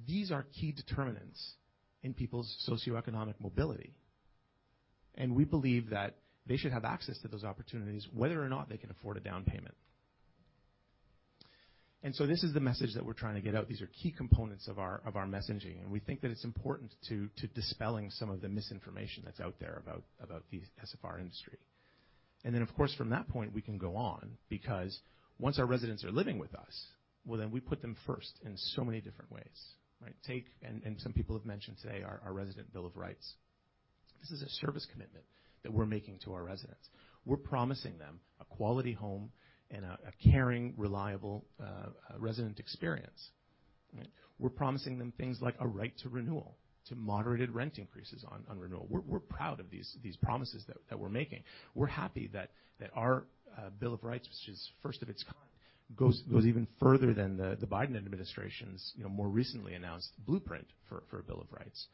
These are key determinants in people's socioeconomic mobility. We believe that they should have access to those opportunities whether or not they can afford a down payment. This is the message that we're trying to get out. These are key components of our messaging, and we think that it's important to dispelling some of the misinformation that's out there about the SFR industry. Then, of course, from that point, we can go on because once our residents are living with us, well, then we put them first in so many different ways, right? Some people have mentioned today our Resident Bill of Rights. This is a service commitment that we're making to our residents. We're promising them a quality home and a caring, reliable resident experience. We're promising them things like a right to renewal, to moderated rent increases on renewal. We're proud of these promises that we're making. We're happy that our bill of rights, which is first of its kind, goes even further than the Biden administration's, you know, more recently announced blueprint for a bill of rights.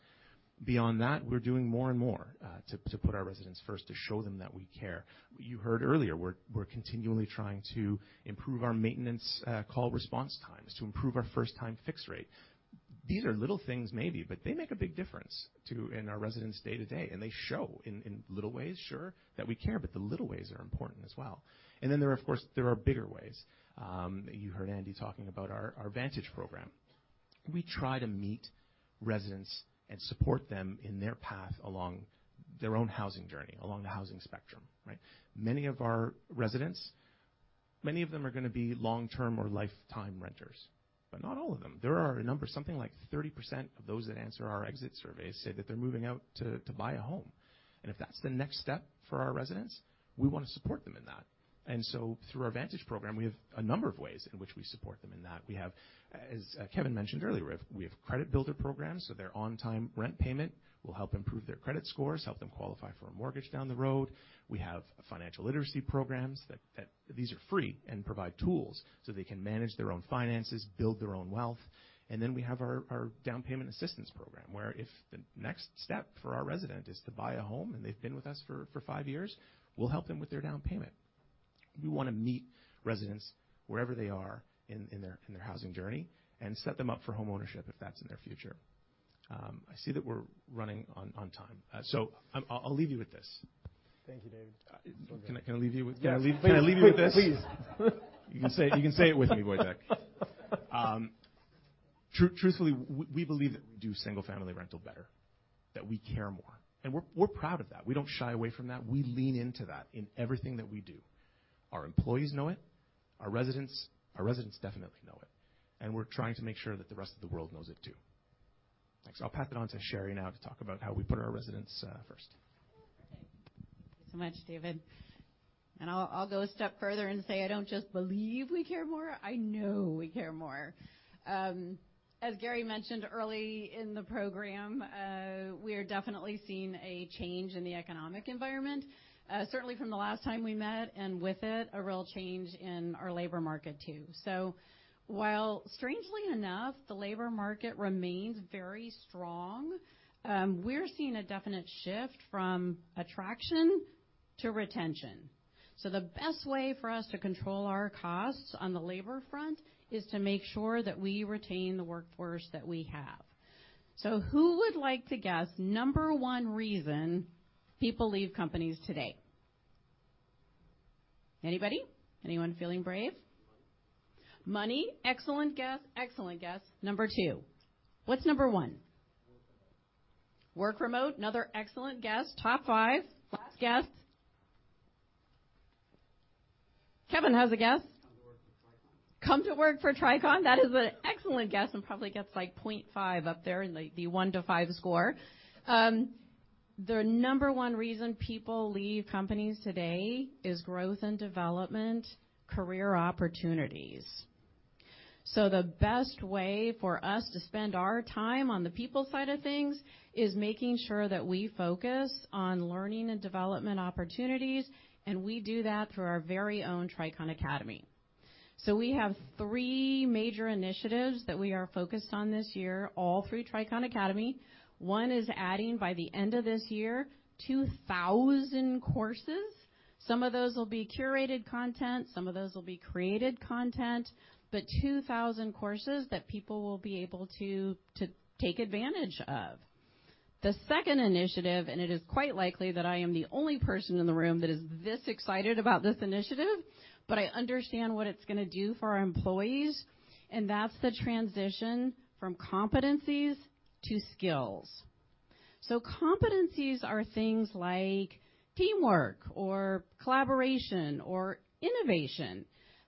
Beyond that, we're doing more and more to put our residents first to show them that we care. You heard earlier, we're continually trying to improve our maintenance call response times, to improve our first-time fix rate. These are little things maybe, but they make a big difference in our residents day-to-day, and they show in little ways, sure, that we care, but the little ways are important as well. There are, of course, bigger ways. You heard Andy talking about our Vantage program. We try to meet residents and support them in their path along their own housing journey, along the housing spectrum, right? Many of our residents, many of them are gonna be long-term or lifetime renters, but not all of them. There are a number, something like 30% of those that answer our exit surveys say that they're moving out to buy a home. If that's the next step for our residents, we wanna support them in that. Through our Vantage program, we have a number of ways in which we support them in that. We have, as Kevin mentioned earlier, we have credit builder programs, so their on-time rent payment will help improve their credit scores, help them qualify for a mortgage down the road. We have financial literacy programs that these are free and provide tools so they can manage their own finances, build their own wealth. We have our Resident Down Payment Assistance Program, where if the next step for our resident is to buy a home, and they've been with us for five years, we'll help them with their down payment. We wanna meet residents wherever they are in their housing journey and set them up for homeownership if that's in their future. I see that we're running on time. I'll leave you with this. Thank you, David. Can I leave you... Yes. Can I leave you with this? Please. You can say it with me, Wojtek. Truthfully, we believe that we do single-family rental better, that we care more, and we're proud of that. We don't shy away from that. We lean into that in everything that we do. Our employees know it, our residents definitely know it, and we're trying to make sure that the rest of the world knows it too. I'll pass it on to Sherrie now to talk about how we put our residents first. Okay. Thank you so much, David. I'll go a step further and say I don't just believe we care more. I know we care more. As Gary mentioned early in the program, we are definitely seeing a change in the economic environment, certainly from the last time we met, and with it, a real change in our labor market too. While strangely enough, the labor market remains very strong, we're seeing a definite shift from attraction to retention. The best way for us to control our costs on the labor front is to make sure that we retain the workforce that we have. Who would like to guess number 1 reason people leave companies today? Anybody? Anyone feeling brave? Money. Money. Excellent guess. Excellent guess. Number 2. What's number 1? Work remote. Work remote. Another excellent guess. Top five. Last guess. Kevin, how's the guess? Come to work for Tricon. Come to work for Tricon. That is an excellent guess and probably gets like 0.5 up there in like the 1-5 score. The number 1 reason people leave companies today is growth and development, career opportunities. The best way for us to spend our time on the people side of things is making sure that we focus on learning and development opportunities, and we do that through our very own Tricon Academy. We have 3 major initiatives that we are focused on this year, all through Tricon Academy. 1 is adding, by the end of this year, 2,000 courses. Some of those will be curated content, some of those will be created content, but 2,000 courses that people will be able to take advantage of. The second initiative, it is quite likely that I am the only person in the room that is this excited about this initiative, but I understand what it's gonna do for our employees, and that's the transition from competencies to skills. Competencies are things like teamwork or collaboration or innovation.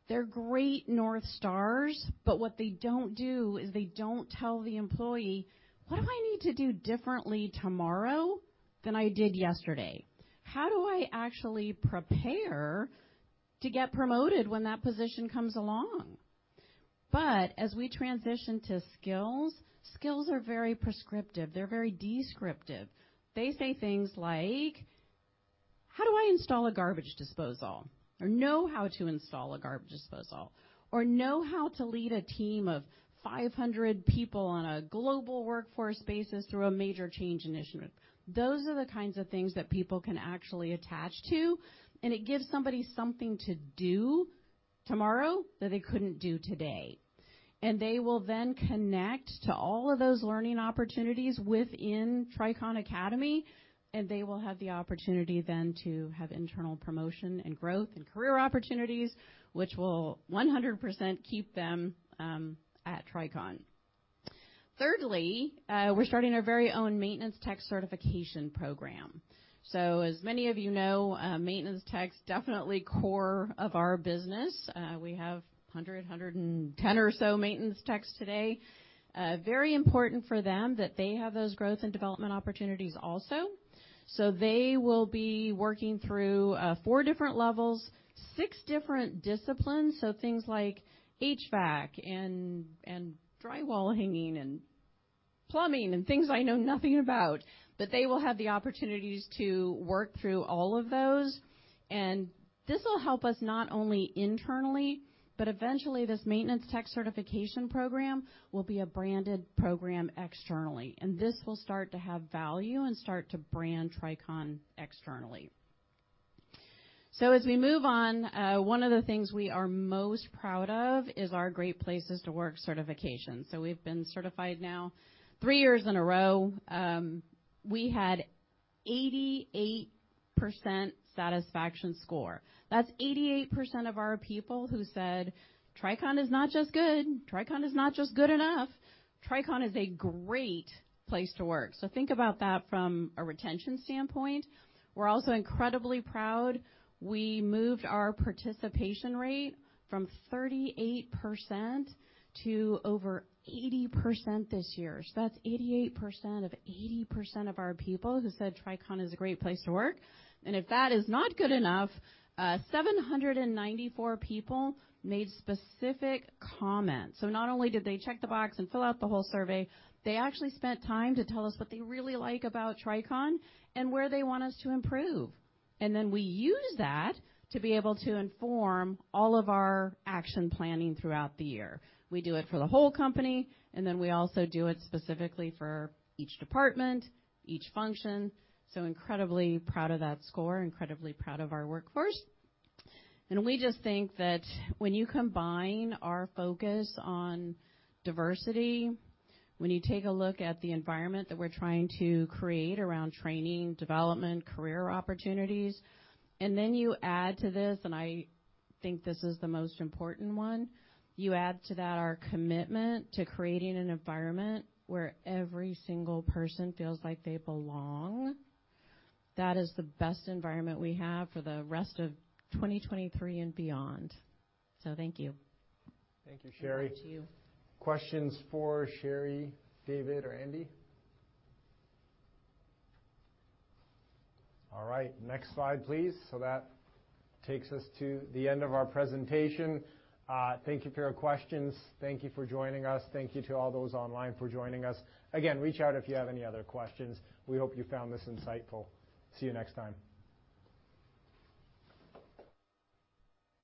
They're great north stars, but what they don't do is they don't tell the employee, "What do I need to do differently tomorrow than I did yesterday? How do I actually prepare to get promoted when that position comes along?" As we transition to skills are very prescriptive. They're very descriptive. They say things like, "How do I install a garbage disposal or know how to install a garbage disposal, or know how to lead a team of 500 people on a global workforce basis through a major change initiative?" Those are the kinds of things that people can actually attach to, and it gives somebody something to do tomorrow that they couldn't do today. They will then connect to all of those learning opportunities within Tricon Academy, and they will have the opportunity then to have internal promotion and growth and career opportunities, which will 100% keep them at Tricon. Thirdly, we're starting our very own maintenance tech certification program. As many of you know, maintenance tech's definitely core of our business. We have 110 or so maintenance techs today. Very important for them that they have those growth and development opportunities also. They will be working through 4 different levels, 6 different disciplines. Things like HVAC and drywall hanging and plumbing and things I know nothing about. They will have the opportunities to work through all of those. This will help us not only internally, but eventually, this maintenance tech certification program will be a branded program externally, and this will start to have value and start to brand Tricon externally. As we move on, one of the things we are most proud of is our Great Place To Work certification. We've been certified now 3 years in a row. We had 88% satisfaction score. That's 88% of our people who said Tricon is not just good, Tricon is not just good enough, Tricon is a Great Place To Work. We're also incredibly proud. We moved our participation rate from 38% to over 80% this year. That's 88% of 80% of our people who said Tricon is a Great Place To Work. If that is not good enough, 794 people made specific comments. Not only did they check the box and fill out the whole survey, they actually spent time to tell us what they really like about Tricon and where they want us to improve. We use that to be able to inform all of our action planning throughout the year. We do it for the whole company, and then we also do it specifically for each department, each function. Incredibly proud of that score, incredibly proud of our workforce. We just think that when you combine our focus on diversity, when you take a look at the environment that we're trying to create around training, development, career opportunities, and then you add to this, and I think this is the most important one, you add to that our commitment to creating an environment where every single person feels like they belong, that is the best environment we have for the rest of 2023 and beyond. Thank you. Thank you, Sherrie. Back to you. Questions for Sherrie, David, or Andy? All right, next slide, please. That takes us to the end of our presentation. Thank you for your questions. Thank you for joining us. Thank you to all those online for joining us. Again, reach out if you have any other questions. We hope you found this insightful. See you next time.